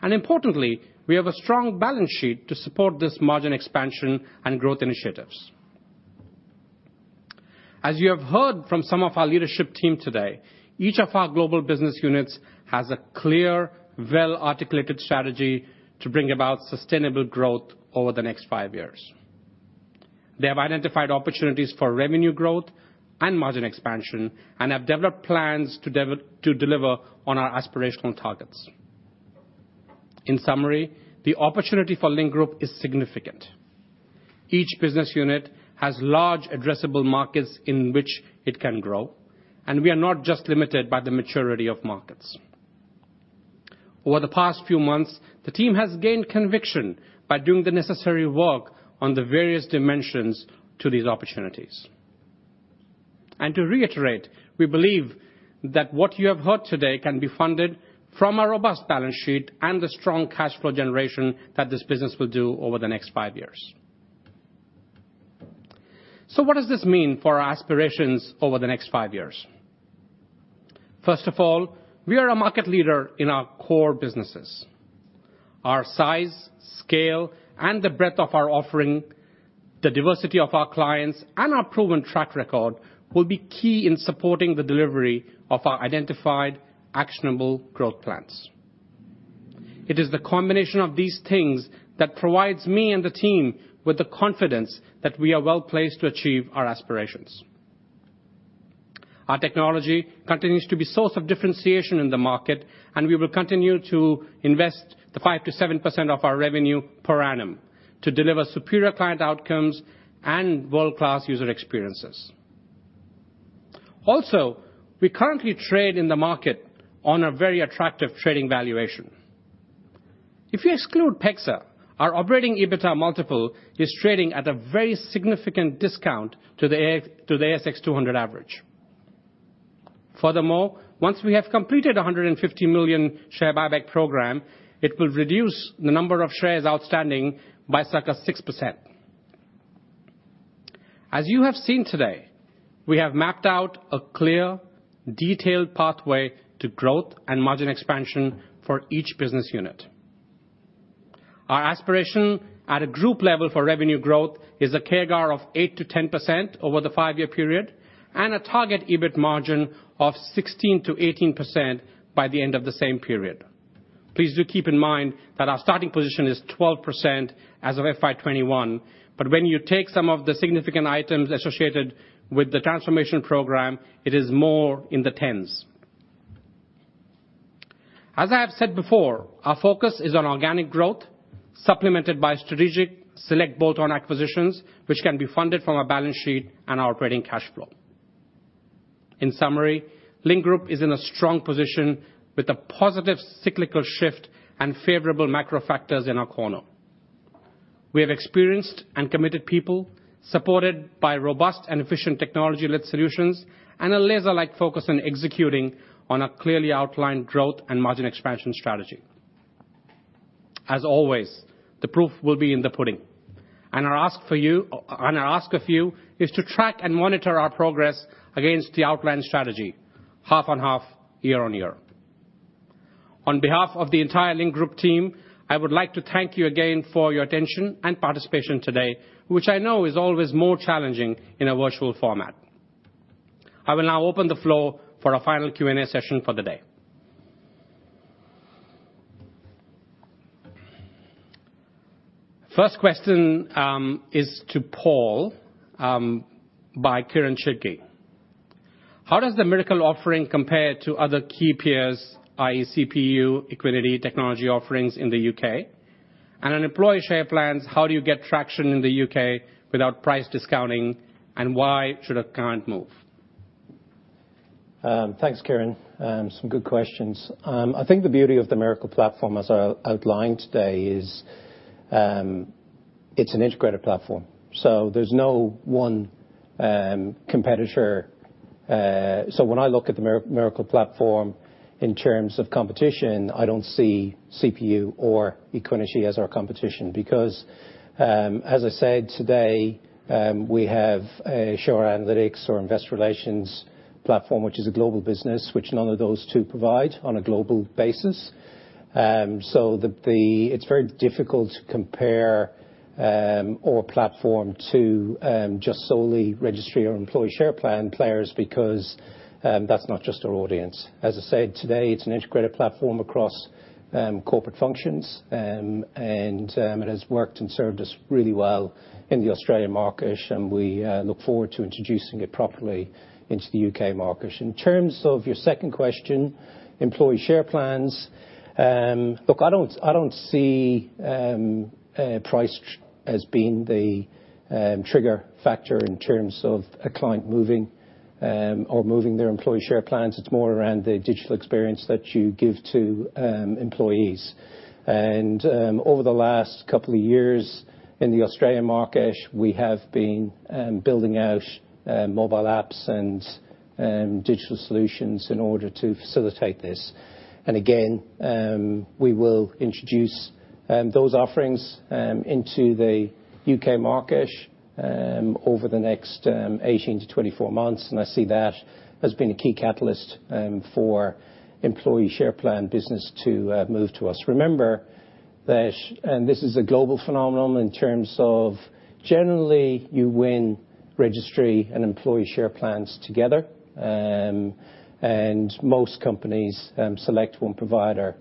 Importantly, we have a strong balance sheet to support this margin expansion and growth initiatives. As you have heard from some of our leadership team today, each of our global business units has a clear, well-articulated strategy to bring about sustainable growth over the next five years. They have identified opportunities for revenue growth and margin expansion and have developed plans to deliver on our aspirational targets. In summary, the opportunity for Link Group is significant. Each business unit has large addressable markets in which it can grow, and we are not just limited by the maturity of markets. Over the past few months, the team has gained conviction by doing the necessary work on the various dimensions to these opportunities. To reiterate, we believe that what you have heard today can be funded from a robust balance sheet and the strong cash flow generation that this business will do over the next five years. What does this mean for our aspirations over the next five years? First of all, we are a market leader in our core businesses. Our size, scale, and the breadth of our offering, the diversity of our clients, and our proven track record will be key in supporting the delivery of our identified, actionable growth plans. It is the combination of these things that provides me and the team with the confidence that we are well-placed to achieve our aspirations. Our technology continues to be source of differentiation in the market, and we will continue to invest the 5%-7% of our revenue per annum to deliver superior client outcomes and world-class user experiences. Also, we currently trade in the market on a very attractive trading valuation. If you exclude PEXA, our operating EBITDA multiple is trading at a very significant discount to the ASX 200 average. Furthermore, once we have completed a 150 million share buyback program, it will reduce the number of shares outstanding by circa 6%. As you have seen today, we have mapped out a clear, detailed pathway to growth and margin expansion for each business unit. Our aspiration at a group level for revenue growth is a CAGR of 8%-10% over the five-year period, and a target EBIT margin of 16%-18% by the end of the same period. Please do keep in mind that our starting position is 12% as of FY 2021, but when you take some of the significant items associated with the transformation program, it is more in the teens. As I have said before, our focus is on organic growth, supplemented by strategic select bolt-on acquisitions, which can be funded from our balance sheet and operating cash flow. In summary, Link Group is in a strong position with a positive cyclical shift and favorable macro factors in our corner. We have experienced and committed people supported by robust and efficient technology-led solutions, and a laser-like focus on executing on a clearly outlined growth and margin expansion strategy. As always, the proof will be in the pudding. Our ask of you is to track and monitor our progress against the outlined strategy, half-on-half, year-on-year. On behalf of the entire Link Group team, I would like to thank you again for your attention and participation today, which I know is always more challenging in a virtual format. I will now open the floor for our final Q&A session for the day. First question is to Paul by Kieran Chidgey. How does the Miracle offering compare to other key peers, i.e. Computershare, Equiniti technology offerings in the U.K.? And on employee share plans, how do you get traction in the U.K. without price discounting, and why should a client move? Thanks, Kieran. Some good questions. I think the beauty of the Miracle platform, as I outlined today, is it's an integrated platform. There's no one competitor. When I look at the Miracle platform in terms of competition, I don't see Computershare or Equiniti as our competition. As I said today, we have a share analytics or investor relations platform, which is a global business, which none of those two provide on a global basis. It's very difficult to compare our platform to just solely registry or employee share plan players because that's not just our audience. As I said today, it's an integrated platform across corporate functions. It has worked and served us really well in the Australian market, and we look forward to introducing it properly into the U.K. market. In terms of your second question, employee share plans. Look, I don't see price as being the trigger factor in terms of a client moving or moving their employee share plans. It's more around the digital experience that you give to employees. Over the last couple of years in the Australian market, we have been building out mobile apps and digital solutions in order to facilitate this. Again, we will introduce those offerings into the U.K. market over the next 18-24 months. I see that as being a key catalyst for employee share plan business to move to us. Remember that and this is a global phenomenon in terms of generally you win registry and employee share plans together. Most companies select one provider.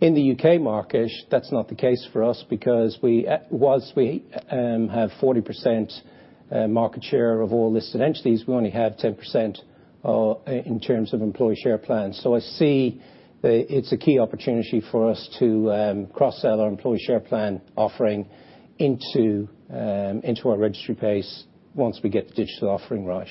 In the U.K. market, that's not the case for us because we whilst we have 40% market share of all listed entities, we only have 10% in terms of employee share plans. I see the it's a key opportunity for us to cross-sell our employee share plan offering into our registry base once we get the digital offering right.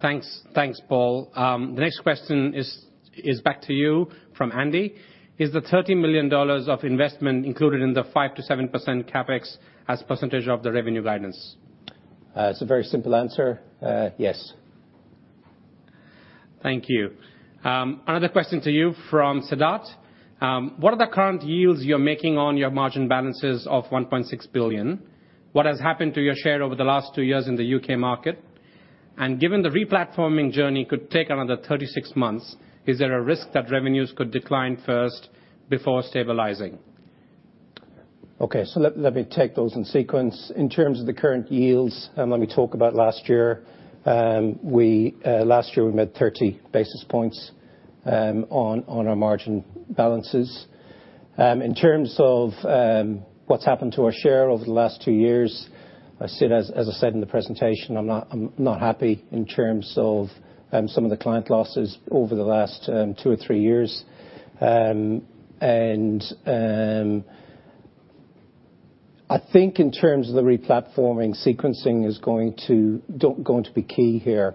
Thanks. Thanks, Paul. The next question is back to you from Andy. Is the 30 million dollars of investment included in the 5%-7% CapEx as percentage of the revenue guidance? It's a very simple answer. Yes. Thank you. Another question to you from Siddharth Parameswaran. What are the current yields you're making on your margin balances of 1.6 billion? What has happened to your share over the last two years in the U.K. market? Given the replatforming journey could take another 36 months, is there a risk that revenues could decline first before stabilizing? Okay. Let me take those in sequence. In terms of the current yields, let me talk about last year. Last year we made 30 basis points on our margin balances. In terms of what's happened to our share over the last two years, as I said in the presentation, I'm not happy in terms of some of the client losses over the last two or three years. I think in terms of the replatforming, sequencing is going to be key here.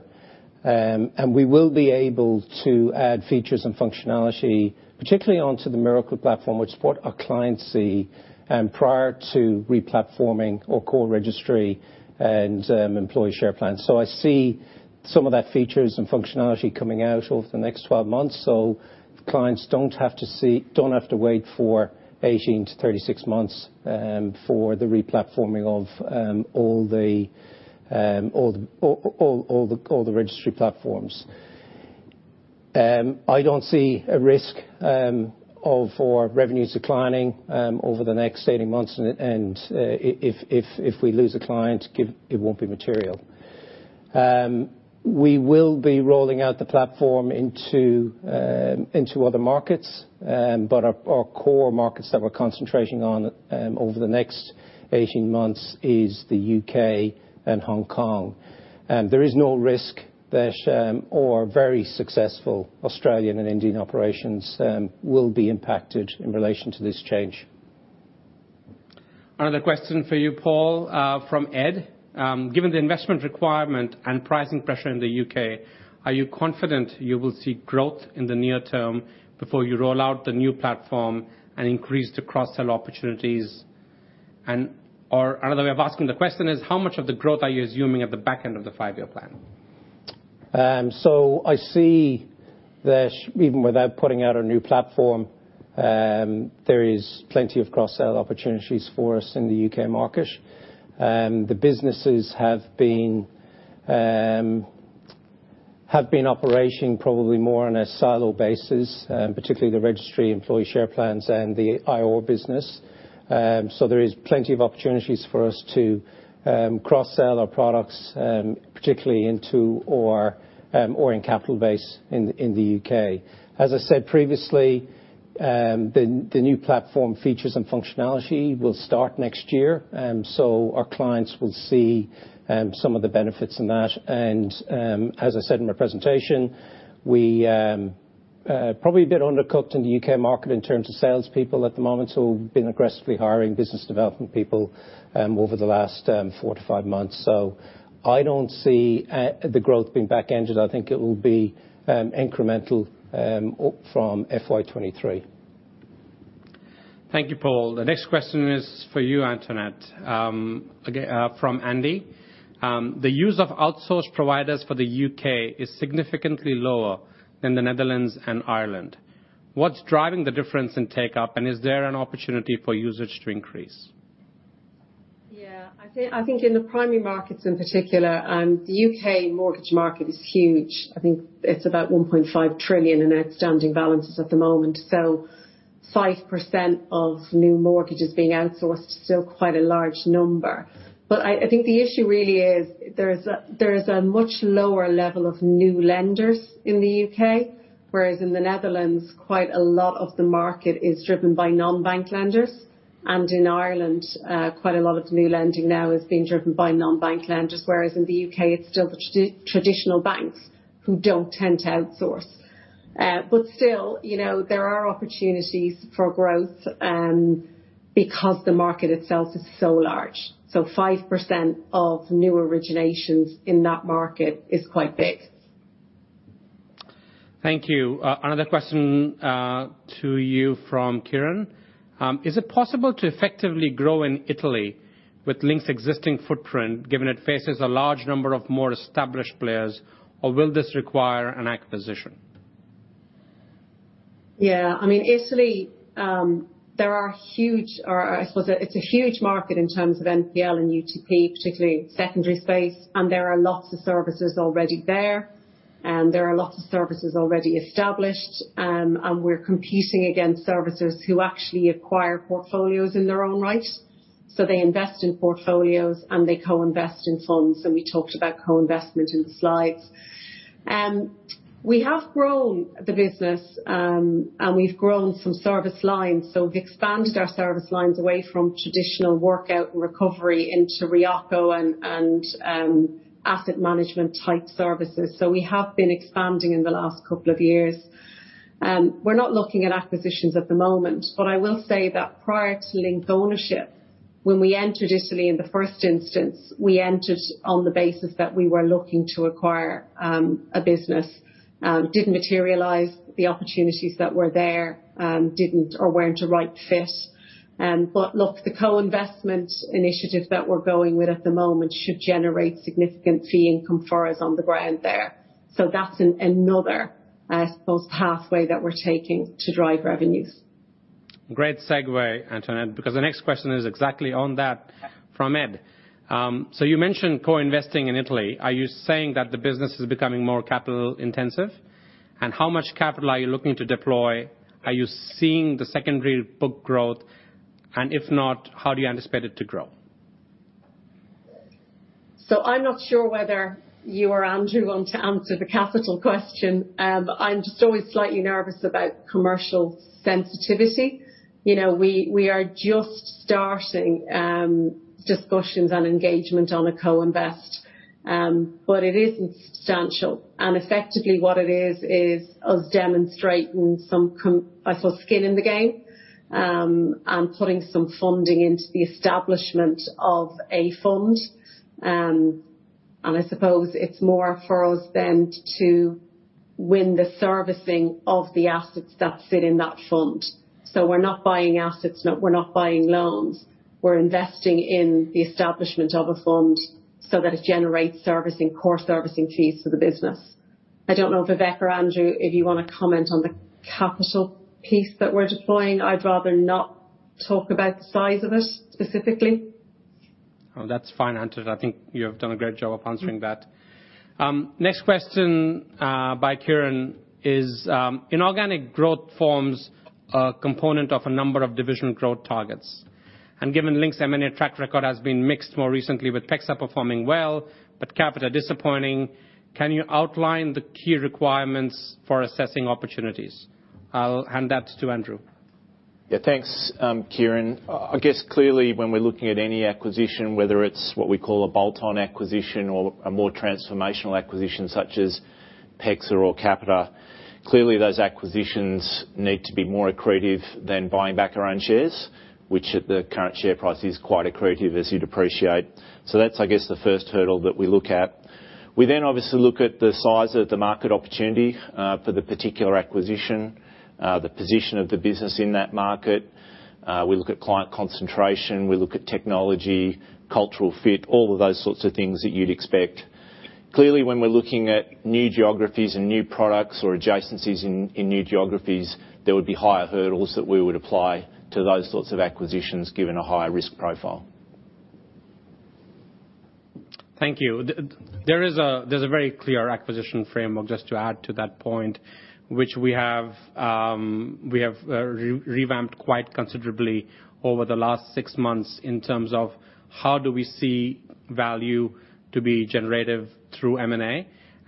We will be able to add features and functionality, particularly onto the Miracle platform, which is what our clients see prior to replatforming or core registry and employee share plans. I see some of that features and functionality coming out over the next 12 months, so clients don't have to wait for 18-36 months for the replatforming of all the registry platforms. I don't see a risk of our revenues declining over the next 18 months, and if we lose a client, it won't be material. We will be rolling out the platform into other markets, but our core markets that we're concentrating on over the next 18 months is the U.K. and Hong Kong. There is no risk that our very successful Australian and Indian operations will be impacted in relation to this change. Another question for you, Paul, from Ed. Given the investment requirement and pricing pressure in the U.K., are you confident you will see growth in the near term before you roll out the new platform and increase the cross-sell opportunities? Another way of asking the question is how much of the growth are you assuming at the back end of the five-year plan? I see that even without putting out a new platform, there is plenty of cross-sell opportunities for us in the U.K. market. The businesses have been operating probably more on a silo basis, particularly the registry employee share plans and the IR business. There is plenty of opportunities for us to cross-sell our products, particularly into Capita base in the U.K. As I said previously, the new platform features and functionality will start next year. Our clients will see some of the benefits in that. As I said in my presentation, we probably a bit undercooked in the U.K. market in terms of sales people at the moment. We've been aggressively hiring business development people over the last four-five months. I don't see the growth being back ended. I think it will be incremental from FY 2023. Thank you, Paul. The next question is for you, Antoinette. Again, from Andy. The use of outsourced providers for the U.K. is significantly lower than the Netherlands and Ireland. What's driving the difference in take up, and is there an opportunity for users to increase? Yeah. I think in the primary markets in particular, the U.K. mortgage market is huge. I think it's about 1.5 trillion in outstanding balances at the moment. 5% of new mortgages being outsourced is still quite a large number. I think the issue really is there's a much lower level of new lenders in the U.K., whereas in the Netherlands, quite a lot of the market is driven by non-bank lenders. In Ireland, quite a lot of the new lending now is being driven by non-bank lenders, whereas in the U.K. it's still the traditional banks who don't tend to outsource. Still, you know, there are opportunities for growth, because the market itself is so large. 5% of new originations in that market is quite big. Thank you. Another question to you from Kieran. Is it possible to effectively grow in Italy with Link's existing footprint, given it faces a large number of more established players, or will this require an acquisition? Yeah. I mean, Italy, I suppose it's a huge market in terms of NPL and UTP, particularly secondary space, and there are lots of services already there. There are lots of services already established, and we're competing against services who actually acquire portfolios in their own right. They invest in portfolios, and they co-invest in funds. We talked about co-investment in the slides. We have grown the business, and we've grown some service lines. We've expanded our service lines away from traditional workout and recovery into REO and asset management type services. We have been expanding in the last couple of years. We're not looking at acquisitions at the moment. I will say that prior to Link's ownership, when we entered Italy in the first instance, we entered on the basis that we were looking to acquire a business. It didn't materialize. The opportunities that were there didn't or weren't a right fit. Look, the co-investment initiative that we're going with at the moment should generate significant fee income for us on the ground there. That's another, I suppose, pathway that we're taking to drive revenues. Great segue, Antoinette, because the next question is exactly on that from Ed. You mentioned co-investing in Italy. Are you saying that the business is becoming more capital intensive? And how much capital are you looking to deploy? Are you seeing the secondary book growth? And if not, how do you anticipate it to grow? I'm not sure whether you or Andrew want to answer the capital question. I'm just always slightly nervous about commercial sensitivity. You know, we are just starting discussions and engagement on a co-invest, but it is substantial. Effectively what it is us demonstrating some skin in the game, and putting some funding into the establishment of a fund. I suppose it's more for us than to win the servicing of the assets that fit in that fund. We're not buying assets, no, we're not buying loans. We're investing in the establishment of a fund so that it generates servicing, core servicing fees for the business. I don't know if Vivek or Andrew, if you wanna comment on the capital piece that we're deploying. I'd rather not talk about the size of it specifically. Oh, that's fine, Andrew. I think you have done a great job of answering that. Mm-hmm. Next question by Kieran Chidgey is inorganic growth forms a component of a number of division growth targets. Given Link's M&A track record has been mixed more recently with PEXA performing well, but Capita disappointing, can you outline the key requirements for assessing opportunities? I'll hand that to Andrew MacLachlan. Yeah. Thanks, Kieran. I guess, clearly, when we're looking at any acquisition, whether it's what we call a bolt-on acquisition or a more transformational acquisition such as PEXA or Capita, clearly those acquisitions need to be more accretive than buying back our own shares, which at the current share price is quite accretive as you'd appreciate. That's, I guess, the first hurdle that we look at. We then obviously look at the size of the market opportunity, for the particular acquisition, the position of the business in that market. We look at client concentration, we look at technology, cultural fit, all of those sorts of things that you'd expect. Clearly, when we're looking at new geographies and new products or adjacencies in new geographies, there would be higher hurdles that we would apply to those sorts of acquisitions given a higher risk profile. Thank you. There is a very clear acquisition framework, just to add to that point, which we have revamped quite considerably over the last six months in terms of how do we see value to be generative through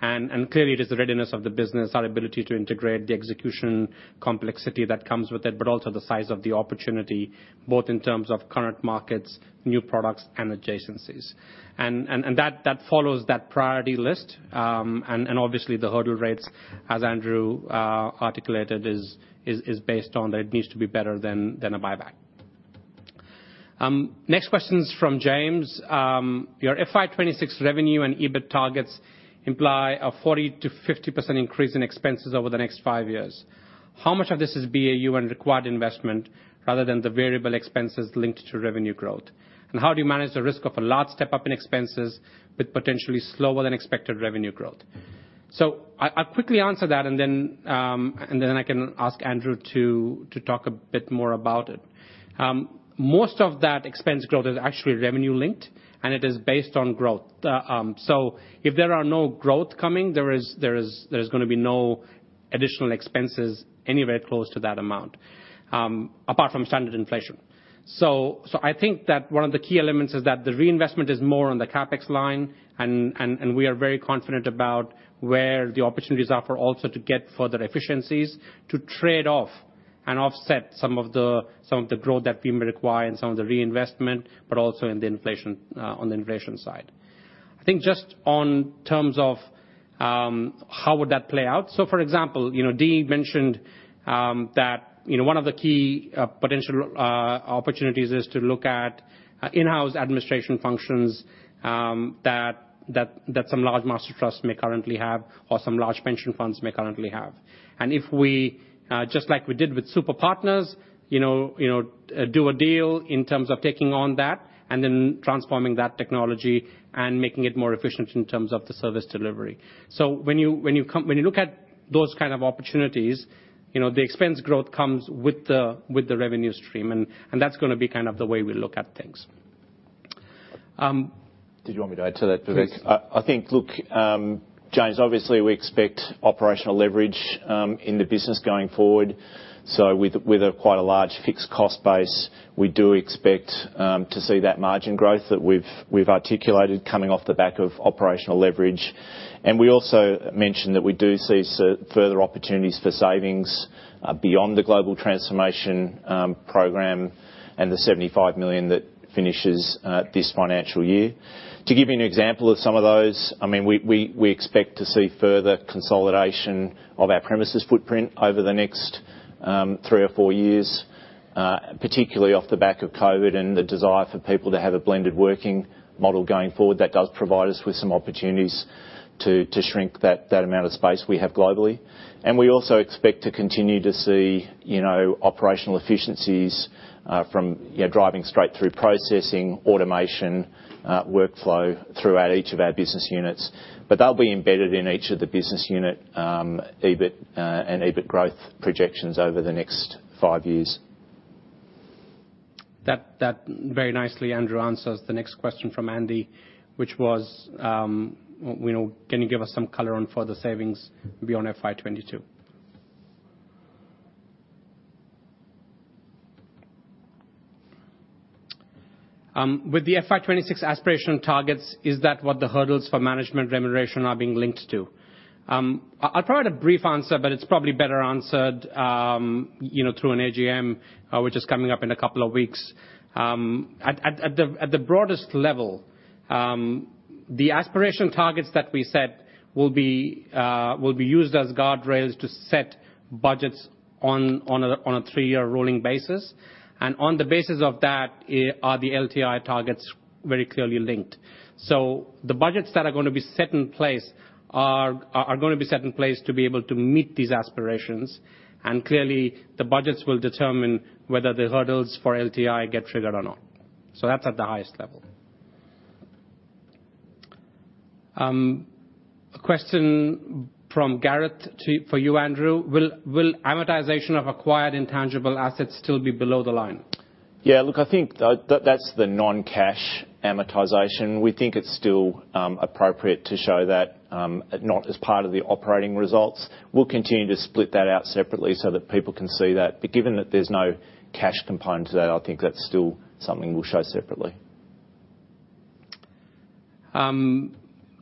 M&A. Clearly it is the readiness of the business, our ability to integrate the execution complexity that comes with it, but also the size of the opportunity, both in terms of current markets, new products, and adjacencies. That follows that priority list. Obviously the hurdle rates, as Andrew MacLachlan articulated, is based on that it needs to be better than a buyback. Next question is from James Cordukes. Your FY 2026 revenue and EBIT targets imply a 40%-50% increase in expenses over the next five years. How much of this is BAU and required investment rather than the variable expenses linked to revenue growth? And how do you manage the risk of a large step-up in expenses with potentially slower than expected revenue growth? I'll quickly answer that and then I can ask Andrew to talk a bit more about it. Most of that expense growth is actually revenue linked, and it is based on growth. If there are no growth coming, there's gonna be no additional expenses anywhere close to that amount, apart from standard inflation. I think that one of the key elements is that the reinvestment is more on the CapEx line, and we are very confident about where the opportunities are for also to get further efficiencies to trade off and offset some of the growth that we may require and some of the reinvestment, but also in the inflation, on the inflation side. I think just in terms of how would that play out. For example, you know, Dee mentioned that, you know, one of the key potential opportunities is to look at in-house administration functions that some large master trusts may currently have or some large pension funds may currently have. If we just like we did with Superpartners, you know, do a deal in terms of taking on that and then transforming that technology and making it more efficient in terms of the service delivery. When you look at those kind of opportunities, you know, the expense growth comes with the revenue stream, and that's gonna be kind of the way we look at things. Did you want me to add to that, Vivek? Please. I think, look, James, obviously, we expect operational leverage in the business going forward. With a quite large fixed cost base, we do expect to see that margin growth that we've articulated coming off the back of operational leverage. We also mentioned that we do see further opportunities for savings beyond the global transformation program and the 75 million that finishes this financial year. To give you an example of some of those, I mean, we expect to see further consolidation of our premises footprint over the next three or four years, particularly off the back of COVID and the desire for people to have a blended working model going forward. That does provide us with some opportunities to shrink that amount of space we have globally. We also expect to continue to see, you know, operational efficiencies from, you know, driving straight through processing, automation, workflow throughout each of our business units. They'll be embedded in each of the business unit, EBIT and EBIT growth projections over the next five years. That very nicely, Andrew, answers the next question from Andy, which was, you know, can you give us some color on further savings beyond FY 2022? With the FY 2026 aspiration targets, is that what the hurdles for management remuneration are being linked to? I'll provide a brief answer, but it's probably better answered, you know, through an AGM, which is coming up in a couple of weeks. At the broadest level, the aspiration targets that we set will be used as guardrails to set budgets on a three-year rolling basis. On the basis of that, are the LTI targets very clearly linked. The budgets that are gonna be set in place to be able to meet these aspirations. Clearly the budgets will determine whether the hurdles for LTI get triggered or not. That's at the highest level. A question from Garrett to you, Andrew. Will amortization of acquired intangible assets still be below the line? Yeah. Look, I think that's the non-cash amortization. We think it's still appropriate to show that not as part of the operating results. We'll continue to split that out separately so that people can see that. Given that there's no cash component to that, I think that's still something we'll show separately.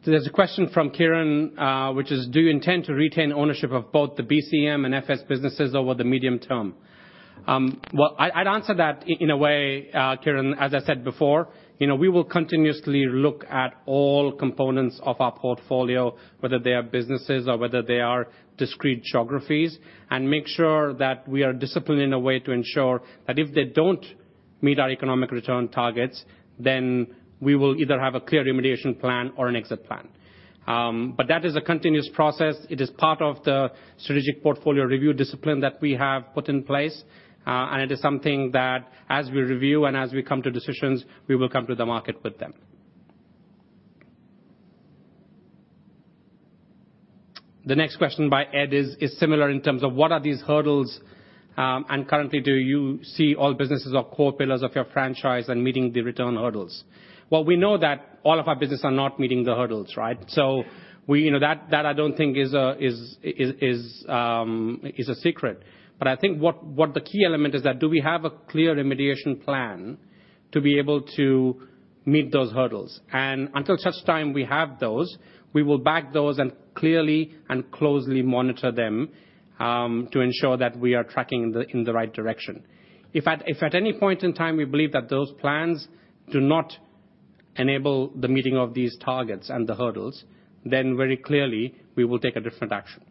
There's a question from Kieran, which is, do you intend to retain ownership of both the BCM and FS businesses over the medium term? Well, I'd answer that in a way, Kieran, as I said before, you know, we will continuously look at all components of our portfolio, whether they are businesses or whether they are discrete geographies, and make sure that we are disciplined in a way to ensure that if they don't meet our economic return targets, then we will either have a clear remediation plan or an exit plan. That is a continuous process. It is part of the strategic portfolio review discipline that we have put in place. It is something that as we review and as we come to decisions, we will come to the market with them. The next question by Ed is similar in terms of what are these hurdles, and currently do you see all businesses or core pillars of your franchise and meeting the return hurdles? Well, we know that all of our business are not meeting the hurdles, right? You know, that I don't think is a secret. I think what the key element is that do we have a clear remediation plan to be able to meet those hurdles? Until such time we have those, we will back those and clearly and closely monitor them, to ensure that we are tracking in the right direction. If at any point in time we believe that those plans do not enable the meeting of these targets and the hurdles, then very clearly we will take a different action.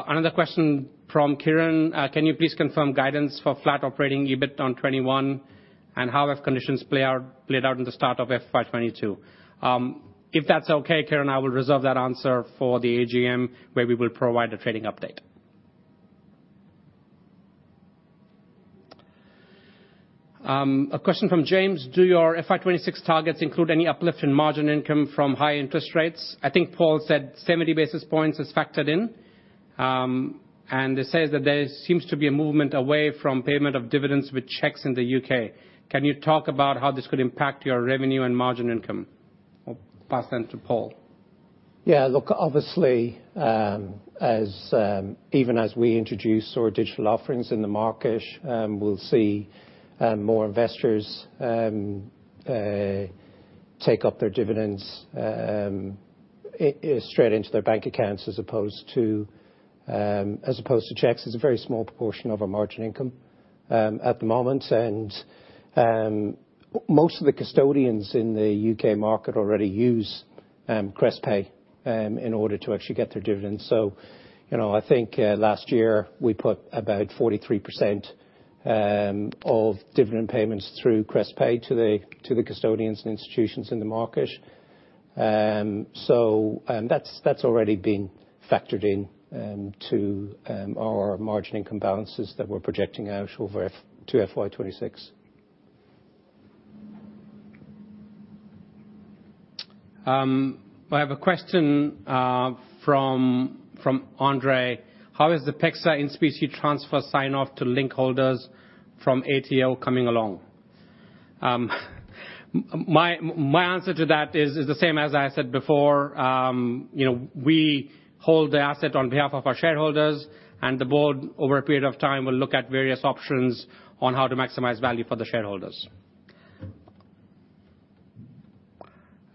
Another question from Kieran, can you please confirm guidance for flat operating EBIT on FY 2021 and how have conditions played out in the start of FY 2022? If that's okay, Kieran, I will reserve that answer for the AGM, where we will provide a trading update. A question from James, do your FY 2026 targets include any uplift in margin income from high interest rates? I think Paul said 70 basis points is factored in, and it says that there seems to be a movement away from payment of dividends with checks in the U.K. Can you talk about how this could impact your revenue and margin income? I'll pass then to Paul. Yeah. Look, obviously, even as we introduce our digital offerings in the market, we'll see more investors take up their dividends straight into their bank accounts as opposed to checks. It's a very small proportion of our margin income at the moment. Most of the custodians in the U.K. market already use CRESTPay in order to actually get their dividends. So, you know, I think last year we put about 43% of dividend payments through CRESTPay to the custodians and institutions in the market. So, that's already been factored in to our margin income balances that we're projecting out to FY 2026. I have a question from Andrei. How is the PEXA in-specie transfer sign off to Link holders from ATO coming along? My answer to that is the same as I said before. You know, we hold the asset on behalf of our shareholders, and the board over a period of time will look at various options on how to maximize value for the shareholders.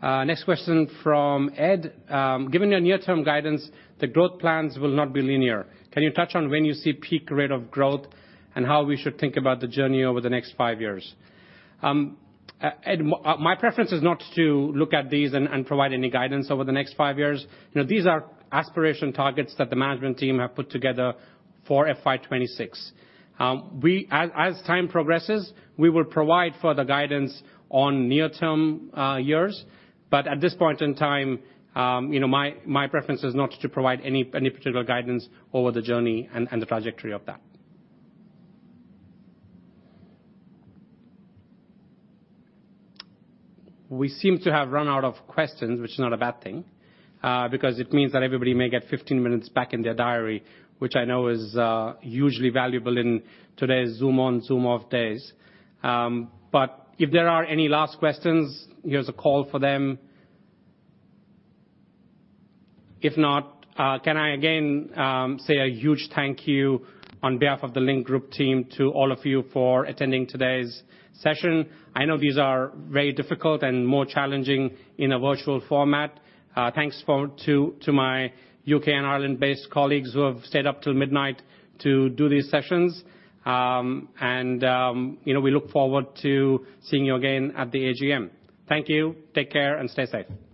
Next question from Ed. Given your near-term guidance, the growth plans will not be linear. Can you touch on when you see peak rate of growth and how we should think about the journey over the next five years? Ed, my preference is not to look at these and provide any guidance over the next five years. You know, these are aspiration targets that the management team have put together for FY 2026. We... As time progresses, we will provide further guidance on near-term years. At this point in time, you know, my preference is not to provide any particular guidance over the journey and the trajectory of that. We seem to have run out of questions, which is not a bad thing, because it means that everybody may get 15 minutes back in their diary, which I know is usually valuable in today's Zoom on, Zoom off days. If there are any last questions, here's a call for them. If not, can I again say a huge thank you on behalf of the Link Group team to all of you for attending today's session? I know these are very difficult and more challenging in a virtual format. Thanks to my U.K. and Ireland-based colleagues who have stayed up till midnight to do these sessions. You know, we look forward to seeing you again at the AGM. Thank you. Take care and stay safe.